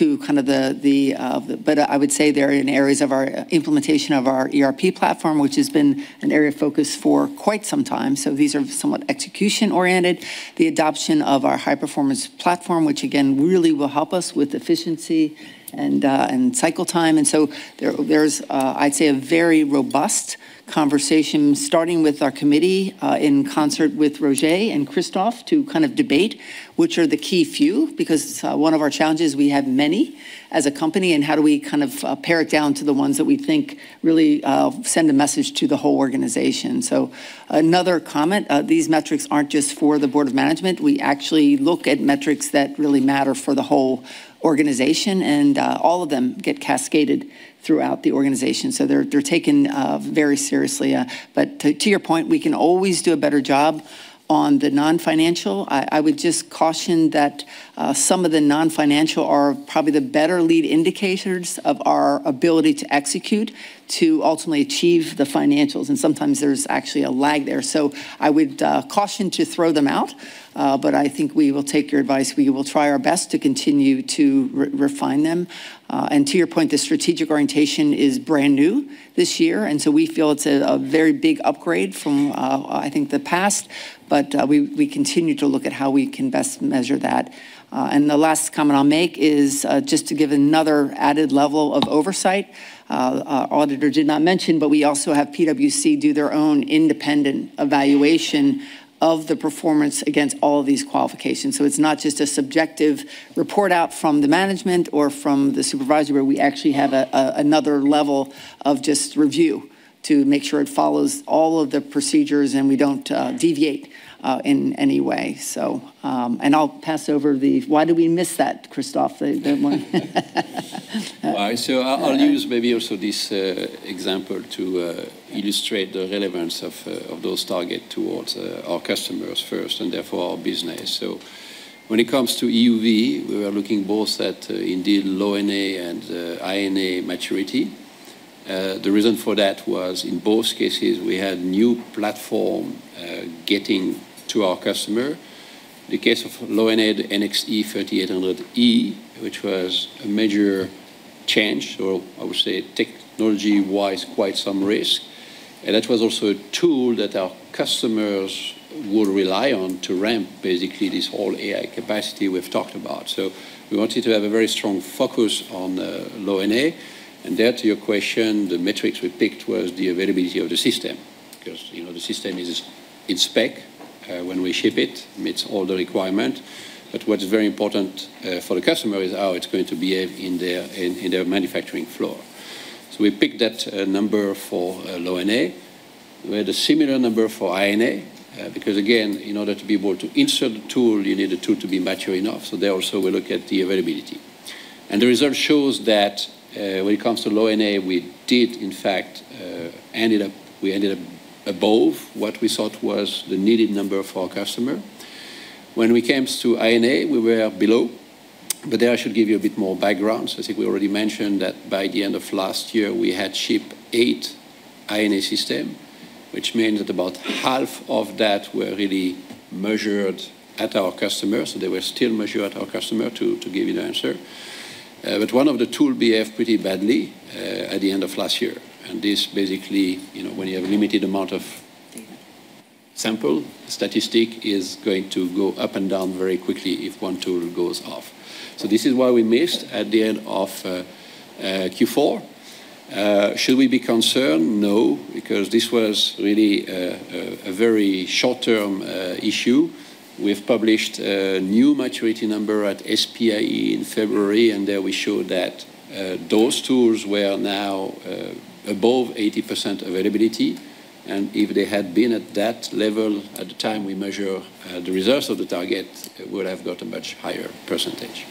I would say they're in areas of our implementation of our ERP platform, which has been an area of focus for quite some time. These are somewhat execution-oriented. The adoption of our high-performance platform, which again, really will help us with efficiency and cycle time. There's, I'd say, a very robust conversation, starting with our committee, in concert with Roger and Christophe to kind of debate which are the key few. Because one of our challenges, we have many as a company, and how do we pare it down to the ones that we think really send a message to the whole organization. Another comment, these metrics aren't just for the Board of Management. We actually look at metrics that really matter for the whole organization, and all of them get cascaded throughout the organization. They're taken very seriously. To your point, we can always do a better job on the non-financial. I would just caution that some of the non-financial are probably the better lead indicators of our ability to execute, to ultimately achieve the financials, and sometimes there's actually a lag there. I would caution to throw them out, but I think we will take your advice. We will try our best to continue to refine them. To your point, the strategic orientation is brand new this year, and so we feel it's a very big upgrade from, I think, the past. We continue to look at how we can best measure that. The last comment I'll make is, just to give another added level of oversight, auditor did not mention, but we also have PricewaterhouseCoopers do their own independent evaluation of the performance against all of these qualifications. It's not just a subjective report out from the management or from the supervisory. We actually have another level of just review to make sure it follows all of the procedures, and we don't deviate in any way. I'll pass over the "why did we miss that," Christophe, the one. All right. I'll use maybe also this example to illustrate the relevance of those targets towards our customers first and therefore our business. When it comes to EUV, we are looking both at indeed Low-NA and High-NA maturity. The reason for that was in both cases, we had new platform getting to our customer. The case of Low-NA NXE:3800E, which was a major change. I would say technology-wise, quite some risk. That was also a tool that our customers would rely on to ramp basically this whole AI capacity we've talked about. We wanted to have a very strong focus on Low-NA. There, to your question, the metrics we picked was the availability of the system. Because the system is in spec when we ship it, meets all the requirements. What's very important for the customer is how it's going to behave in their manufacturing floor. We picked that number for Low-NA. We had a similar number for High-NA, because again, in order to be able to insert the tool, you need the tool to be mature enough. There also we look at the availability. The result shows that when it comes to Low-NA, we did in fact ended up above what we thought was the needed number for our customer. When we came to High-NA, we were below, but there I should give you a bit more background. I think we already mentioned that by the end of last year, we had shipped 8 High-NA systems, which means that about half of that were really measured at our customer. They were still measured at our customer to give you the answer. One of the tool behaved pretty badly at the end of last year. This basically, when you have limited amount of- Sample statistic is going to go up and down very quickly if one tool goes off. This is why we missed at the end of Q4. Should we be concerned? No, because this was really a very short-term issue. We've published a new maturity number at SPIE in February, and there we show that those tools were now above 80% availability. If they had been at that level at the time we measure the results of the target, it would have got a much higher percentage.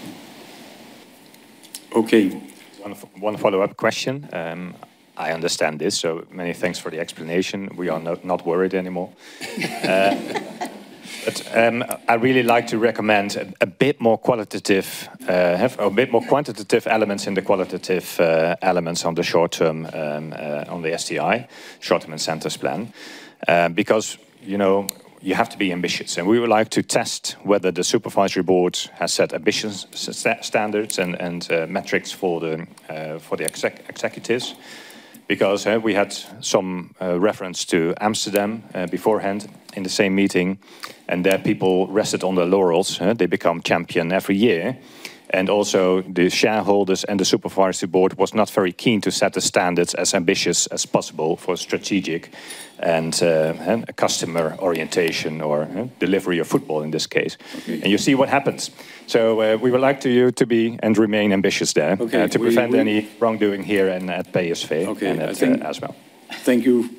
Okay. One follow-up question. I understand this, so many thanks for the explanation. We are not worried anymore. I really like to recommend a bit more quantitative elements in the qualitative elements on the short-term on the STI, short-term incentives plan. Because you have to be ambitious, and we would like to test whether the Supervisory Board has set ambitious standards and metrics for the executives. Because we had some reference to Amsterdam beforehand in the same meeting, and there people rested on their laurels. They become champion every year. Also the shareholders and the Supervisory Board was not very keen to set the standards as ambitious as possible for strategic and customer orientation or delivery of football in this case. Okay. You see what happens. We would like you to be and remain ambitious there. Okay. To prevent any wrongdoing here and at PSV. Okay. I think. as well. Thank you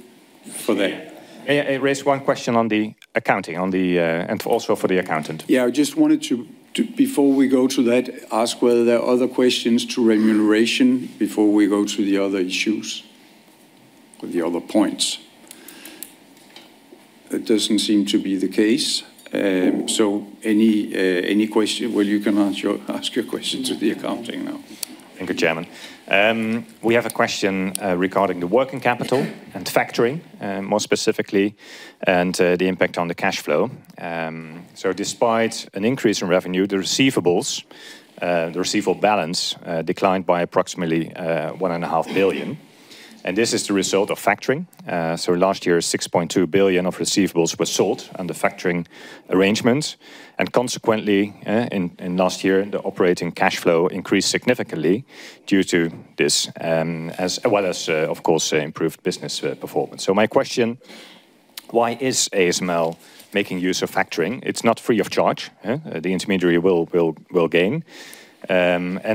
for that. May I raise one question on the accounting, and also for the accountant? Yeah, I just wanted to, before we go to that, ask whether there are other questions to remuneration before we go to the other issues or the other points. It doesn't seem to be the case. Any question? Well, you can ask your question to the accounting now. Thank you, Chairman. We have a question regarding the working capital and factoring, more specifically, and the impact on the cash flow. Despite an increase in revenue, the receivables, the receivable balance declined by approximately 1.5 billion. This is the result of factoring. Last year, 6.2 billion of receivables were sold under factoring arrangements. Consequently, in last year, the operating cash flow increased significantly due to this, as well as, of course, improved business performance. My question, why is ASML making use of factoring? It's not free of charge. The intermediary will gain.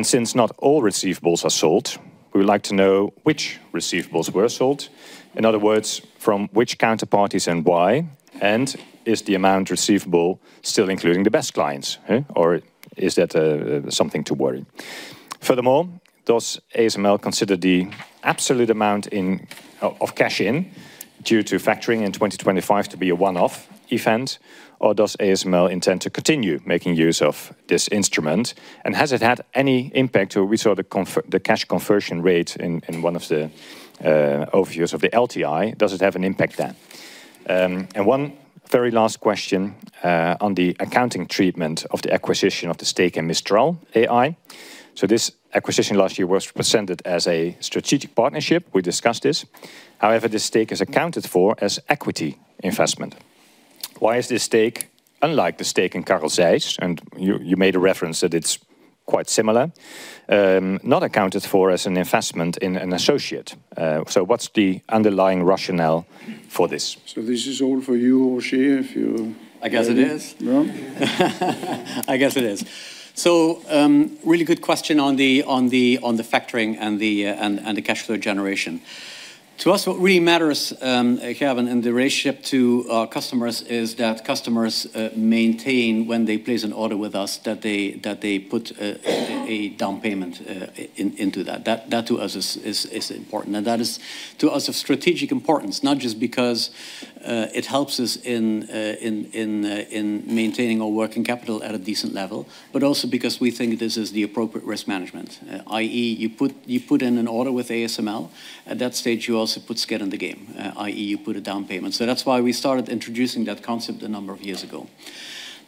Since not all receivables are sold, we would like to know which receivables were sold. In other words, from which counterparties and why, and is the amount receivable still including the best clients? Or is that something to worry? Furthermore, does ASML consider the absolute amount of cash inflow due to factoring in 2025 to be a one-off event, or does ASML intend to continue making use of this instrument? Has it had any impact, as we saw the cash conversion rate in one of the overviews of the LTI? Does it have an impact then? One very last question on the accounting treatment of the acquisition of the stake in Mistral AI. This acquisition last year was presented as a strategic partnership. We discussed this. However, this stake is accounted for as equity investment. Why is this stake, unlike the stake in ZEISS, and you made a reference that it's quite similar, not accounted for as an investment in an associate? What's the underlying rationale for this? This is all for you, Roger, if you I guess it is. No? I guess it is. Really good question on the factoring and the cash flow generation. To us, what really matters, Gerben, in the relationship to our customers is that customers maintain when they place an order with us, that they put a down payment into that. That to us is important. That is, to us, of strategic importance, not just because it helps us in maintaining our working capital at a decent level, but also because we think this is the appropriate risk management, i.e., you put in an order with ASML. At that stage, you also put skin in the game, i.e., you put a down payment. That's why we started introducing that concept a number of years ago.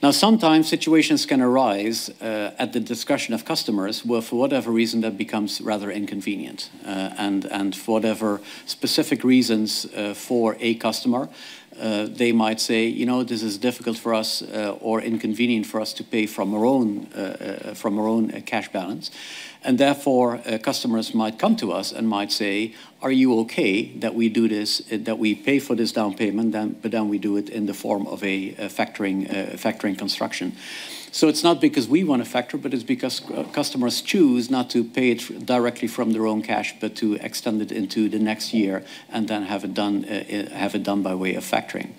Now, sometimes situations can arise at the discretion of customers, where for whatever reason, that becomes rather inconvenient. For whatever specific reasons for a customer, they might say, "You know, this is difficult for us or inconvenient for us to pay from our own cash balance." Therefore, customers might come to us and might say, "Are you okay that we do this, that we pay for this down payment, but then we do it in the form of a factoring construction?" It's not because we want to factor, but it's because customers choose not to pay it directly from their own cash, but to extend it into the next year and then have it done by way of factoring.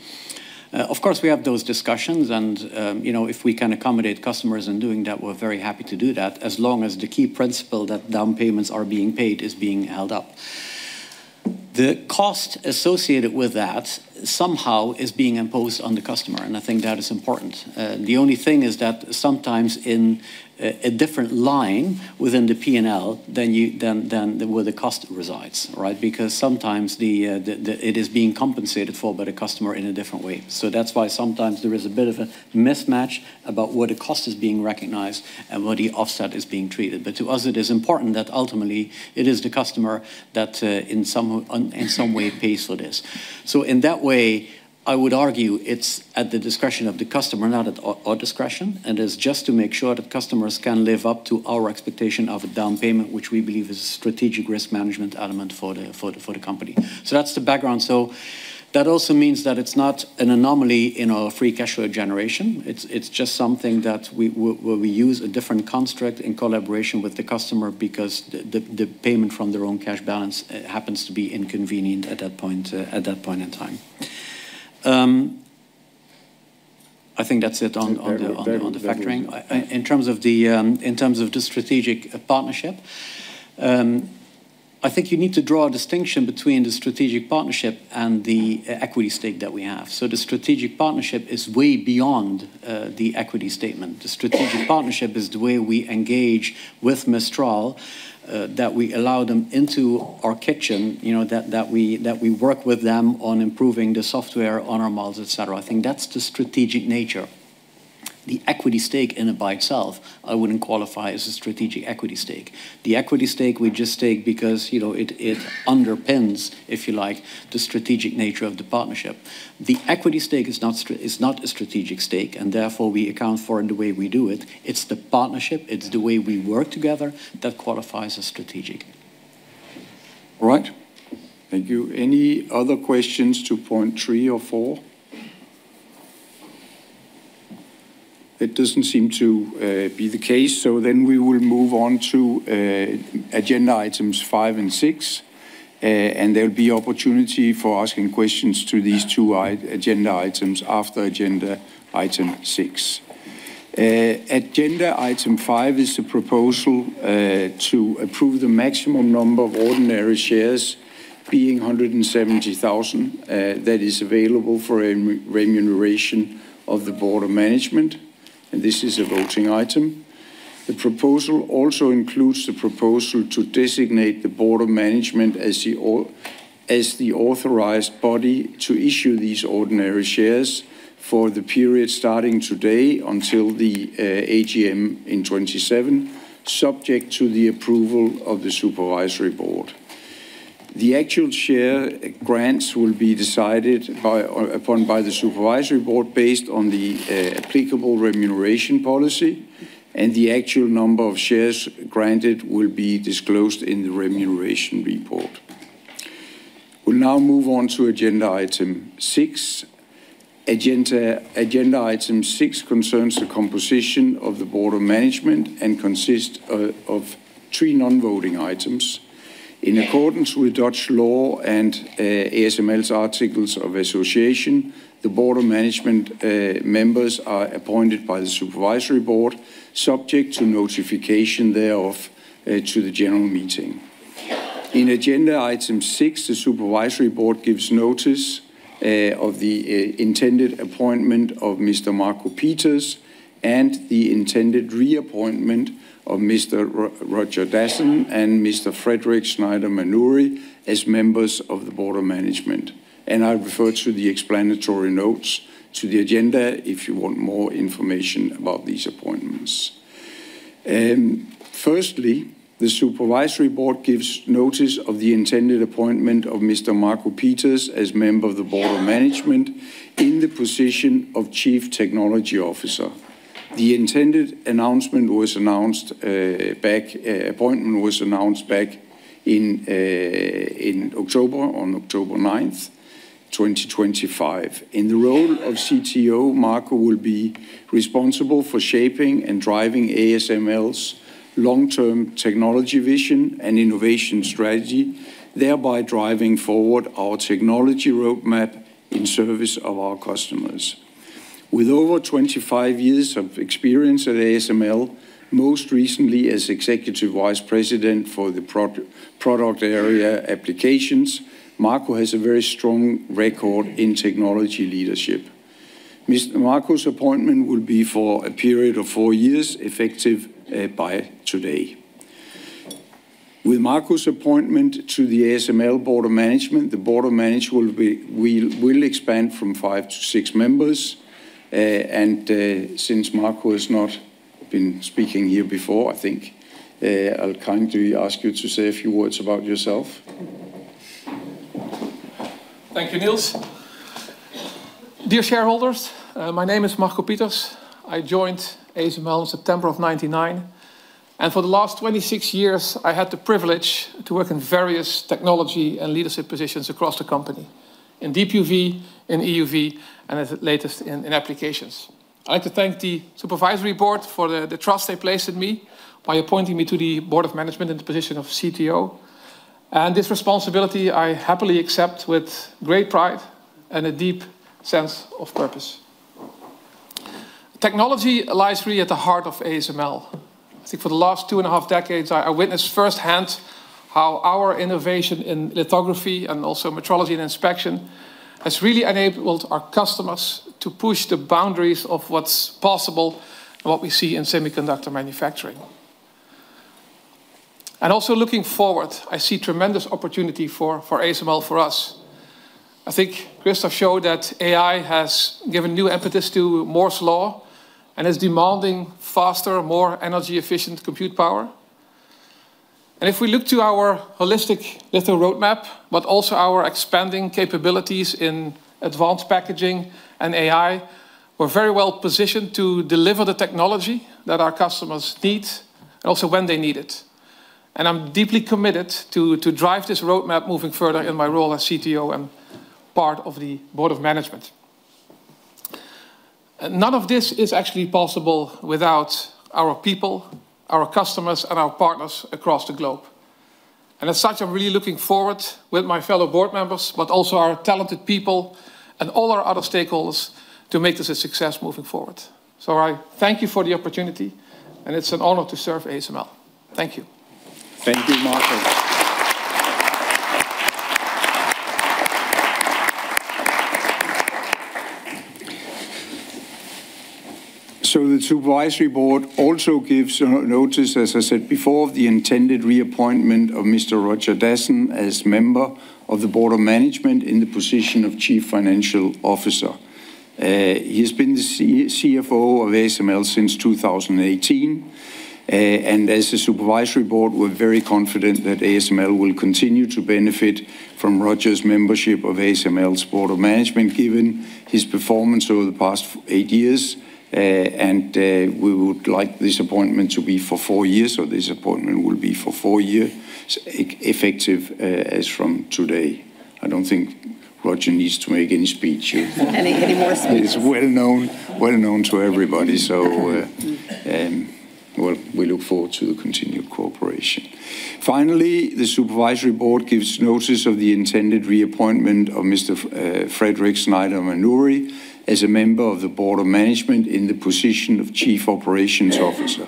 Of course, we have those discussions and if we can accommodate customers in doing that, we're very happy to do that, as long as the key principle that down payments are being paid is being held up. The cost associated with that somehow is being imposed on the customer, and I think that is important. The only thing is that sometimes in a different line within the P&L, than where the cost resides. Because sometimes it is being compensated for by the customer in a different way. So that's why sometimes there is a bit of a mismatch about where the cost is being recognized and where the offset is being treated. But to us, it is important that ultimately it is the customer that in some way pays for this. So in that way, I would argue it's at the discretion of the customer, not at our discretion. It's just to make sure that customers can live up to our expectation of a down payment, which we believe is a strategic risk management element for the company. That's the background. That also means that it's not an anomaly in our free cash flow generation. It's just something that where we use a different construct in collaboration with the customer because the payment from their own cash balance happens to be inconvenient at that point in time. I think that's it on the factoring. In terms of the strategic partnership, I think you need to draw a distinction between the strategic partnership and the equity stake that we have. The strategic partnership is way beyond the equity statement. The strategic partnership is the way we engage with Mistral, that we allow them into our kitchen, that we work with them on improving the software on our models, et cetera. I think that's the strategic nature. The equity stake in and by itself, I wouldn't qualify as a strategic equity stake. Theequity stake we just take because, it underpins, if you like, the strategic nature of the partnership. The equity stake is not a strategic stake, and therefore, we account for it the way we do it. It's the partnership, it's the way we work together that qualifies as strategic. All right. Thank you. Any other questions to point three or four? It doesn't seem to be the case, so then we will move on to agenda items five and six, and there'll be opportunity for asking questions to these two agenda items after item six. agenda item five is the proposal to approve the maximum number of ordinary shares being 170,000 that is available for remuneration of the Board of Management, and this is a voting item. The proposal also includes the proposal to designate the Board of Management as the authorized body to issue these ordinary shares for the period starting today until the AGM in 2027, subject to the approval of the Supervisory Board. The actual share grants will be decided upon by the Supervisory Board based on the applicable remuneration policy, and the actual number of shares granted will be disclosed in the remuneration report. We'll now move on to item six concerns the composition of the Board of Management and consists of three non-voting items. In accordance with Dutch law and ASML's articles of association, the Board of Management members are appointed by the Supervisory Board, subject to notification thereof to the general meeting. In item six, the Supervisory Board gives notice of the intended appointment of Mr. Marco Pieters and the intended reappointment of Mr. Roger Dassen and Mr. Frédéric Schneider-Maunoury as members of the Board of Management, and I refer to the explanatory notes to the agenda if you want more information about these appointments. Firstly, the Supervisory Board gives notice of the intended appointment of Mr. Marco Pieters as member of the Board of Management in the position of Chief Technology Officer. The intended appointment was announced back in October, on October 9th, 2025. In the role of CTO, Marco will be responsible for shaping and driving ASML's long-term technology vision and innovation strategy, thereby driving forward our technology roadmap in service of our customers. With over 25 years of experience at ASML, most recently as Executive Vice President for the Product Area Applications, Marco has a very strong record in technology leadership. Mr. Marco's appointment will be for a period of four years, effective by today. With Marco's appointment to the ASML Board of Management, the Board of Management will expand from five to six members. Since Marco has not been speaking here before, I think I'll kindly ask you to say a few words about yourself. Thank you, Nils. Dear shareholders, my name is Marco Pieters. I joined ASML in September of 1999, and for the last 26 years, I had the privilege to work in various technology and leadership positions across the company, in DUV and EUV, and as of late, in Applications. I'd like to thank the Supervisory Board for the trust they placed in me by appointing me to the Board of Management in the position of CTO, and this responsibility I happily accept with great pride and a deep sense of purpose. Technology lies really at the heart of ASML. I think for the last 2.5 decades, I witnessed firsthand how our innovation in lithography and also metrology and inspection has really enabled our customers to push the boundaries of what's possible and what we see in semiconductor manufacturing. Also looking forward, I see tremendous opportunity for ASML, for us. I think Christophe showed that AI has given new impetus to Moore's Law and is demanding faster, more energy-efficient compute power. If we look to our holistic litho roadmap, but also our expanding capabilities in advanced packaging and AI, we're very well positioned to deliver the technology that our customers need and also when they need it. I'm deeply committed to drive this roadmap moving further in my role as CTO and part of the board of management. None of this is actually possible without our people, our customers, and our partners across the globe. As such, I'm really looking forward with my fellow board members, but also our talented people and all our other stakeholders to make this a success moving forward. I thank you for the opportunity, and it's an honor to serve ASML. Thank you. Thank you, Marco. The supervisory board also gives notice, as I said before, of the intended reappointment of Mr. Roger Dassen as member of the board of management in the position of Chief Financial Officer. He has been the CFO of ASML since 2018, and as the supervisory board, we're very confident that ASML will continue to benefit from Roger's membership of ASML's board of management, given his performance over the past eight years. We would like this appointment to be for four years, so this appointment will be for four years, effective as from today. I don't think Roger needs to make any speech here. Any more speech. He's well known to everybody. We look forward to the continued cooperation. Finally, the Supervisory Board gives notice of the intended reappointment of Mr. Frédéric Schneider-Maunoury as a member of the Board of Management in the position of Chief Operations Officer.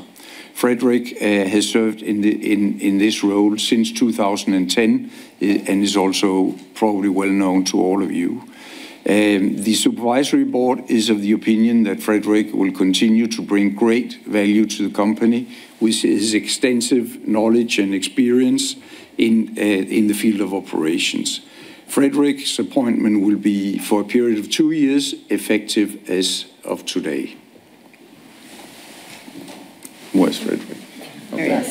Frédéric has served in this role since 2010 and is also probably well known to all of you. The Supervisory Board is of the opinion that Frédéric will continue to bring great value to the company, with his extensive knowledge and experience in the field of operations. Frédéric's appointment will be for a period of two years, effective as of today. Where's Frédéric? There he is.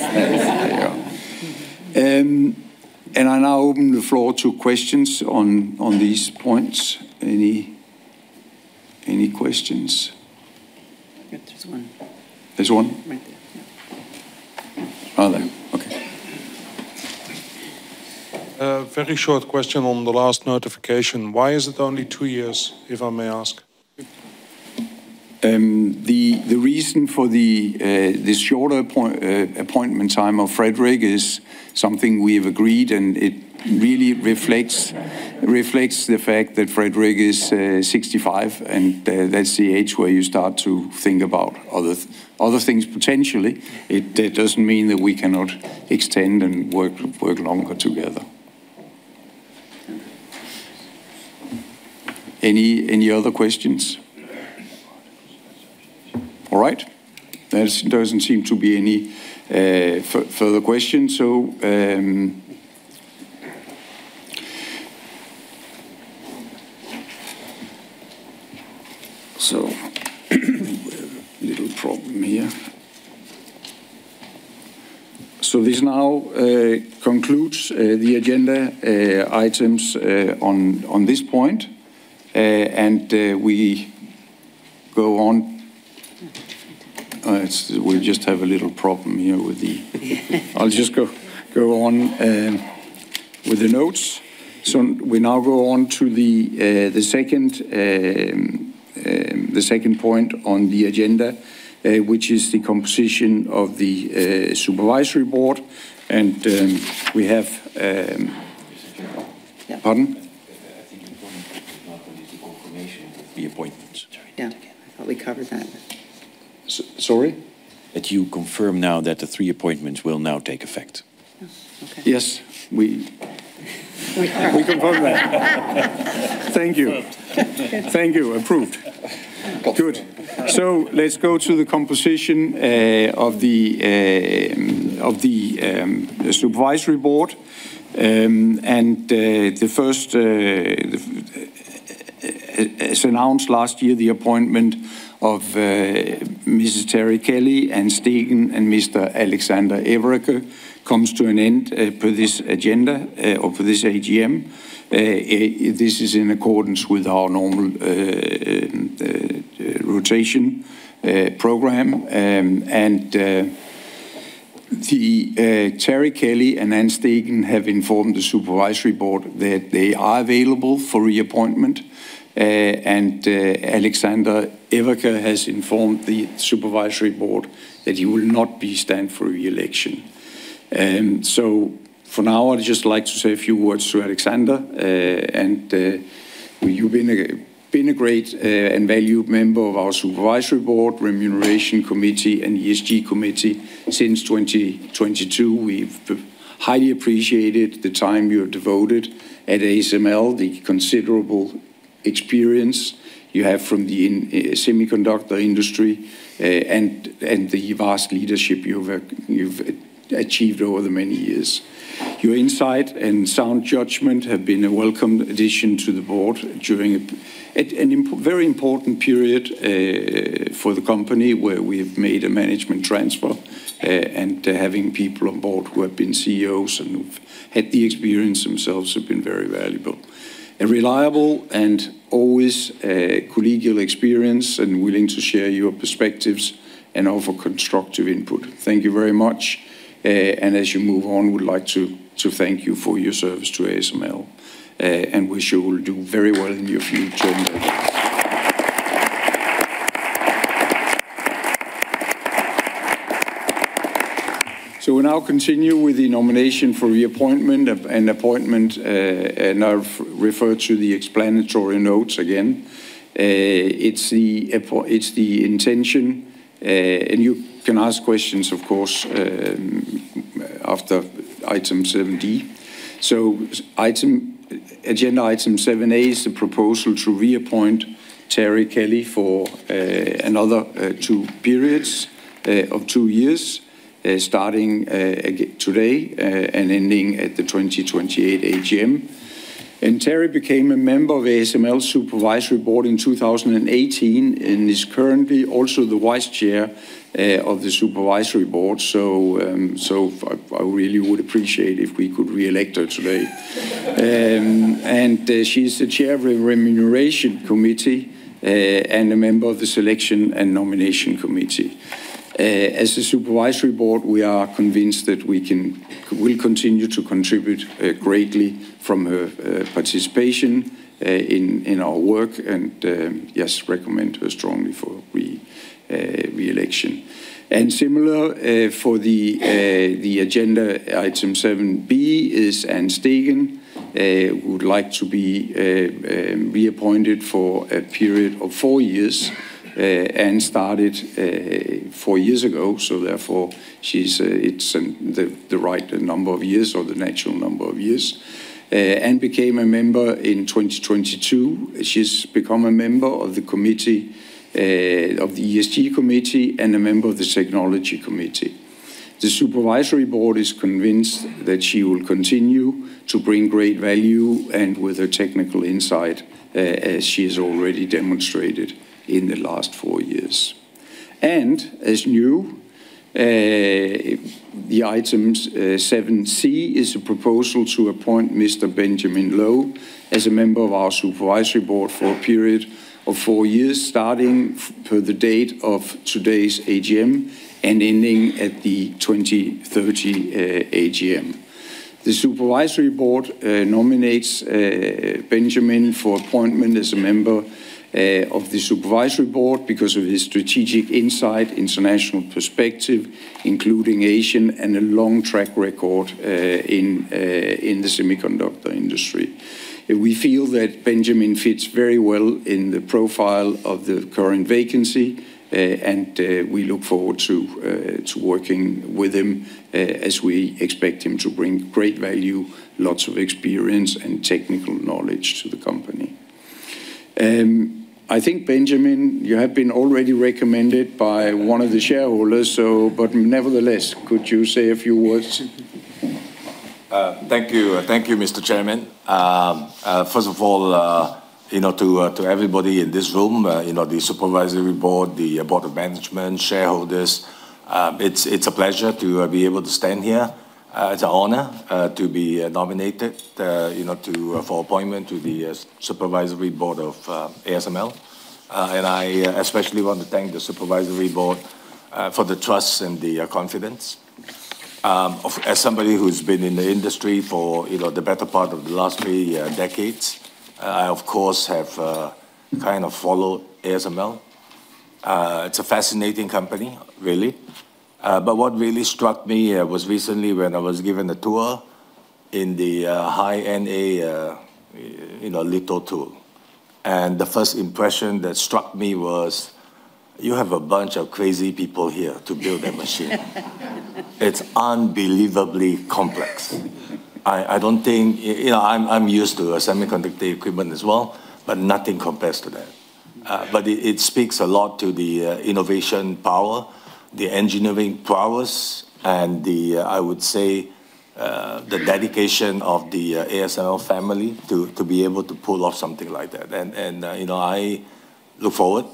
There. I now open the floor to questions on these points. Any questions? There's one. There's one? Right there. Yeah. Are they? Okay. A very short question on the last notification. Why is it only two years, if I may ask? The reason for the shorter appointment time of Frédéric is something we have agreed, and it really reflects the fact that Frédéric is 65, and that's the age where you start to think about other things potentially. It doesn't mean that we cannot extend and work longer together. Any other questions? All right. There doesn't seem to be any further questions. A little problem here. This now concludes the agenda items on this point, and we go on. We just have a little problem here. I'll just go on with the notes. We now go on to the second point on the agenda, which is the composition of the Supervisory Board, and we have- Mr. Chairman. Pardon? I think an important point is not only the confirmation of the appointments. Yeah. I thought we covered that. Sorry? That you confirm now that the three appointments will now take effect. Yes. Okay. Yes. We confirm that. Thank you. Approved. Good. Let's go to the composition of the Supervisory Board. The first, as announced last year, the appointment of Mrs. Terri Kelly, An Steegen, and Mr. Alexander Everke comes to an end for this agenda or for this AGM. This is in accordance with our normal rotation program. Terri Kelly and An Steegen have informed the Supervisory Board that they are available for reappointment. Alexander Everke has informed the Supervisory Board that he will not be standing for reelection. For now, I'd just like to say a few words to Alexander. You've been a great and valued member of our Supervisory Board, Remuneration Committee, and ESG Committee since 2022. We've highly appreciated the time you have devoted at ASML, the considerable experience you have from the semiconductor industry, and the vast leadership you've achieved over the many years. Your insight and sound judgment have been a welcome addition to the board during a very important period for the company, where we have made a management transfer. Having people on board who have been CEOs and who've had the experience themselves have been very valuable. A reliable and always collegial experience and willing to share your perspectives and offer constructive input. Thank you very much. As you move on, we'd like to thank you for your service to ASML and wish you will do very well in your future endeavors. We'll now continue with the nomination for reappointment, and appointment, and I'll refer to the explanatory notes again. It's the intention, and you can ask questions, of course, after item seven. Agenda item seven is the proposal to reappoint Terri Kelly for another two periods of two years, starting today and ending at the 2028 AGM. Terri Kelly became a member of ASML Supervisory Board in 2018 and is currently also the vice chair of the Supervisory Board. I really would appreciate if we could re-elect her today. She's the chair of the Remuneration Committee and a member of the Selection and Nomination Committee. As a supervisory board, we are convinced that we'll continue to benefit greatly from her participation in our work and yes, recommend her strongly for re-election. Similar, for the agenda item seven is An Steegen, who would like to be reappointed for a period of four years. An Steegen started four years ago, so therefore it's the right number of years, or the natural number of years. An Steegen became a member in 2022. She's become a member of the ESG Committee and a member of the Technology Committee. The Supervisory Board is convinced that she will continue to bring great value and with her technical insight, as she has already demonstrated in the last four years. item seven is a proposal to appoint Mr. Benjamin Loh as a member of our Supervisory Board for a period of four years, starting per the date of today's AGM and ending at the 2030 AGM. The Supervisory Board nominates Benjamin Loh for appointment as a member of the Supervisory Board because of his strategic insight, international perspective, including Asian, and a long track record in the semiconductor industry. We feel that Benjamin fits very well in the profile of the current vacancy, and we look forward to working with him as we expect him to bring great value, lots of experience, and technical knowledge to the company. I think, Benjamin, you have been already recommended by one of the shareholders, but nevertheless, could you say a few words? Thank you, Mr. Chairman. First of all, to everybody in this room, the supervisory board, the board of management, shareholders, it's a pleasure to be able to stand here. It's an honor to be nominated for appointment to the supervisory board of ASML. I especially want to thank the supervisory board for the trust and the confidence. As somebody who's been in the industry for the better part of the last three decades, I, of course, have kind of followed ASML. It's a fascinating company, really. What really struck me was recently when I was given a tour in the High-NA litho tool. The first impression that struck me was, you have a bunch of crazy people here to build a machine. It's unbelievably complex. I'm used to semiconductor equipment as well, but nothing compares to that. It speaks a lot to the innovation power, the engineering prowess, and the, I would say, the dedication of the ASML family to be able to pull off something like that. I look forward,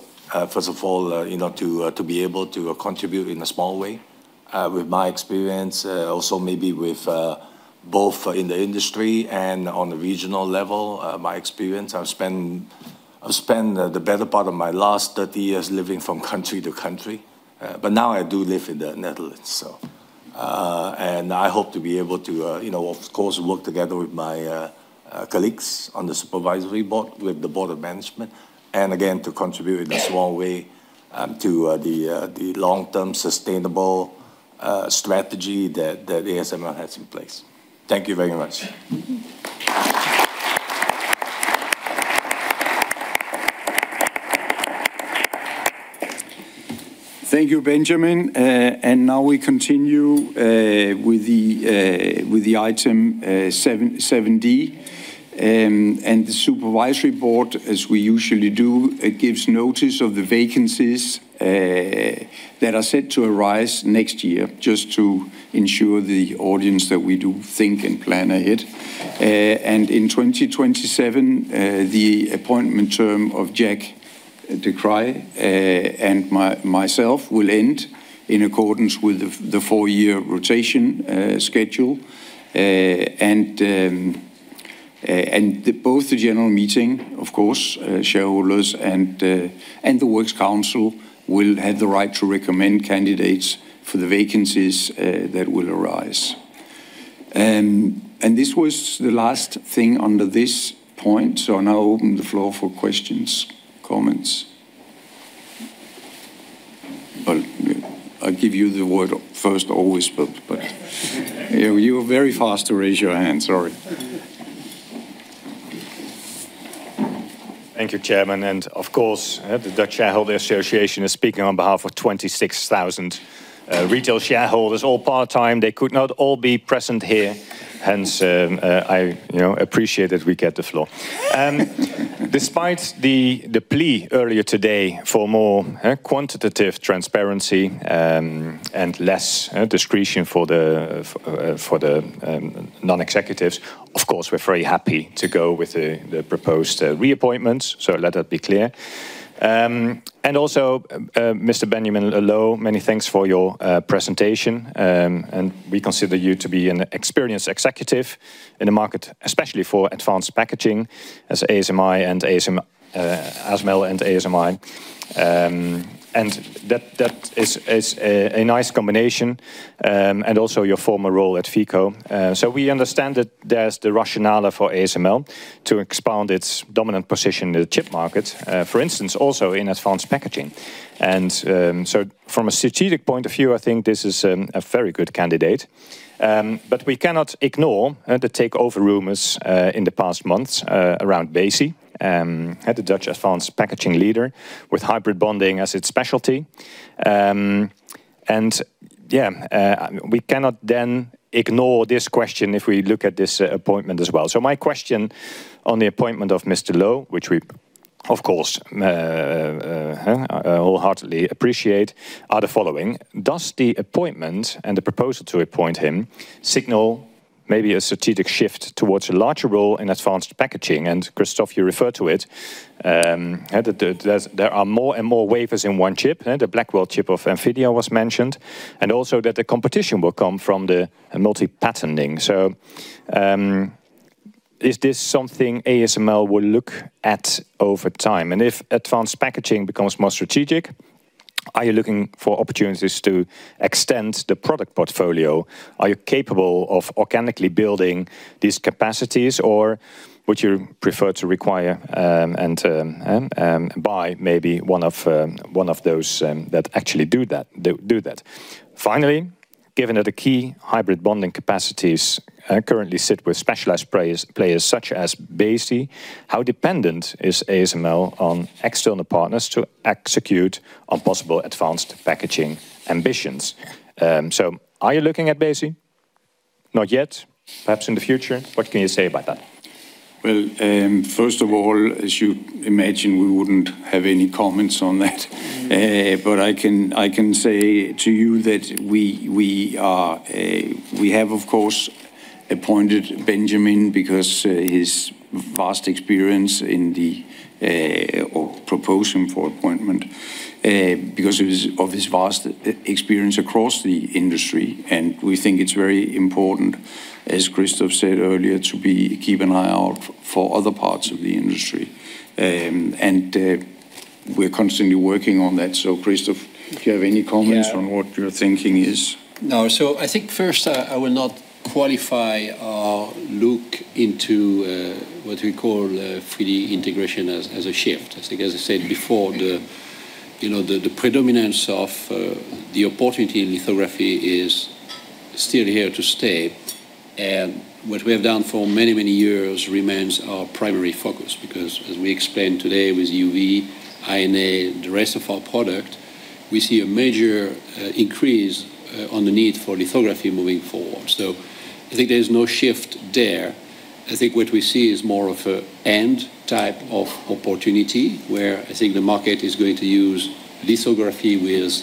first of all, to be able to contribute in a small way with my experience, also maybe with both in the industry and on the regional level my experience. I've spent the better part of my last 30 years living from country to country. Now I do live in the Netherlands. I hope to be able to, of course, work together with my colleagues on the Supervisory Board, with the Board of Management, and again, to contribute in a small way. To the long-term sustainable strategy that ASML has in place. Thank you very much. Thank you, Benjamin. Now we continue with the item sevend, and the Supervisory Board, as we usually do, it gives notice of the vacancies that are set to arise next year, just to ensure the audience that we do think and plan ahead. In 2027, the appointment term of Jack de Kreij and myself will end in accordance with the four-year rotation schedule. Both the general meeting, of course, shareholders, and the Works Council will have the right to recommend candidates for the vacancies that will arise. This was the last thing under this point, so I now open the floor for questions, comments. Well, I give you the word first always, but- You were very fast to raise your hand, sorry. Thank you, Chairman, and of course, the Dutch Shareholder Association is speaking on behalf of 26,000 retail shareholders, all part-time. They could not all be present here, hence I appreciate that we get the floor. Despite the plea earlier today for more quantitative transparency, and less discretion for the non-executives, of course, we're very happy to go with the proposed reappointments, so let that be clear. Also, Mr. Benjamin Loh, many thanks for your presentation, and we consider you to be an experienced executive in the market, especially for advanced packaging as ASMI and ASML and ASMI. That is a nice combination, and also your former role at FEI. We understand that there's the rationale for ASML to expand its dominant position in the chip market, for instance, also in advanced packaging. From a strategic point of view, I think this is a very good candidate. We cannot ignore the takeover rumors in the past months around Besi, the Dutch advanced packaging leader with hybrid bonding as its specialty. Yeah, we cannot then ignore this question if we look at this appointment as well. My question on the appointment of Mr. Loh, which we of course, wholeheartedly appreciate, are the following. Does the appointment and the proposal to appoint him signal maybe a strategic shift towards a larger role in advanced packaging? Christophe, you referred to it, that there are more and more wafers in one chip. The Blackwell chip of NVIDIA was mentioned, and also that the competition will come from the multi-patterning. Is this something ASML will look at over time? If advanced packaging becomes more strategic, are you looking for opportunities to extend the product portfolio? Are you capable of organically building these capacities, or would you prefer to acquire and buy maybe one of those that actually do that? Finally, given that the key hybrid bonding capacities currently sit with specialized players such as Besi, how dependent is ASML on external partners to execute on possible advanced packaging ambitions? Are you looking at Besi? Not yet? Perhaps in the future? What can you say about that? Well, first of all, as you imagine, we wouldn't have any comments on that. I can say to you that we have, of course, appointed Benjamin. We propose him for appointment because of his vast experience across the industry. We think it's very important, as Christophe said earlier, to keep an eye out for other parts of the industry. We're constantly working on that. Christophe, if you have any comments on what you're thinking is. No. I think first, I will not qualify or look into what we call 3D integration as a shift. I think as I said before, the predominance of the opportunity in lithography is still here to stay. What we have done for many, many years remains our primary focus, because as we explained today with EUV, High-NA, the rest of our product, we see a major increase on the need for lithography moving forward. I think there is no shift there. I think what we see is more of an and type of opportunity, where I think the market is going to use lithography with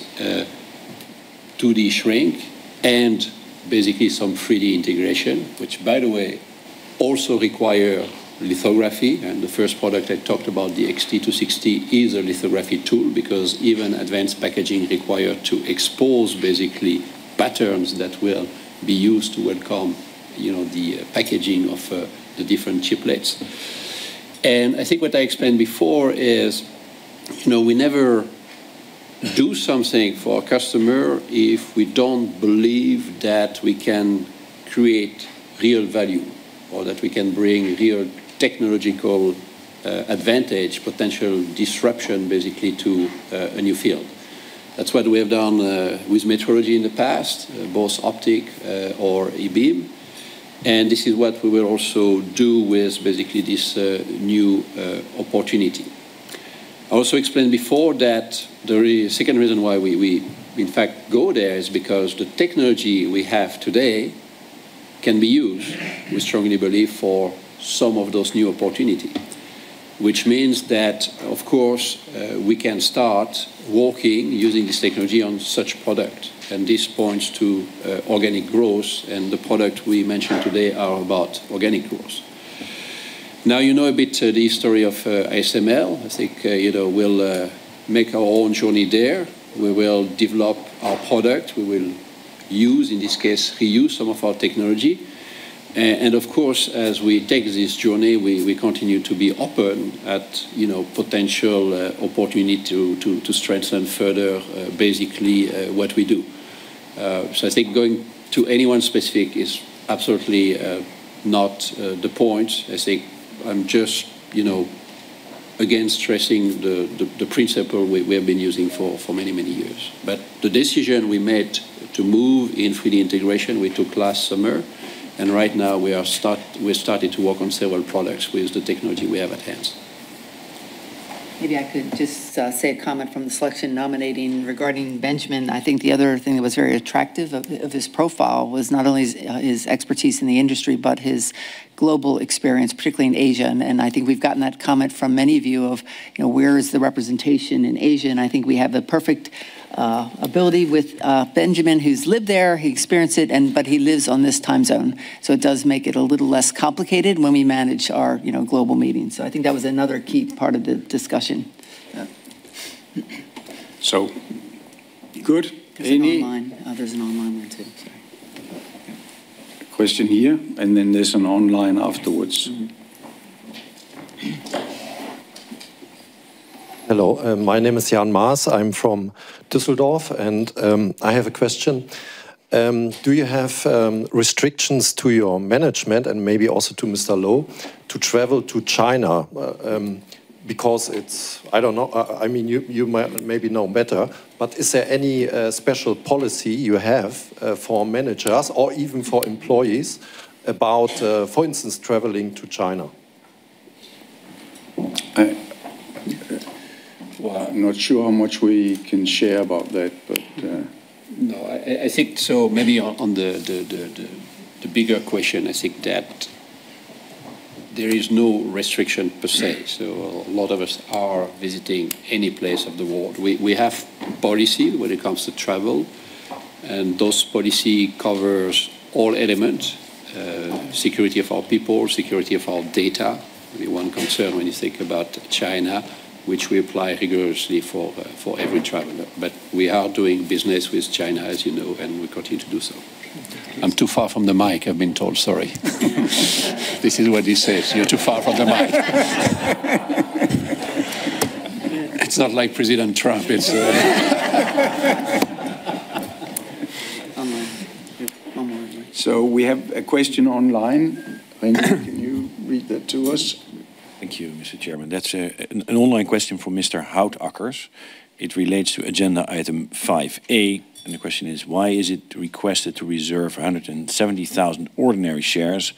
2D shrink and basically some 3D integration. Which, by the way, also require lithography, and the first product I talked about, the XT260, is a lithography tool. Because even advanced packaging require to expose basically patterns that will be used when come the packaging of the different chiplets. I think what I explained before is, we never do something for our customer if we don't believe that we can create real value or that we can bring real technological advantage, potential disruption, basically, to a new field. That's what we have done with metrology in the past, both optic or E-beam, and this is what we will also do with basically this new opportunity. I also explained before that the second reason why we in fact go there is because the technology we have today can be used, we strongly believe, for some of those new opportunity. Which means that, of course, we can start working using this technology on such product, and this points to organic growth, and the product we mentioned today are about organic growth. Now you know a bit the history of ASML. I think we'll make our own journey there. We will develop our product. We will use, in this case, reuse some of our technology. Of course, as we take this journey, we continue to be open at potential opportunity to strengthen further basically what we do. I think going to anyone specific is absolutely not the point. I think I'm just, again, stressing the principle we have been using for many, many years. The decision we made to move in 3D integration, we took last summer, and right now we're starting to work on several products with the technology we have at hand. Maybe I could just say a comment from the selection nominating regarding Benjamin. I think the other thing that was very attractive of his profile was not only his expertise in the industry, but his global experience, particularly in Asia, and I think we've gotten that comment from many of you of where is the representation in Asia, and I think we have the perfect ability with Benjamin, who's lived there, he experienced it, but he lives on this time zone, so it does make it a little less complicated when we manage our global meetings. I think that was another key part of the discussion. Good. There's an online one too. Sorry. Question here, and then there's an online afterwards. Mm-hmm. Hello. My name is Jan Maas. I'm from Düsseldorf, and I have a question. Do you have restrictions to your management and maybe also to Mr. Loh to travel to China? Because it's, I don't know, you maybe know better, but is there any special policy you have for managers or even for employees about, for instance, traveling to China? I'm not sure how much we can share about that, but. No, I think so maybe on the bigger question, I think that there is no restriction per se. A lot of us are visiting any place of the world. We have policy when it comes to travel, and those policy covers all elements, security of our people, security of our data. Maybe one concern when you think about China, which we apply rigorously for every traveler. We are doing business with China, as you know, and we continue to do so. I'm too far from the mic, I've been told, sorry. This is what he says. You're too far from the mic. It's not like President Trump. Online. One more online. We have a question online. Reinier Kleipool, can you read that to us? Thank you, Mr. Chairman. That's an online question from Mr. Houtackers. It relates to agenda item five, and the question is, why is it requested to reserve 170,000 ordinary shares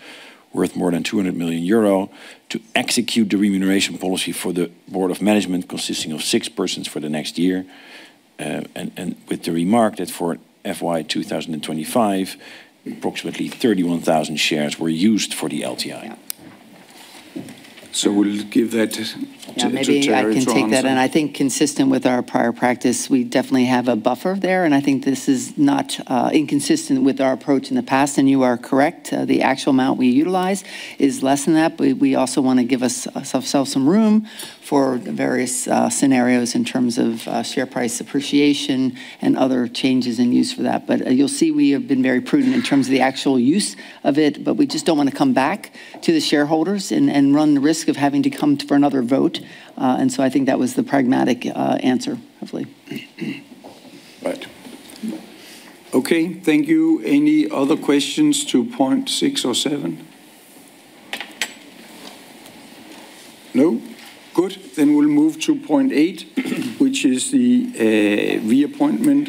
worth more than 200 million euro to execute the remuneration policy for the Board of Management consisting of six persons for the next year? With the remark that for FY 2025, approximately 31,000 shares were used for the LTI. We'll give that to Terri to answer. Yeah, maybe I can take that, and I think consistent with our prior practice, we definitely have a buffer there, and I think this is not inconsistent with our approach in the past, and you are correct. The actual amount we utilize is less than that, but we also want to give ourselves some room for various scenarios in terms of share price appreciation and other changes in use for that. But you'll see we have been very prudent in terms of the actual use of it, but we just don't want to come back to the shareholders and run the risk of having to come for another vote. I think that was the pragmatic answer, hopefully. Right. Okay, thank you. Any other questions to point six or seven? No? Good. We'll move to point eight, which is the reappointment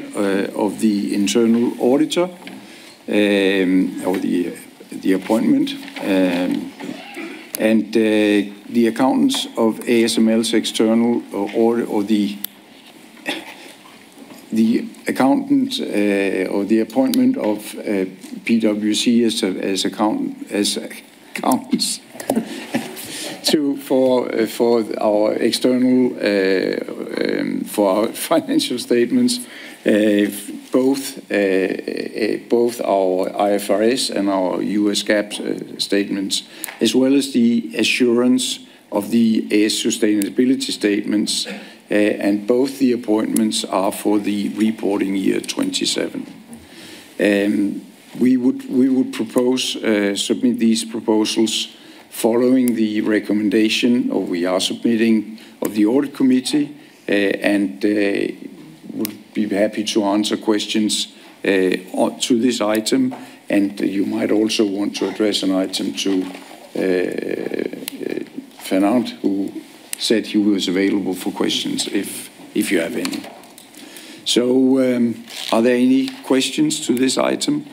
of the internal auditor, or the appointment. The accountants of ASML's external audit, or the appointment of PricewaterhouseCoopers as accountants for our financial statements, both our IFRS and our U.S. GAAP statements, as well as the assurance of the ASML sustainability statements. Both the appointments are for the reporting year 2027. We are submitting these proposals following the recommendation of the audit committee. Would be happy to answer questions to this item, and you might also want to address an item to Fernand, who said he was available for questions if you have any. Are there any questions to this item?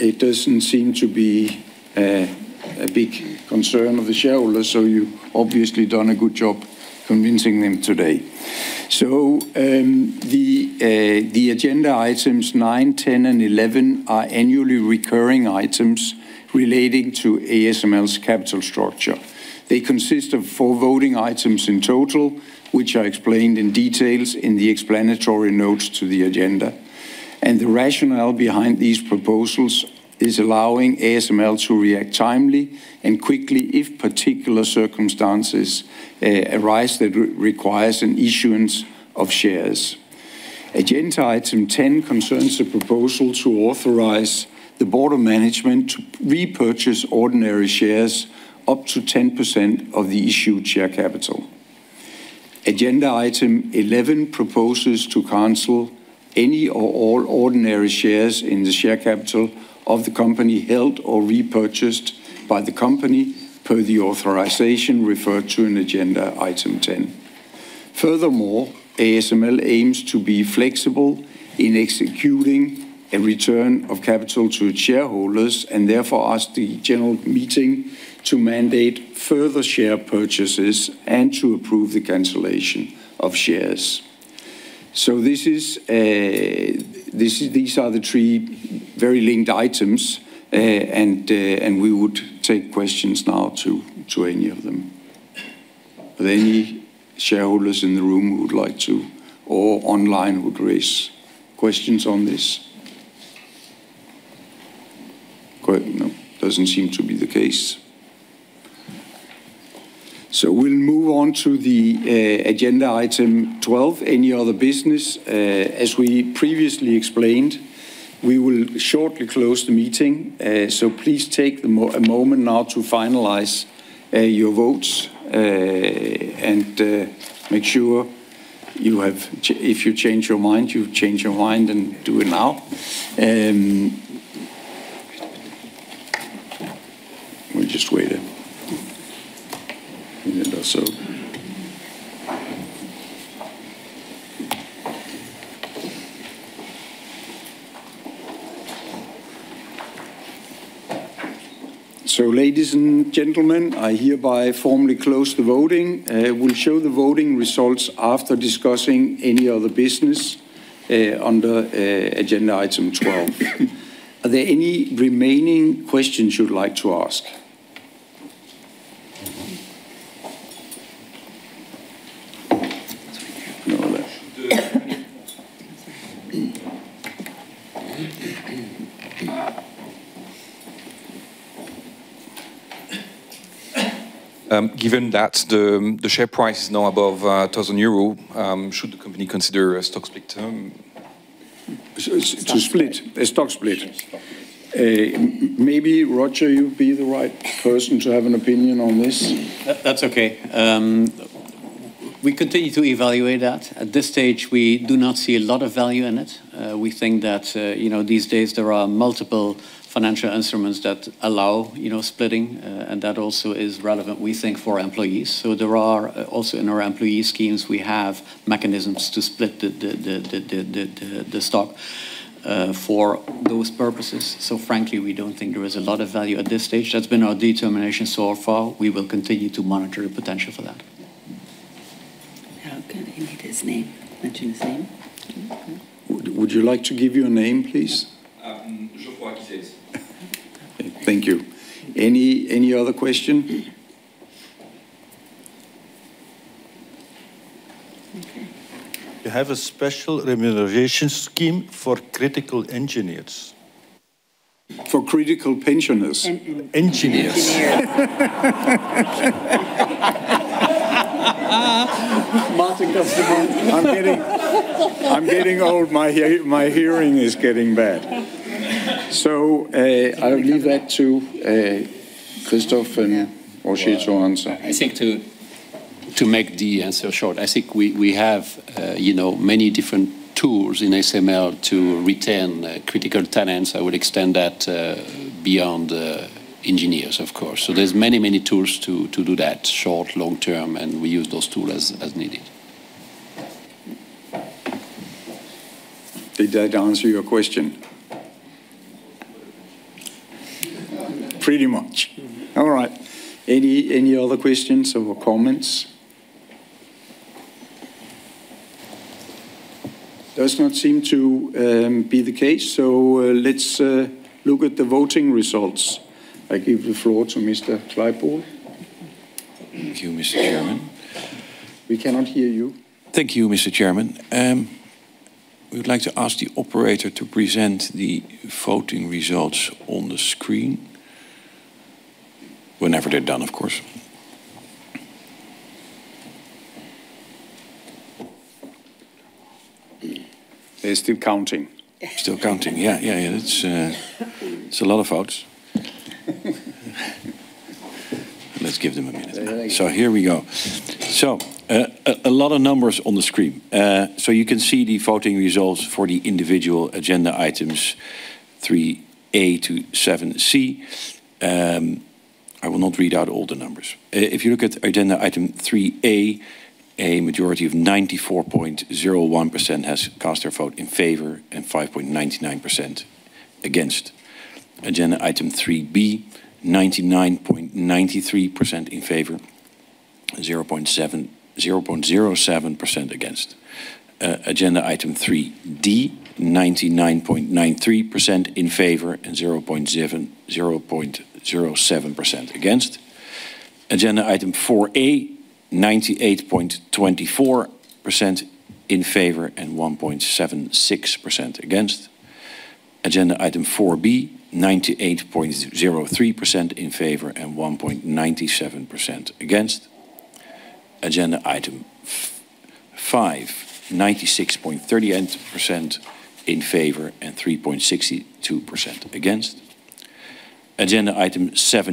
It doesn't seem to be a big concern of the shareholders, so you've obviously done a good job convincing them today. The agenda items 9, 10, and 11 are annually recurring items relating to ASML's capital structure. They consist of four voting items in total, which are explained in detail in the explanatory notes to the agenda. The rationale behind these proposals is allowing ASML to react timely and quickly if particular circumstances arise that requires an issuance of shares. Agenda item 10 concerns the proposal to authorize the board of management to repurchase ordinary shares up to 10% of the issued share capital. Agendaitem 11 proposes to cancel any or all ordinary shares in the share capital of the company held or repurchased by the company per the authorization referred to in agendaitem 10. Furthermore, ASML aims to be flexible in executing a return of capital to its shareholders, and therefore ask the general meeting to mandate further share purchases and to approve the cancellation of shares. These are the three very linked items, and we would take questions now to any of them. Are there any shareholders in the room who would like to, or online, who would raise questions on this? No, doesn't seem to be the case. We'll move on to the agendaitem 12, any other business. As we previously explained, we will shortly close the meeting, so please take a moment now to finalize your votes, and make sure if you change your mind and do it now. We just waited a minute or so. Ladies and gentlemen, I hereby formally close the voting. We'll show the voting results after discussing any other business under agendaitem 12. Are there any remaining questions you would like to ask? No, there- Given that the share price is now above 1,000 euro, should the company consider a stock split? To split? A stock split. Maybe Roger, you'd be the right person to have an opinion on this. That's okay. We continue to evaluate that. At this stage, we do not see a lot of value in it. We think that these days there are multiple financial instruments that allow splitting, and that also is relevant, we think, for employees. There are also in our employee schemes, we have mechanisms to split the stock for those purposes. Frankly, we don't think there is a lot of value at this stage. That's been our determination so far. We will continue to monitor the potential for that. How can he get his name mentioned? Same? Would you like to give your name, please? Geoffroy Cassagnes. Thank you. Any other question? You have a special remuneration scheme for critical engineers. For critical pensioners? Engineers. Martin, that's the one. I'm getting old. My hearing is getting bad. I'll leave that to Christophe or Roger to answer. I think to make the answer short, I think we have many different tools in ASML to retain critical talents. I would extend that beyond engineers, of course. There's many tools to do that, short, long-term, and we use those tools as needed. Did that answer your question? Very much. Pretty much. All right. Any other questions or comments? Does not seem to be the case, so let's look at the voting results. I give the floor to Mr. Kleipool. Thank you, Mr. Chairman. We cannot hear you. Thank you, Mr. Chairman. We would like to ask the operator to present the voting results on the screen. Whenever they're done, of course. They're still counting. Still counting? Yeah. It's a lot of votes. Let's give them a minute. Here we go. A lot of numbers on the screen. You can see the voting results for the individual agenda items 3A to 7C. I will not read out all the numbers. If you look at agenda item threea, a majority of 94.01% has cast their vote in favor, and 5.99% against. Agenda item three B, 99.93% in favor, 0.07% against. Agenda item three D, 99.93% in favor and 0.07% against. Agenda item four A, 98.24% in favor and 1.76% against. Agenda item four B, 98.03% in favor and 1.97% against. Agenda item five,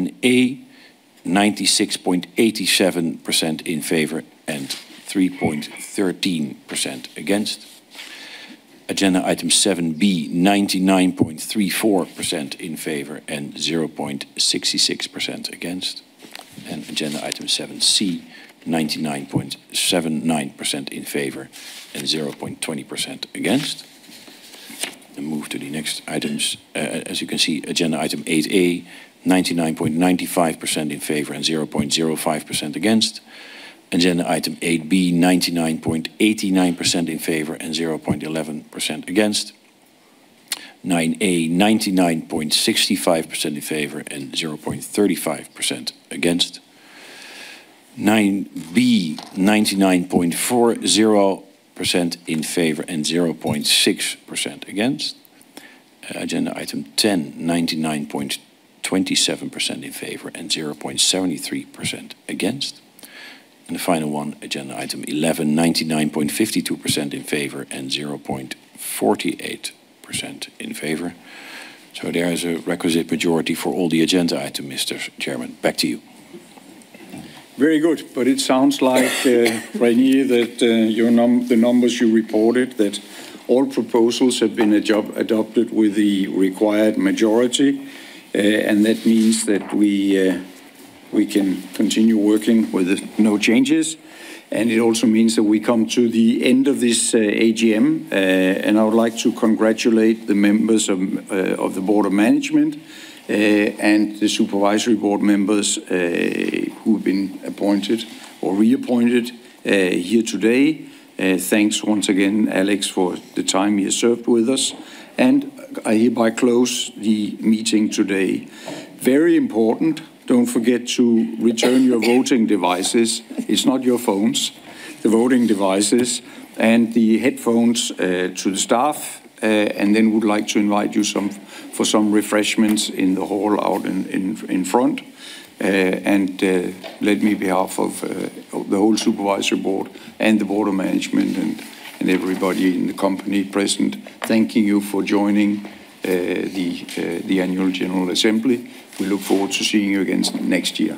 96.38% in favor and 3.62% against. Agenda item sevena, 96.87% in favor and 3.13% against. Agenda item seven 7, 99.34% in favor and 0.66% against. Agenda item sevenc, 99.79% in favor and 0.20% against. Move to the next items. As you can see, agenda item eighta, 99.95% in favor and 0.05% against. Agenda item eightb, 99.89% in favor and 0.11% against. 9A, 99.65% in favor and 0.35% against. 9B, 99.40% in favor and 0.6% against. Agendaitem 10, 99.27% in favor and 0.73% against. The final one, agendaitem 11, 99.52% in favor and 0.48% in favor. There is a requisite majority for all the agenda items, Mr. Chairman. Back to you. Very good. It sounds like, Reinier that the numbers you reported, that all proposals have been adopted with the required majority. That means that we can continue working with no changes. It also means that we come to the end of this AGM, and I would like to congratulate the members of the Board of Management and the Supervisory Board members who've been appointed or reappointed here today. Thanks once again, Alex, for the time you served with us, and I hereby close the meeting today. Very important, don't forget to return your voting devices. It's not your phones, the voting devices and the headphones to the staff, and then we'd like to invite you for some refreshments in the hall out in front. Let me, on behalf of the whole Supervisory Board and the Board of Management and everybody in the company present, thank you for joining the Annual General Assembly. We look forward to seeing you again next year.